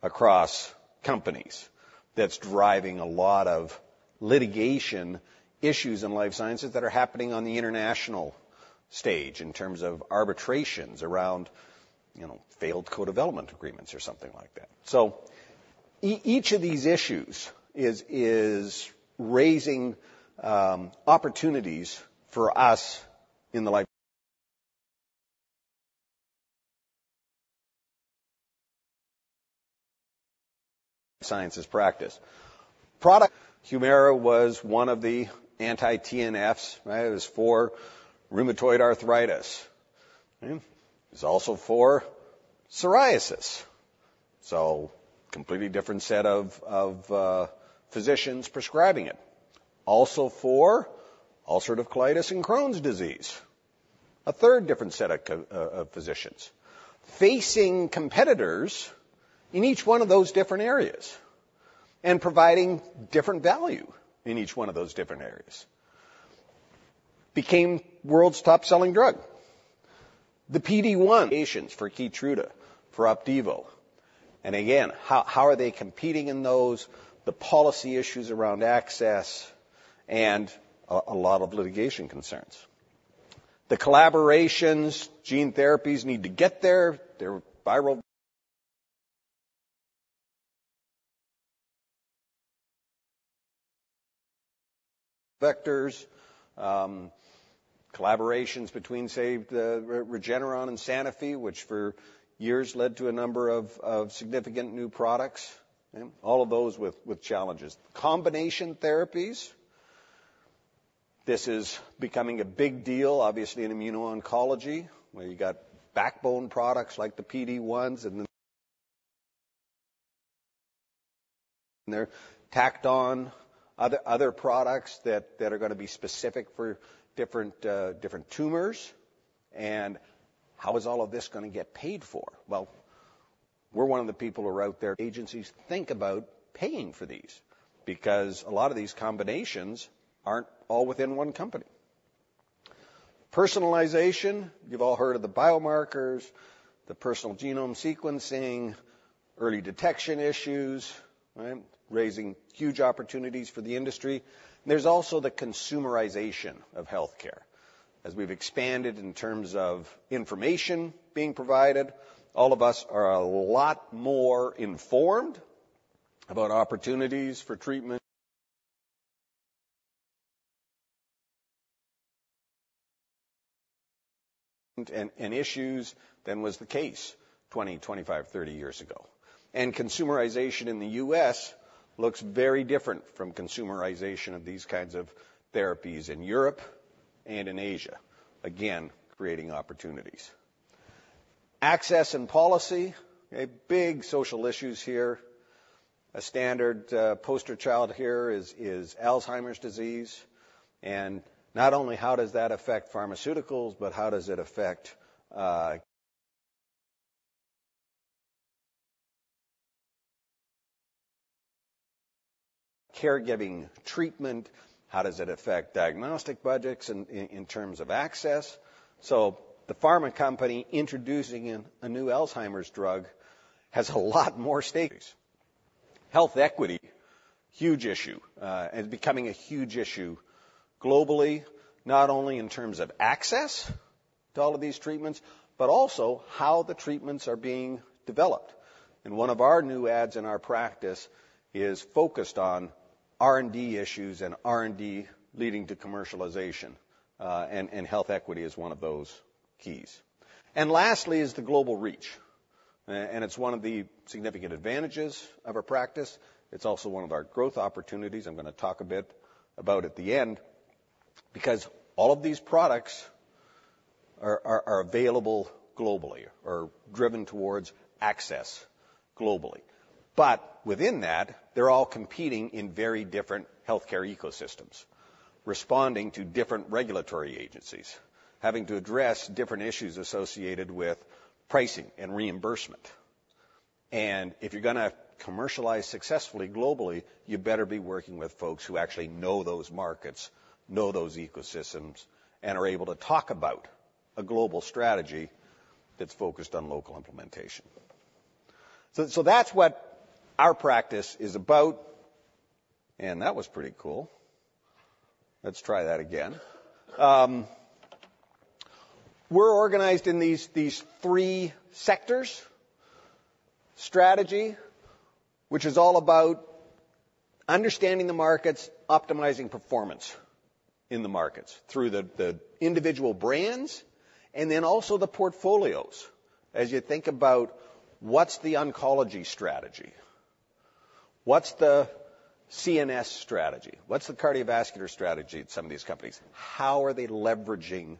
across companies that's driving a lot of litigation issues in life sciences that are happening on the international stage in terms of arbitrations around, you know, failed co-development agreements or something like that. Each of these issues is raising opportunities for us in the life sciences practice. Product Humira was one of the anti-TNFs, right? It was for rheumatoid arthritis. It was also for psoriasis, so completely different set of physicians prescribing it. Also, for ulcerative colitis and Crohn's disease, a third different set of physicians. Facing competitors in each one of those different areas and providing different value in each one of those different areas, became world's top-selling drug. The PD-1 patients for Keytruda, for Opdivo, and again, how are they competing in those, the policy issues around access and a lot of litigation concerns. The collaborations, gene therapies need to get there. Their viral vectors, collaborations between, say, the Regeneron and Sanofi, which for years led to a number of significant new products, and all of those with challenges. Combination therapies, this is becoming a big deal, obviously, in immuno-oncology, where you got backbone products like the PD-1s and they're tacked on other products that are gonna be specific for different tumors. And how is all of this gonna get paid for? Well, we're one of the people who are out there agencies think about paying for these because a lot of these combinations aren't all within one company. Personalization, you've all heard of the biomarkers, the personal genome sequencing, early detection issues, right? Raising huge opportunities for the industry. There's also the consumerization of healthcare. As we've expanded in terms of information being provided, all of us are a lot more informed about opportunities for treatment and issues than was the case 20, 25, 30 years ago. Consumerization in the U.S. looks very different from consumerization of these kinds of therapies in Europe and in Asia, again, creating opportunities. Access and policy, a big social issues here. A standard poster child here is Alzheimer's disease. Not only how does that affect pharmaceuticals, but how does it affect caregiving treatment? How does it affect diagnostic budgets in terms of access? So the Pharma company introducing in a new Alzheimer's drug has a lot more stakes. Health equity, huge issue, and becoming a huge issue globally, not only in terms of access to all of these treatments, but also how the treatments are being developed. And one of our new adds in our practice is focused on R&D issues and R&D leading to commercialization, and health equity is one of those keys. And lastly is the global reach, and it's one of the significant advantages of our practice. It's also one of our growth opportunities. I'm gonna talk a bit about at the end, because all of these products are available globally or driven towards access globally. But within that, they're all competing in very different healthcare ecosystems, responding to different regulatory agencies, having to address different issues associated with pricing and reimbursement. And if you're gonna commercialize successfully globally, you better be working with folks who actually know those markets, know those ecosystems, and are able to talk about a global strategy that's focused on local implementation. So that's what our practice is about, and that was pretty cool. Let's try that again. We're organized in these three sectors. Strategy, which is all about understanding the markets, optimizing performance in the markets through the individual brands and then also the portfolios. As you think about what's the oncology strategy? What's the CNS strategy? What's the cardiovascular strategy at some of these companies? How are they leveraging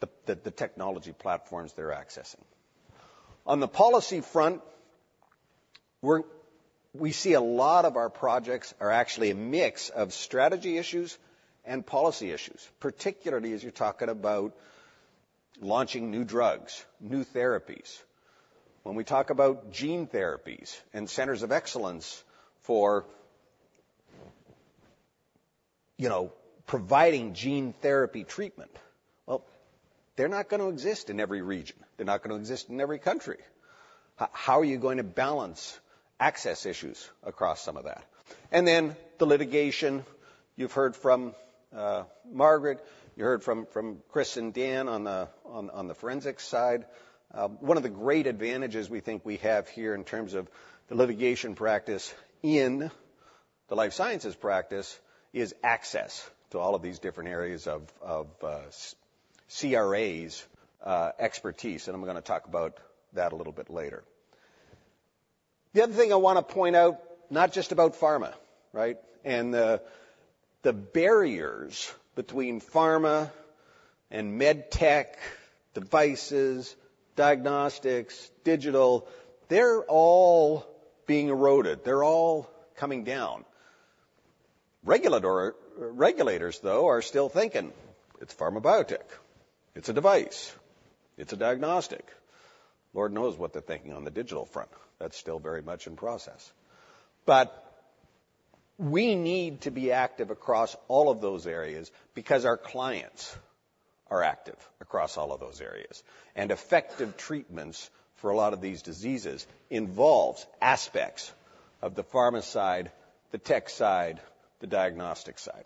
the technology platforms they're accessing? On the policy front, we're—we see a lot of our projects are actually a mix of strategy issues and policy issues, particularly as you're talking about launching new drugs, new therapies. When we talk about gene therapies and centers of excellence for, you know, providing gene therapy treatment, well, they're not gonna exist in every region. They're not gonna exist in every country. How are you going to balance access issues across some of that? And then the litigation, you've heard from Margaret, you heard from Kris and Dan on the forensics side. One of the great advantages we think we have here in terms of the litigation practice in the life sciences practice is access to all of these different areas of CRA's expertise, and I'm gonna talk about that a little bit later. The other thing I wanna point out, not just about pharma, right? And the barriers between pharma and medtech, devices, diagnostics, digital, they're all being eroded. They're all coming down. Regulators, though, are still thinking, "It's pharma biotech. It's a device. It's a diagnostic." Lord knows what they're thinking on the digital front. That's still very much in process. But we need to be active across all of those areas because our clients are active across all of those areas, and effective treatments for a lot of these diseases involves aspects of the pharma side, the tech side, the diagnostic side.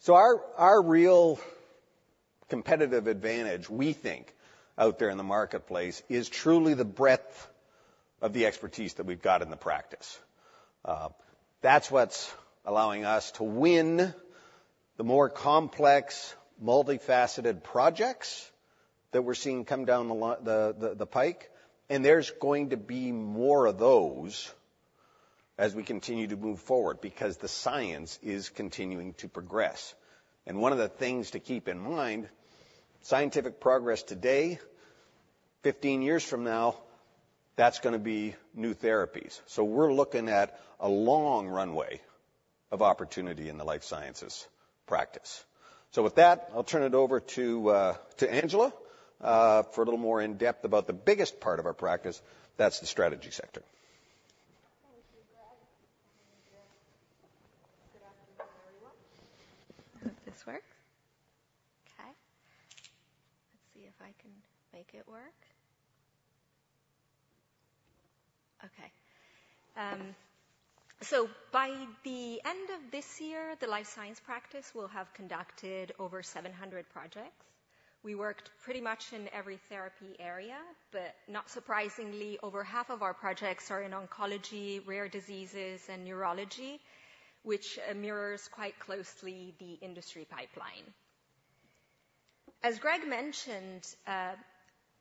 So our real competitive advantage, we think, out there in the marketplace, is truly the breadth of the expertise that we've got in the practice. That's what's allowing us to win the more complex, multifaceted projects that we're seeing come down the line, the pike, and there's going to be more of those as we continue to move forward because the science is continuing to progress. And one of the things to keep in mind, scientific progress today, 15 years from now, that's gonna be new therapies. So we're looking at a long runway of opportunity in the life sciences practice. So with that, I'll turn it over to Angela for a little more in-depth about the biggest part of our practice. That's the strategy sector. Thank you, Greg. Good afternoon, everyone. I hope this works. Okay, let's see if I can make it work. Okay. So by the end of this year, the life science practice will have conducted over 700 projects. We worked pretty much in every therapy area, but not surprisingly, over half of our projects are in oncology, rare diseases, and neurology, which mirrors quite closely the industry pipeline. As Greg mentioned,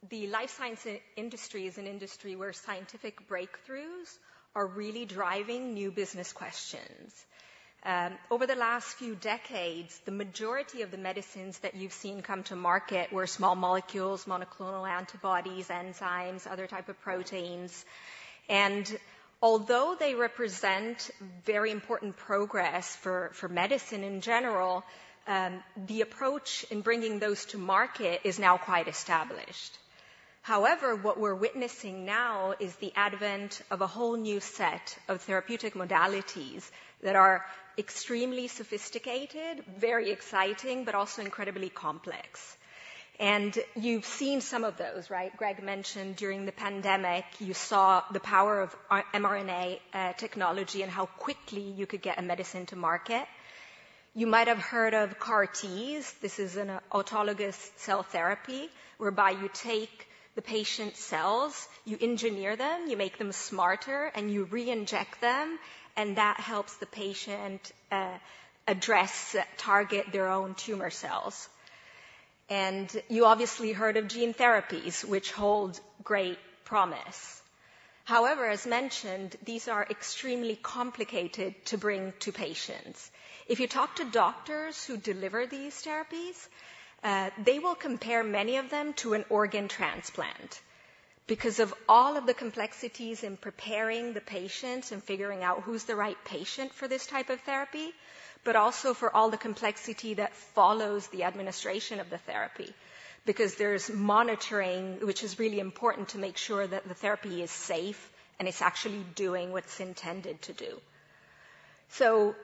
the life science industry is an industry where scientific breakthroughs are really driving new business questions. Over the last few decades, the majority of the medicines that you've seen come to market were small molecules, monoclonal antibodies, enzymes, other type of proteins. And although they represent very important progress for medicine in general, the approach in bringing those to market is now quite established. However, what we're witnessing now is the advent of a whole new set of therapeutic modalities that are extremely sophisticated, very exciting, but also incredibly complex. You've seen some of those, right? Greg mentioned during the pandemic, you saw the power of mRNA technology and how quickly you could get a medicine to market. You might have heard of CAR-Ts. This is an autologous cell therapy, whereby you take the patient's cells, you engineer them, you make them smarter, and you reinject them, and that helps the patient address, target their own tumor cells. You obviously heard of gene therapies, which hold great promise. However, as mentioned, these are extremely complicated to bring to patients. If you talk to doctors who deliver these therapies, they will compare many of them to an organ transplant because of all of the complexities in preparing the patient and figuring out who's the right patient for this type of therapy, but also for all the complexity that follows the administration of the therapy, because there's monitoring, which is really important to make sure that the therapy is safe and it's actually doing what it's intended to do. So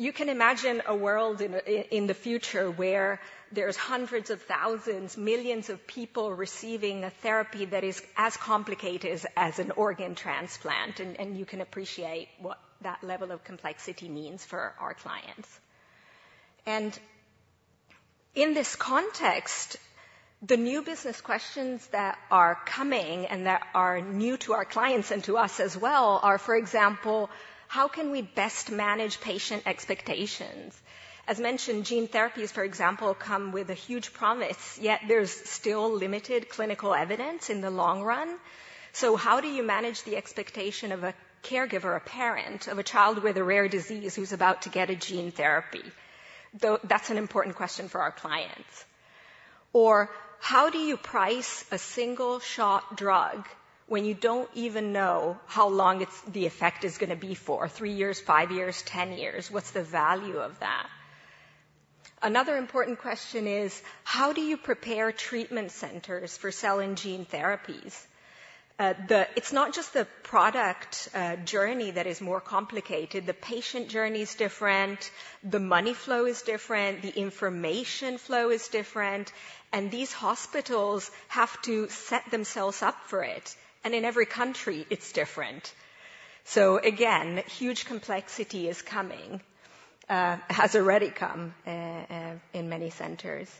you can imagine a world in the future where there's hundreds of thousands, millions of people receiving a therapy that is as complicated as an organ transplant, and you can appreciate what that level of complexity means for our clients. In this context, the new business questions that are coming and that are new to our clients and to us as well are, for example, how can we best manage patient expectations? As mentioned, gene therapies, for example, come with a huge promise, yet there's still limited clinical evidence in the long run. So how do you manage the expectation of a caregiver, a parent of a child with a rare disease who's about to get a gene therapy? Though that's an important question for our clients. Or how do you price a single-shot drug when you don't even know how long the effect is gonna be for? 3 years, 5 years, 10 years. What's the value of that? Another important question is, how do you prepare treatment centers for cell and gene therapies? It's not just the product journey that is more complicated. The patient journey is different, the money flow is different, the information flow is different, and these hospitals have to set themselves up for it, and in every country, it's different. So again, huge complexity is coming, has already come, in many centers.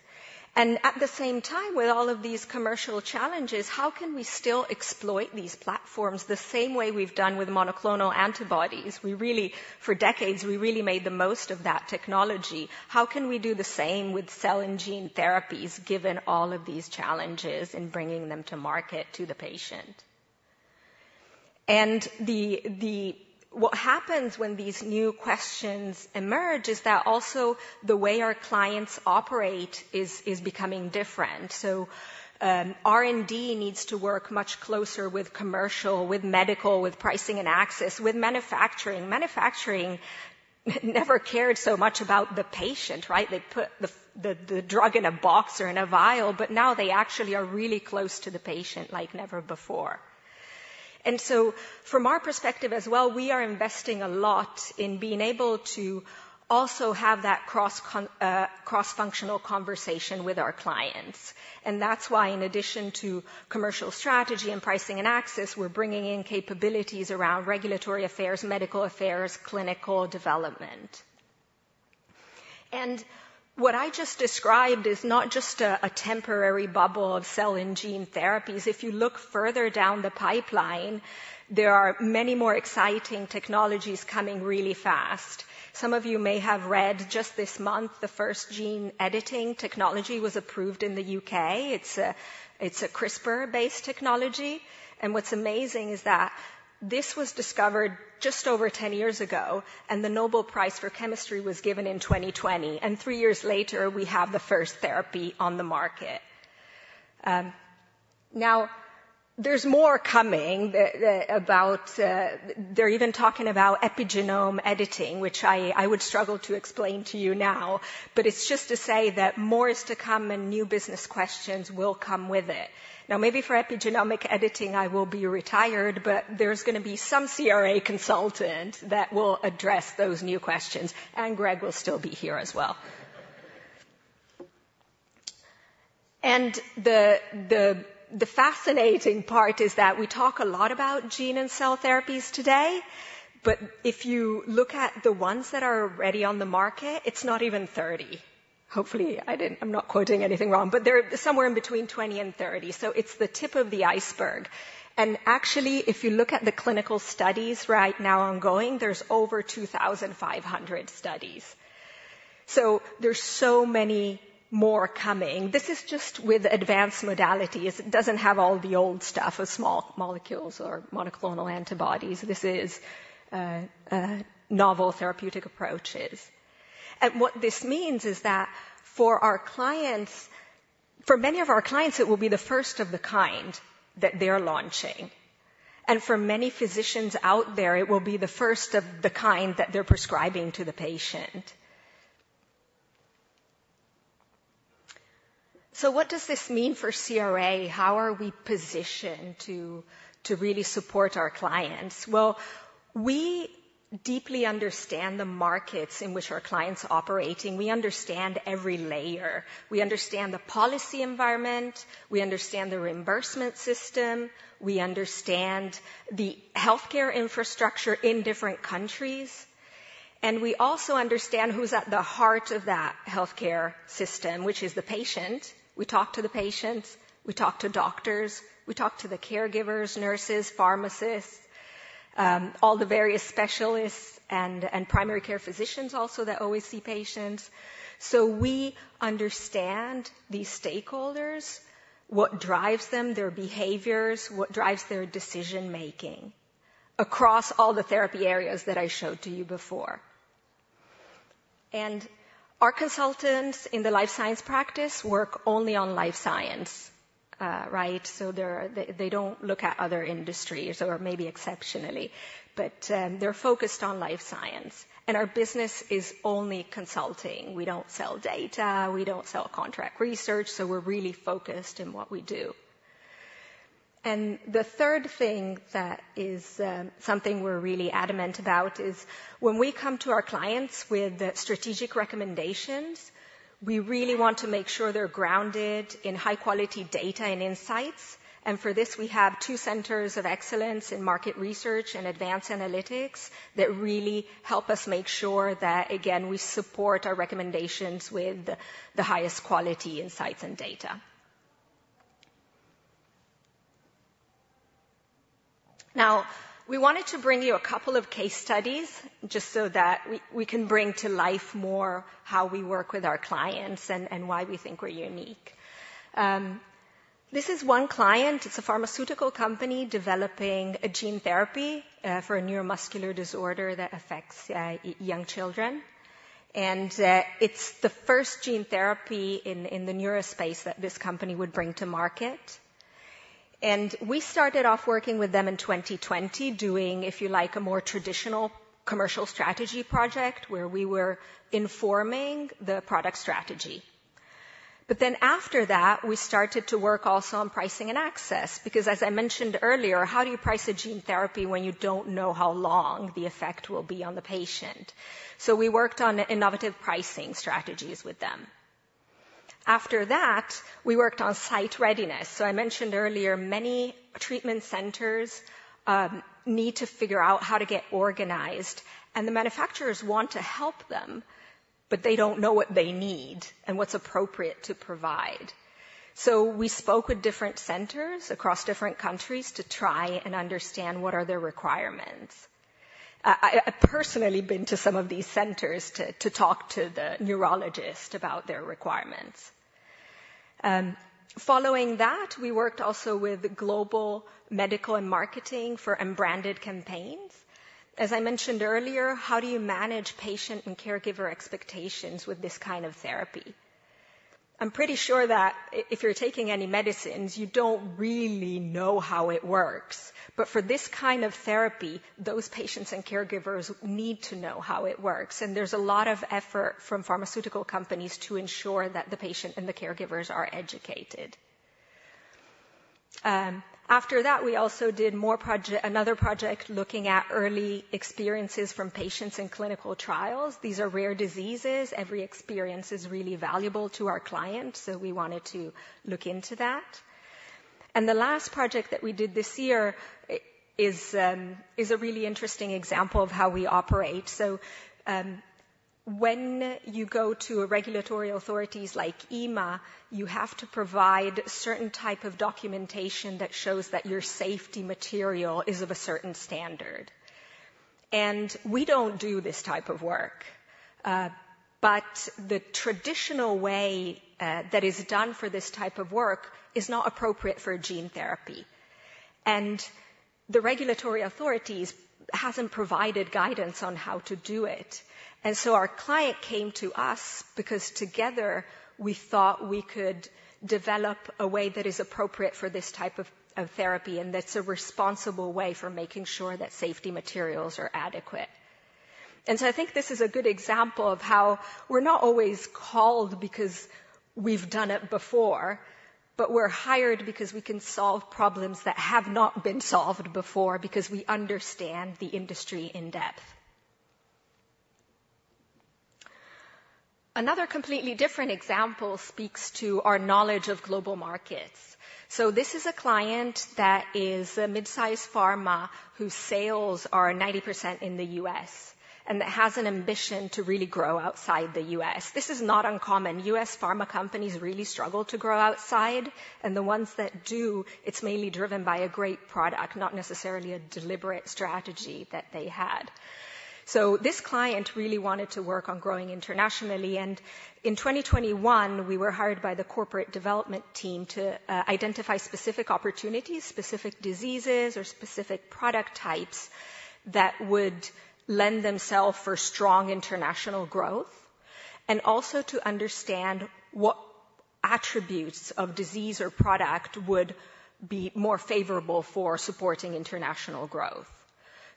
And at the same time, with all of these commercial challenges, how can we still exploit these platforms the same way we've done with monoclonal antibodies? We really, for decades, we really made the most of that technology. How can we do the same with cell and gene therapies, given all of these challenges in bringing them to market to the patient? What happens when these new questions emerge is that also the way our clients operate is becoming different. So, R&D needs to work much closer with commercial, with medical, with pricing and access, with manufacturing. Manufacturing never cared so much about the patient, right? They put the drug in a box or in a vial, but now they actually are really close to the patient like never before. And so from our perspective as well, we are investing a lot in being able to also have that cross-functional conversation with our clients. And that's why, in addition to commercial strategy and pricing and access, we're bringing in capabilities around regulatory affairs, medical affairs, clinical development. And what I just described is not just a temporary bubble of cell and gene therapies. If you look further down the pipeline, there are many more exciting technologies coming really fast. Some of you may have read just this month, the first gene editing technology was approved in the UK. It's a, it's a CRISPR-based technology, and what's amazing is that this was discovered just over 10 years ago, and the Nobel Prize for chemistry was given in 2020, and 3 years later, we have the first therapy on the market. Now, there's more coming, the, the, about... They're even talking about epigenome editing, which I, I would struggle to explain to you now, but it's just to say that more is to come and new business questions will come with it. Now, maybe for epigenomic editing, I will be retired, but there's gonna be some CRA consultant that will address those new questions, and Greg will still be here as well. And the, the, the fascinating part is that we talk a lot about gene and cell therapies today, but if you look at the ones that are already on the market, it's not even 30. Hopefully, I didn't. I'm not quoting anything wrong, but they're somewhere in between 20 and 30, so it's the tip of the iceberg. And actually, if you look at the clinical studies right now ongoing, there's over 2,500 studies. So there's so many more coming. This is just with advanced modalities. It doesn't have all the old stuff of small molecules or monoclonal antibodies. This is novel therapeutic approaches. And what this means is that for our clients, for many of our clients, it will be the first of the kind that they're launching. And for many physicians out there, it will be the first of the kind that they're prescribing to the patient. So what does this mean for CRA? How are we positioned to really support our clients? Well, we deeply understand the markets in which our clients operate, and we understand every layer. We understand the policy environment. We understand the reimbursement system. We understand the healthcare infrastructure in different countries, and we also understand who's at the heart of that healthcare system, which is the patient. We talk to the patients. We talk to doctors. We talk to the caregivers, nurses, pharmacists, all the various specialists and primary care physicians also that always see patients. So we understand these stakeholders, what drives them, their behaviors, what drives their decision-making across all the therapy areas that I showed to you before. And our consultants in the life science practice work only on life science, right? So they're, they don't look at other industries or maybe exceptionally, but, they're focused on life science, and our business is only consulting. We don't sell data. We don't sell contract research, so we're really focused in what we do. The third thing that is something we're really adamant about is when we come to our clients with strategic recommendations, we really want to make sure they're grounded in high-quality data and insights. For this, we have two centers of excellence in market research and advanced analytics that really help us make sure that, again, we support our recommendations with the highest quality insights and data. Now, we wanted to bring you a couple of case studies just so that we can bring to life more how we work with our clients and why we think we're unique. This is one client. It's a pharmaceutical company developing a gene therapy for a neuromuscular disorder that affects young children. It's the first gene therapy in the neuro space that this company would bring to market. We started off working with them in 2020, doing, if you like, a more traditional commercial strategy project, where we were informing the product strategy. But then after that, we started to work also on pricing and access because, as I mentioned earlier, how do you price a gene therapy when you don't know how long the effect will be on the patient? So we worked on innovative pricing strategies with them. After that, we worked on site readiness. I mentioned earlier, many treatment centers need to figure out how to get organized, and the manufacturers want to help them, but they don't know what they need and what's appropriate to provide. So we spoke with different centers across different countries to try and understand what are their requirements. I personally been to some of these centers to talk to the neurologist about their requirements. Following that, we worked also with global medical and marketing for unbranded campaigns. As I mentioned earlier, how do you manage patient and caregiver expectations with this kind of therapy? I'm pretty sure that if you're taking any medicines, you don't really know how it works. But for this kind of therapy, those patients and caregivers need to know how it works, and there's a lot of effort from pharmaceutical companies to ensure that the patient and the caregivers are educated. After that, we also did another project looking at early experiences from patients in clinical trials. These are rare diseases. Every experience is really valuable to our clients, so we wanted to look into that. And the last project that we did this year is a really interesting example of how we operate. So, when you go to regulatory authorities like EMA, you have to provide certain type of documentation that shows that your safety material is of a certain standard. And we don't do this type of work, but the traditional way that is done for this type of work is not appropriate for a gene therapy. And the regulatory authorities hasn't provided guidance on how to do it. And so our client came to us because together, we thought we could develop a way that is appropriate for this type of therapy, and that's a responsible way for making sure that safety materials are adequate. So I think this is a good example of how we're not always called because we've done it before, but we're hired because we can solve problems that have not been solved before, because we understand the industry in depth. Another completely different example speaks to our knowledge of global markets. So this is a client that is a mid-size pharma, whose sales are 90% in the US, and that has an ambition to really grow outside the US. This is not uncommon. US pharma companies really struggle to grow outside, and the ones that do, it's mainly driven by a great product, not necessarily a deliberate strategy that they had. So this client really wanted to work on growing internationally, and in 2021, we were hired by the corporate development team to identify specific opportunities, specific diseases, or specific product types that would lend themselves for strong international growth, and also to understand what attributes of disease or product would be more favorable for supporting international growth.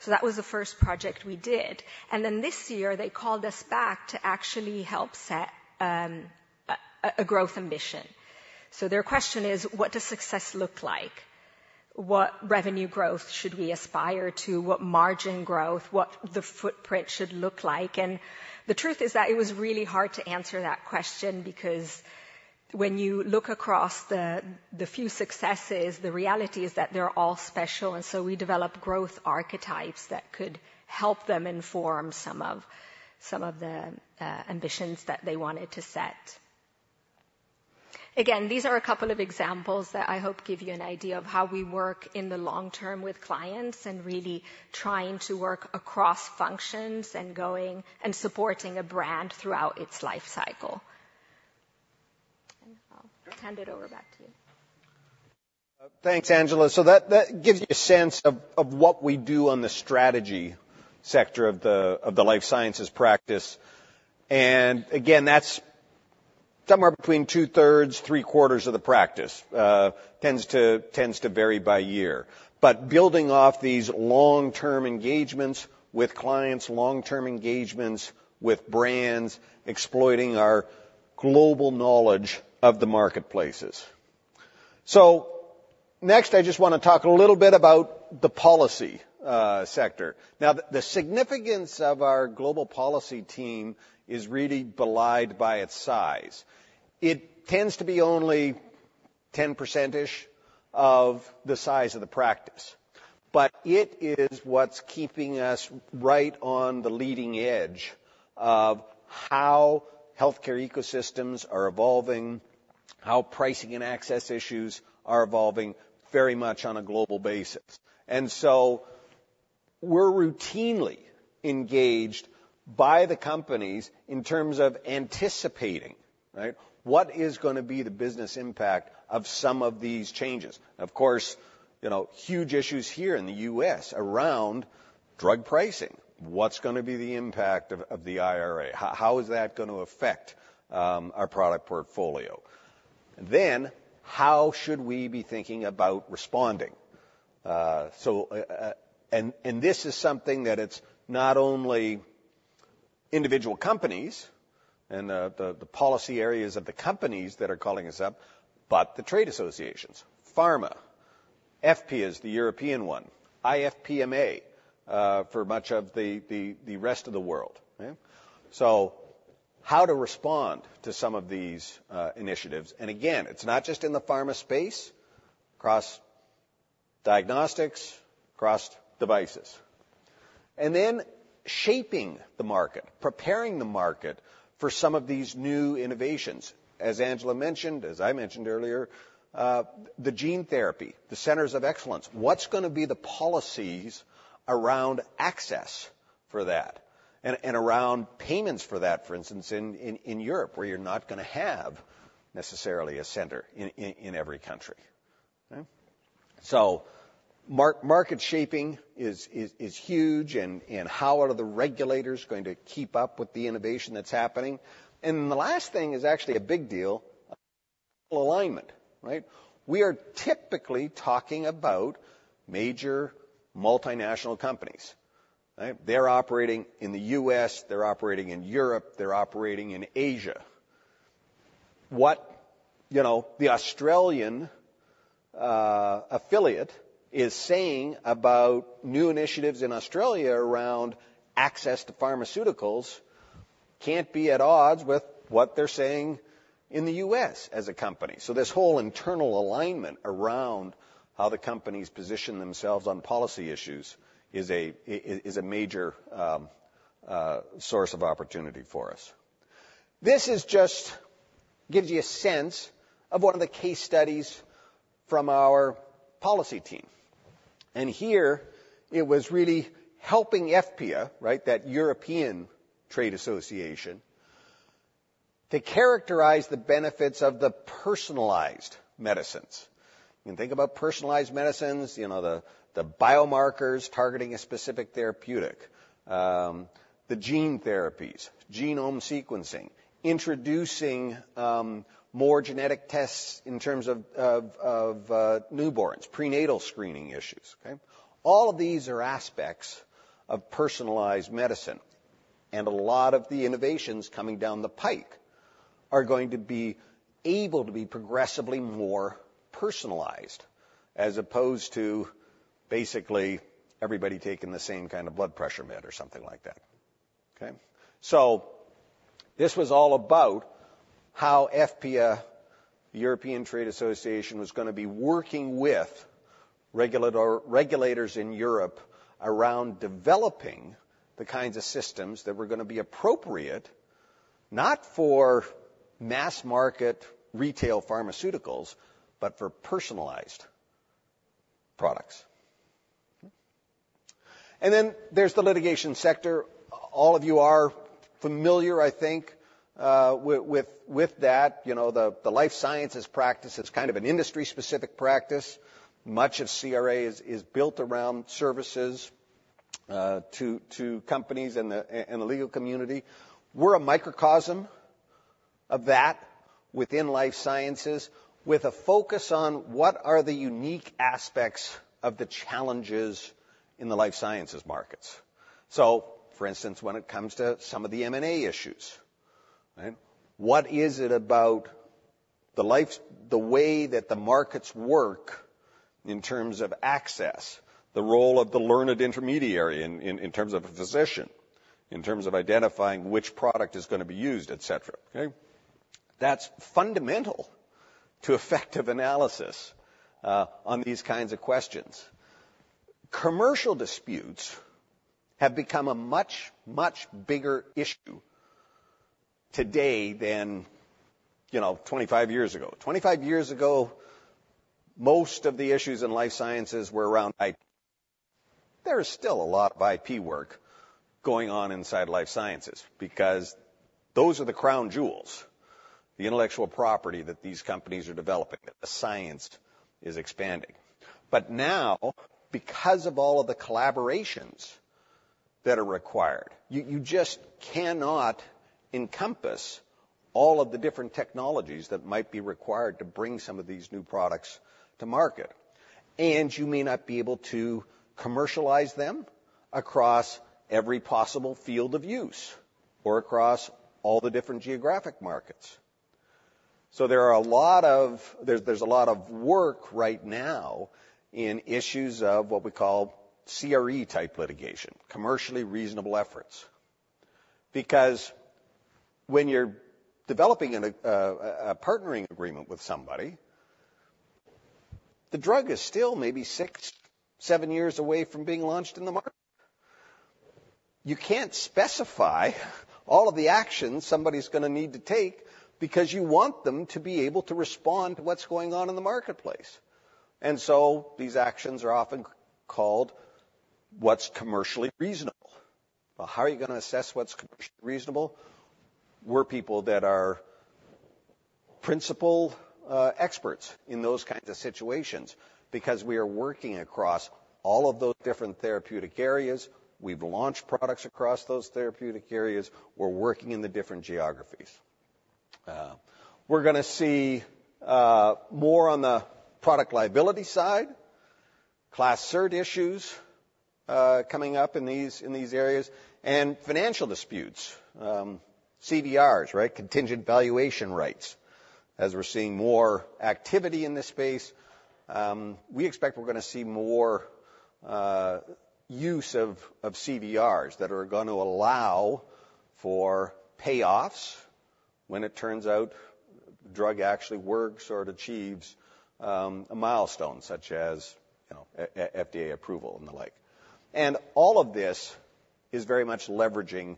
So that was the first project we did, and then this year, they called us back to actually help set a growth ambition. So their question is: What does success look like? What revenue growth should we aspire to? What margin growth, what the footprint should look like? And the truth is that it was really hard to answer that question because when you look across the few successes, the reality is that they're all special, and so we developed growth archetypes that could help them inform some of the ambitions that they wanted to set. Again, these are a couple of examples that I hope give you an idea of how we work in the long term with clients and really trying to work across functions and going, and supporting a brand throughout its life cycle. I'll hand it over back to you. Thanks, Angela. So that gives you a sense of what we do on the strategy sector of the life sciences practice. And again, that's somewhere between two-thirds, three-quarters of the practice, tends to vary by year. But building off these long-term engagements with clients, long-term engagements with brands, exploiting our global knowledge of the marketplaces. So next, I just wanna talk a little bit about the policy sector. Now, the significance of our global policy team is really belied by its size. It tends to be only 10%-ish of the size of the practice, but it is what's keeping us right on the leading edge of how healthcare ecosystems are evolving, how pricing and access issues are evolving, very much on a global basis. And so we're routinely engaged by the companies in terms of anticipating, right, what is gonna be the business impact of some of these changes? Of course, you know, huge issues here in the U.S. around drug pricing. What's gonna be the impact of the IRA? How is that gonna affect our product portfolio? Then, how should we be thinking about responding? And this is something that it's not only individual companies and the policy areas of the companies that are calling us up, but the trade associations, pharma. EFPIA is the European one, IFPMA for much of the rest of the world. Okay? So how to respond to some of these initiatives, and again, it's not just in the pharma space, across diagnostics, across devices. And then shaping the market, preparing the market for some of these new innovations. As Angela mentioned, as I mentioned earlier, the gene therapy, the centers of excellence, what's gonna be the policies around access for that and around payments for that, for instance, in Europe, where you're not gonna have necessarily a center in every country? Okay. So market shaping is huge, and how are the regulators going to keep up with the innovation that's happening? And the last thing is actually a big deal: alignment, right? We are typically talking about major multinational companies. Right? They're operating in the U.S., they're operating in Europe, they're operating in Asia. What, you know, the Australian affiliate is saying about new initiatives in Australia around access to pharmaceuticals can't be at odds with what they're saying in the U.S. as a company. So this whole internal alignment around how the companies position themselves on policy issues is a major source of opportunity for us. This is just... gives you a sense of one of the case studies from our policy team, and here it was really helping EFPIA, right, that European trade association, to characterize the benefits of the personalized medicines. When you think about personalized medicines, you know, the biomarkers targeting a specific therapeutic, the gene therapies, genome sequencing, introducing more genetic tests in terms of newborns, prenatal screening issues, okay? All of these are aspects of personalized medicine, and a lot of the innovations coming down the pike are going to be able to be progressively more personalized, as opposed to basically everybody taking the same kind of blood pressure med or something like that. Okay? So this was all about how EFPIA, the European Trade Association, was gonna be working with regulators in Europe around developing the kinds of systems that were gonna be appropriate, not for mass market retail pharmaceuticals, but for personalized products. And then there's the litigation sector. All of you are familiar, I think, with that. You know, the life sciences practice, it's kind of an industry-specific practice. Much of CRA is built around services to companies and the legal community. We're a microcosm of that within life sciences, with a focus on: what are the unique aspects of the challenges in the life sciences markets? So for instance, when it comes to some of the M&A issues, right, what is it about the life... the way that the markets work in terms of access, the role of the Learned Intermediary in terms of a physician, in terms of identifying which product is gonna be used, et cetera? Okay. That's fundamental to effective analysis on these kinds of questions. Commercial disputes have become a much, much bigger issue today than, you know, 25 years ago. 25 years ago, most of the issues in life sciences were around IP. There is still a lot of IP work going on inside life sciences, because those are the crown jewels, the intellectual property that these companies are developing, that the science is expanding. But now, because of all of the collaborations that are required, you just cannot encompass all of the different technologies that might be required to bring some of these new products to market, and you may not be able to commercialize them... across every possible field of use or across all the different geographic markets. So there is a lot of work right now in issues of what we call CRE-type litigation, commercially reasonable efforts. Because when you're developing a partnering agreement with somebody, the drug is still maybe 6, 7 years away from being launched in the market. You can't specify all of the actions somebody's gonna need to take because you want them to be able to respond to what's going on in the marketplace. And so these actions are often called what's commercially reasonable. But how are you gonna assess what's commercially reasonable? We're people that are principal experts in those kinds of situations because we are working across all of those different therapeutic areas. We've launched products across those therapeutic areas. We're working in the different geographies. We're gonna see more on the product liability side, class cert issues coming up in these, in these areas, and financial disputes, CVRs, right, contingent valuation rights. As we're seeing more activity in this space, we expect we're gonna see more, use of, of CVRs that are gonna allow for payoffs when it turns out the drug actually works or it achieves, a milestone, such as, you know, a FDA approval and the like. And all of this is very much leveraging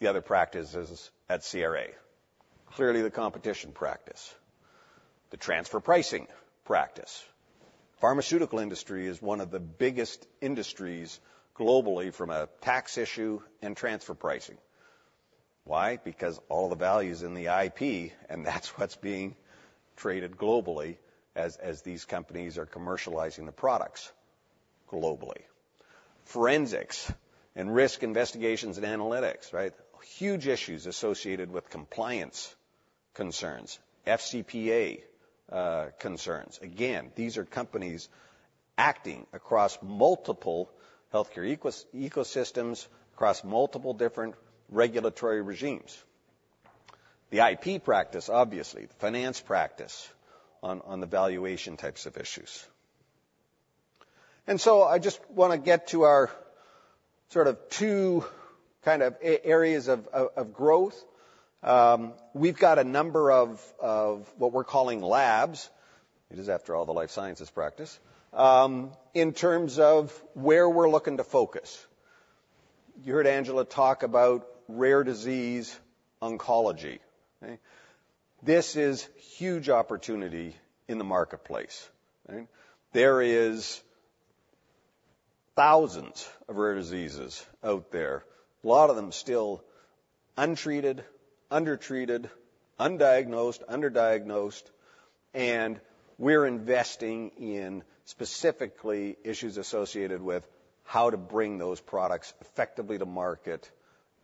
the other practices at CRA. Clearly, the competition practice, the transfer pricing practice. Pharmaceutical industry is one of the biggest industries globally from a tax issue and transfer pricing. Why? Because all the value is in the IP, and that's what's being traded globally as, as these companies are commercializing the products globally. Forensics and risk investigations and analytics, right? Huge issues associated with compliance concerns, FCPA, concerns. Again, these are companies acting across multiple healthcare ecosystems, across multiple different regulatory regimes. The IP practice, obviously, the finance practice on the valuation types of issues. So I just wanna get to our sort of two kind of areas of growth. We've got a number of what we're calling labs, it is, after all, the life sciences practice, in terms of where we're looking to focus. You heard Angela talk about rare disease oncology, okay? This is huge opportunity in the marketplace, okay? There is thousands of rare diseases out there, a lot of them still untreated, undertreated, undiagnosed, underdiagnosed, and we're investing in specifically issues associated with how to bring those products effectively to market,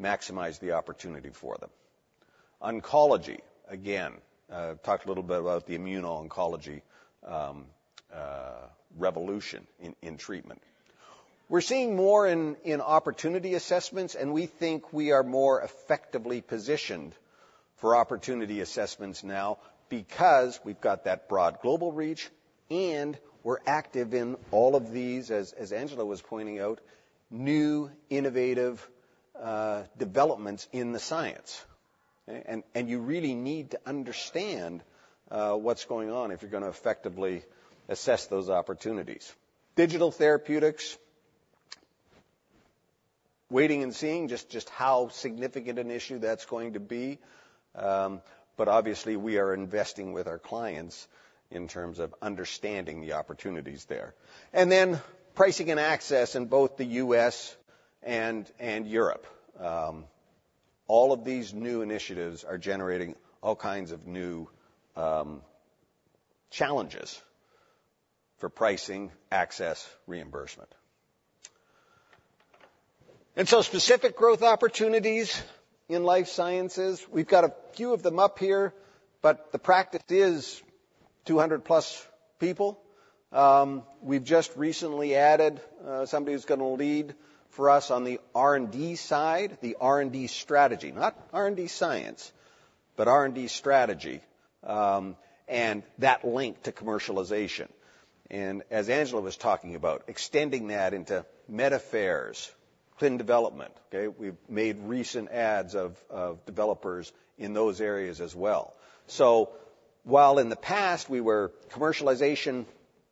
maximize the opportunity for them. Oncology, again, talked a little bit about the immuno-oncology revolution in treatment. We're seeing more in opportunity assessments, and we think we are more effectively positioned for opportunity assessments now because we've got that broad global reach, and we're active in all of these, as Angela was pointing out, new innovative developments in the science. And you really need to understand what's going on if you're gonna effectively assess those opportunities. Digital therapeutics, waiting and seeing just how significant an issue that's going to be, but obviously, we are investing with our clients in terms of understanding the opportunities there. And then, pricing and access in both the U.S. and Europe. All of these new initiatives are generating all kinds of new challenges for pricing, access, reimbursement. And so specific growth opportunities in life sciences, we've got a few of them up here, but the practice is 200+ people. We've just recently added somebody who's gonna lead for us on the R&D side, the R&D strategy, not R&D science, but R&D strategy, and that link to commercialization. And as Angela was talking about, extending that into med affairs, clin development, okay? We've made recent adds of developers in those areas as well. So while in the past we were commercialization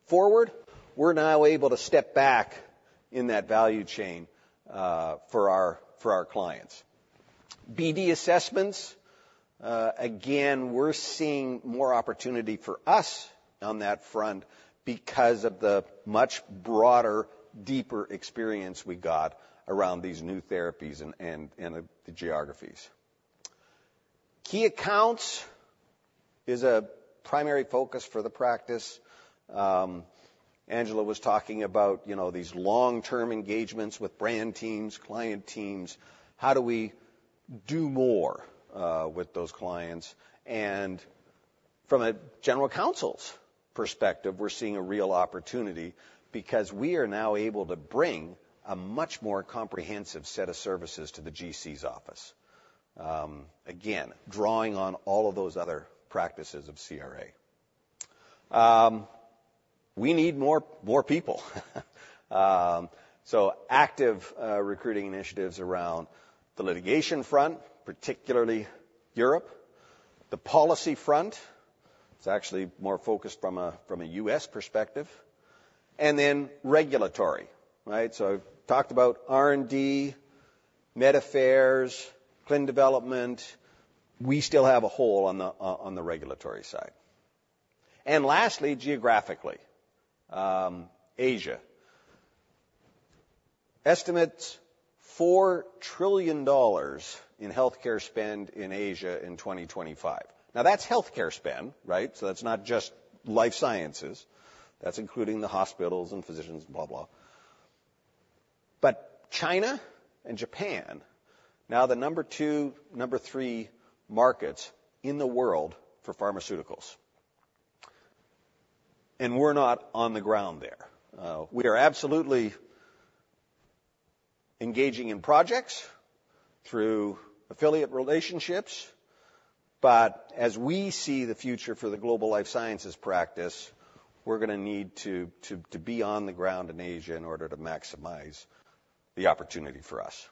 forward, we're now able to step back in that value chain for our clients. BD assessments, again, we're seeing more opportunity for us on that front because of the much broader, deeper experience we got around these new therapies and the geographies. Key accounts is a primary focus for the practice. Angela was talking about, you know, these long-term engagements with brand teams, client teams. How do we do more with those clients and from a General Counsel's perspective, we're seeing a real opportunity because we are now able to bring a much more comprehensive set of services to the GC's office. Again, drawing on all of those other practices of CRA. We need more people. So active recruiting initiatives around the litigation front, particularly Europe, the policy front, it's actually more focused from a US perspective, and then regulatory, right? So I've talked about R&D, med affairs, clin development. We still have a hole on the regulatory side. And lastly, geographically, Asia. Estimate $4 trillion in healthcare spend in Asia in 2025. Now, that's healthcare spend, right? So that's not just life sciences. That's including the hospitals and physicians, blah, blah. But China and Japan, now the number two, number three markets in the world for pharmaceuticals, and we're not on the ground there. We are absolutely engaging in projects through affiliate relationships, but as we see the future for the global life sciences practice, we're gonna need to be on the ground in Asia in order to maximize the opportunity for us.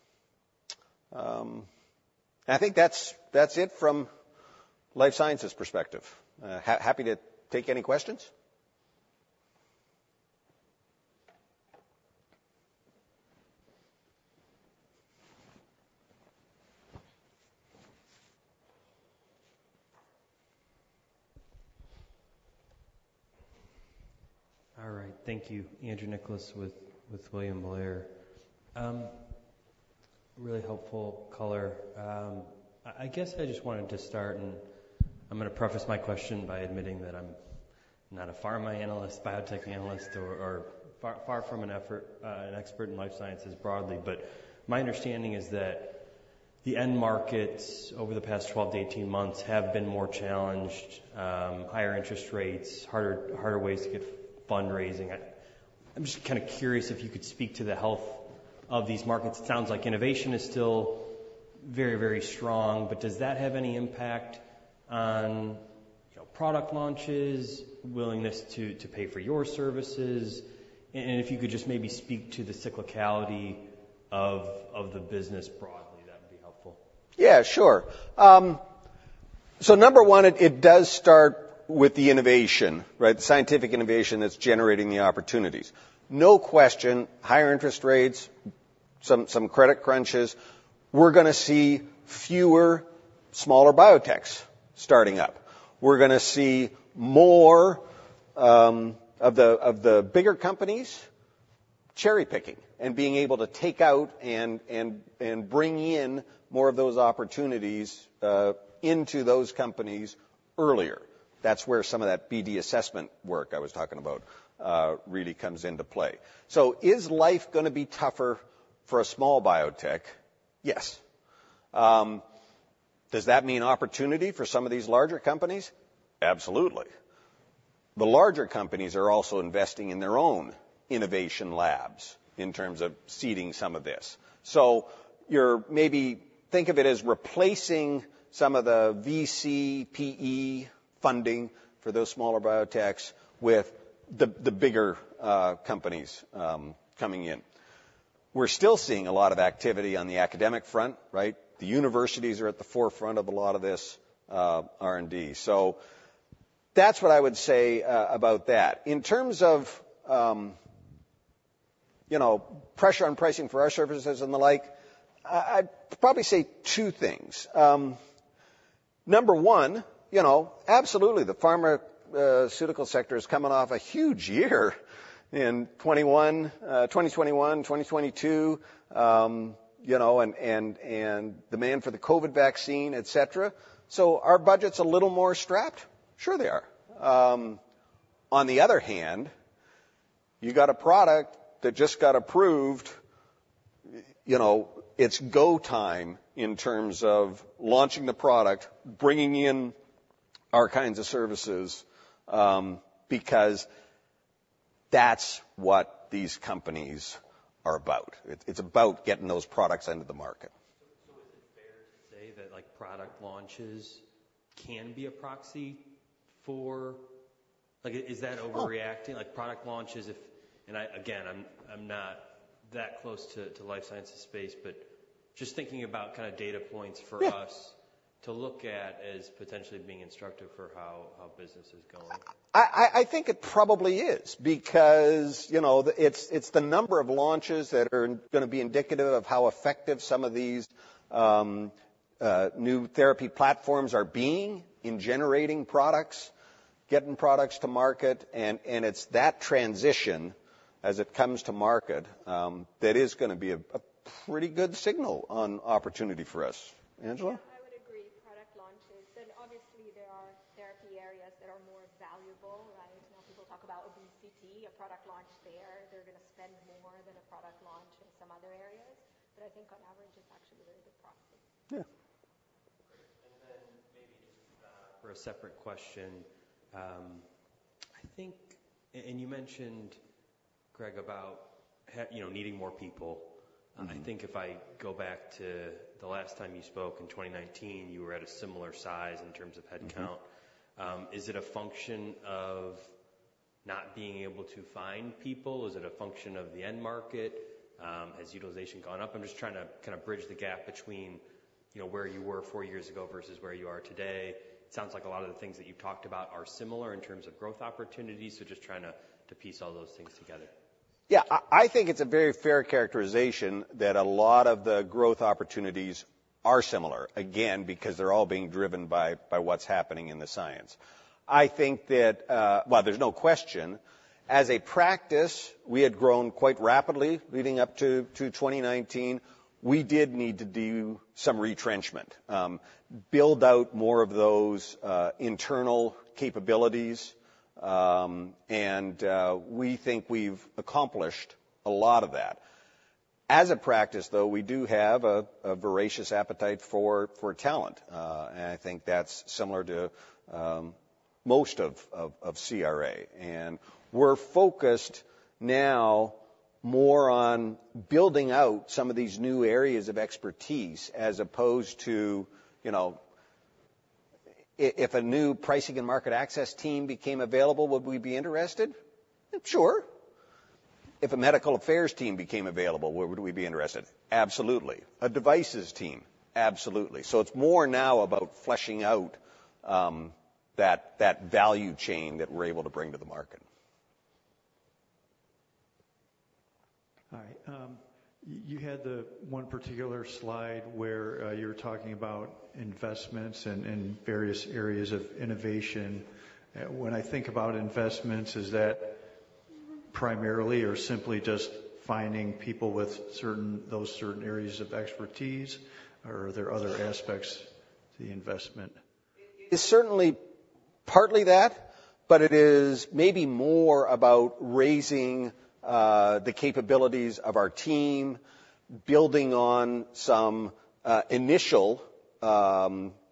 I think that's it from life sciences perspective. Happy to take any questions. All right. Thank you. Andrew Nicholas with William Blair. Really helpful color. I guess I just wanted to start, and I'm gonna preface my question by admitting that I'm not a Pharma Analyst, Biotech Analyst, or far from an expert in life sciences broadly. But my understanding is that the end markets over the past 12-18 months have been more challenged, higher interest rates, harder ways to get fundraising. I'm just kinda curious if you could speak to the health of these markets. It sounds like innovation is still very, very strong, but does that have any impact on, you know, product launches, willingness to pay for your services? And if you could just maybe speak to the cyclicality of the business broadly, that would be helpful. Yeah, sure. So number one, it does start with the innovation, right? The scientific innovation that's generating the opportunities. No question, higher interest rates, credit crunches, we're gonna see fewer smaller biotechs starting up. We're gonna see more of the bigger companies cherry-picking and being able to take out and bring in more of those opportunities into those companies earlier. That's where some of that BD assessment work I was talking about really comes into play. So is life gonna be tougher for a small biotech? Yes. Does that mean opportunity for some of these larger companies? Absolutely. The larger companies are also investing in their own innovation labs in terms of seeding some of this. So you're maybe think of it as replacing some of the VC, PE funding for those smaller biotechs with the, the bigger, companies, coming in. We're still seeing a lot of activity on the academic front, right? The universities are at the forefront of a lot of this, R&D. So that's what I would say, about that. In terms of, you know, pressure on pricing for our services and the like, I, I'd probably say two things. Number one, you know, absolutely, the pharmaceutical sector is coming off a huge year in 2021, 2021, 2022, you know, and, and, and demand for the COVID vaccine, et cetera. So are budgets a little more strapped? Sure, they are. On the other hand, you got a product that just got approved, you know, it's go time in terms of launching the product, bringing in our kinds of services, because that's what these companies are about. It's about getting those products into the market. Is it fair to say that, like, product launches can be a proxy for... Like, is that overreacting? Sure. Like, product launches, if—and I, again, I'm not that close to life sciences space, but just thinking about kinda data points for us- Yeah... to look at as potentially being instructive for how business is going. I think it probably is because, you know, it's the number of launches that are gonna be indicative of how effective some of these new therapy platforms are being in generating products, getting products to market, and it's that transition as it comes to market that is gonna be a pretty good signal on opportunity for us. Angela? Yeah, I would agree, product launches, and obviously, there are therapy areas that-... valuable, right? You know, people talk about obesity, a product launch there, they're gonna spend more than a product launch in some other areas. But I think on average, it's actually a very good process. Yeah. And then maybe, for a separate question, I think and you mentioned, Greg, about having, you know, needing more people. Mm-hmm. I think if I go back to the last time you spoke in 2019, you were at a similar size in terms of headcount. Mm-hmm. Is it a function of not being able to find people? Is it a function of the end market? Has utilization gone up? I'm just trying to kind of bridge the gap between, you know, where you were four years ago versus where you are today. It sounds like a lot of the things that you've talked about are similar in terms of growth opportunities, so just trying to, to piece all those things together. Yeah, I think it's a very fair characterization that a lot of the growth opportunities are similar, again, because they're all being driven by what's happening in the science. I think that while there's no question, as a practice, we had grown quite rapidly leading up to 2019. We did need to do some retrenchment, build out more of those internal capabilities. And we think we've accomplished a lot of that. As a practice, though, we do have a voracious appetite for talent, and I think that's similar to most of CRA. And we're focused now more on building out some of these new areas of expertise as opposed to, you know... If a new pricing and market access team became available, would we be interested? Sure. If a medical affairs team became available, would we be interested? Absolutely. A devices team? Absolutely. It's more now about fleshing out that value chain that we're able to bring to the market. All right. You had the one particular slide where you were talking about investments and various areas of innovation. When I think about investments, is that primarily or simply just finding people with certain, those certain areas of expertise, or are there other aspects to the investment? It's certainly partly that, but it is maybe more about raising the capabilities of our team, building on some initial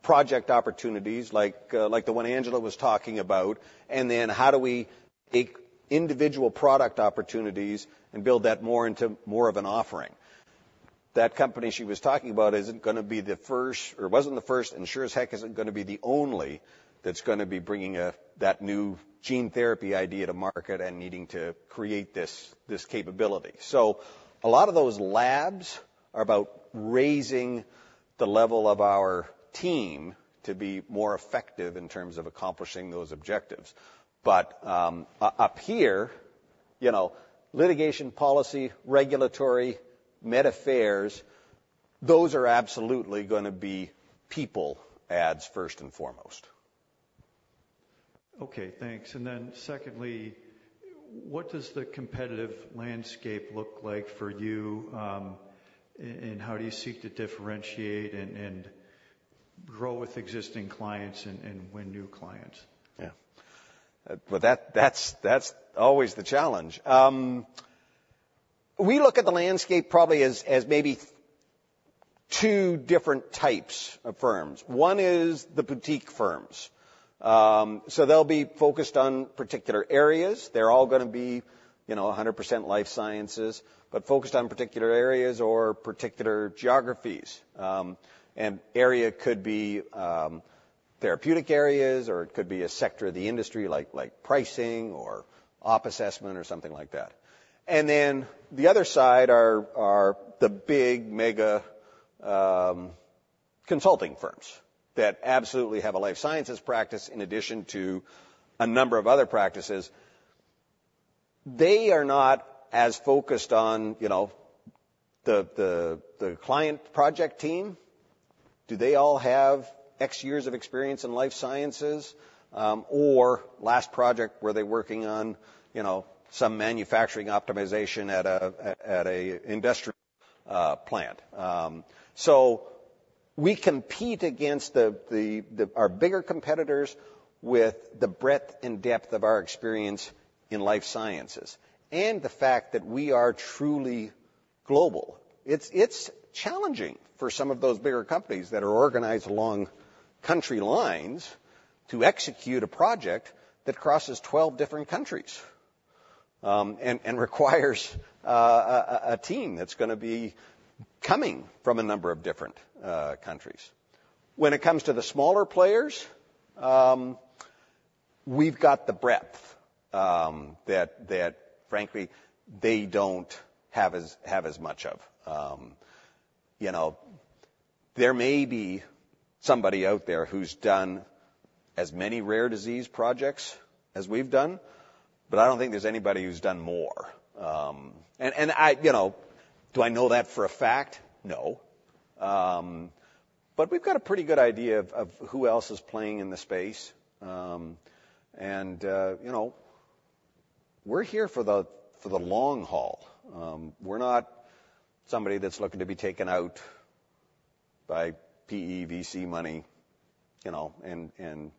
project opportunities like the one Angela was talking about. And then how do we take individual product opportunities and build that more into more of an offering? That company she was talking about isn't gonna be the first or wasn't the first, and sure as heck isn't gonna be the only that's gonna be bringing that new gene therapy idea to market and needing to create this capability. So a lot of those labs are about raising the level of our team to be more effective in terms of accomplishing those objectives. But up here, you know, litigation, policy, regulatory, med affairs, those are absolutely gonna be people adds first and foremost. Okay, thanks. And then secondly, what does the competitive landscape look like for you, and how do you seek to differentiate and grow with existing clients and win new clients? Yeah. Well, that's always the challenge. We look at the landscape probably as maybe two different types of firms. One is the boutique firms. So they'll be focused on particular areas. They're all gonna be, you know, 100% life sciences, but focused on particular areas or particular geographies. And area could be therapeutic areas, or it could be a sector of the industry, like pricing or opp assessment or something like that. And then the other side are the big mega consulting firms that absolutely have a life sciences practice in addition to a number of other practices. They are not as focused on, you know, the client project team. Do they all have X years of experience in life sciences? or last project, were they working on, you know, some manufacturing optimization at a an industrial plant? So we compete against our bigger competitors with the breadth and depth of our experience in life sciences and the fact that we are truly global. It's challenging for some of those bigger companies that are organized along country lines to execute a project that crosses 12 different countries, and requires a team that's gonna be coming from a number of different countries. When it comes to the smaller players, we've got the breadth that frankly, they don't have as much of. You know, there may be somebody out there who's done as many rare disease projects as we've done, but I don't think there's anybody who's done more. And I... You know, do I know that for a fact? No. But we've got a pretty good idea of who else is playing in the space. And you know, we're here for the long haul. We're not somebody that's looking to be taken out by PE, VC money, you know, in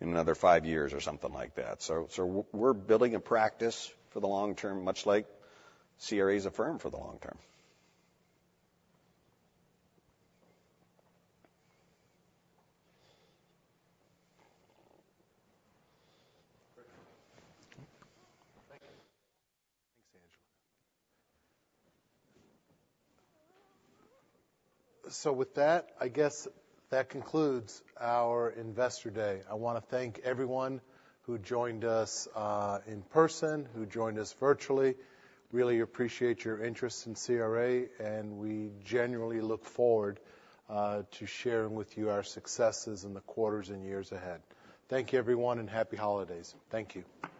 another five years or something like that. So, we're building a practice for the long term, much like CRA is a firm for the long term. Great. Thank you. Thanks, Angela. So with that, I guess that concludes our Investor Day. I wanna thank everyone who joined us in person, who joined us virtually. Really appreciate your interest in CRA, and we genuinely look forward to sharing with you our successes in the quarters and years ahead. Thank you, everyone, and happy holidays. Thank you.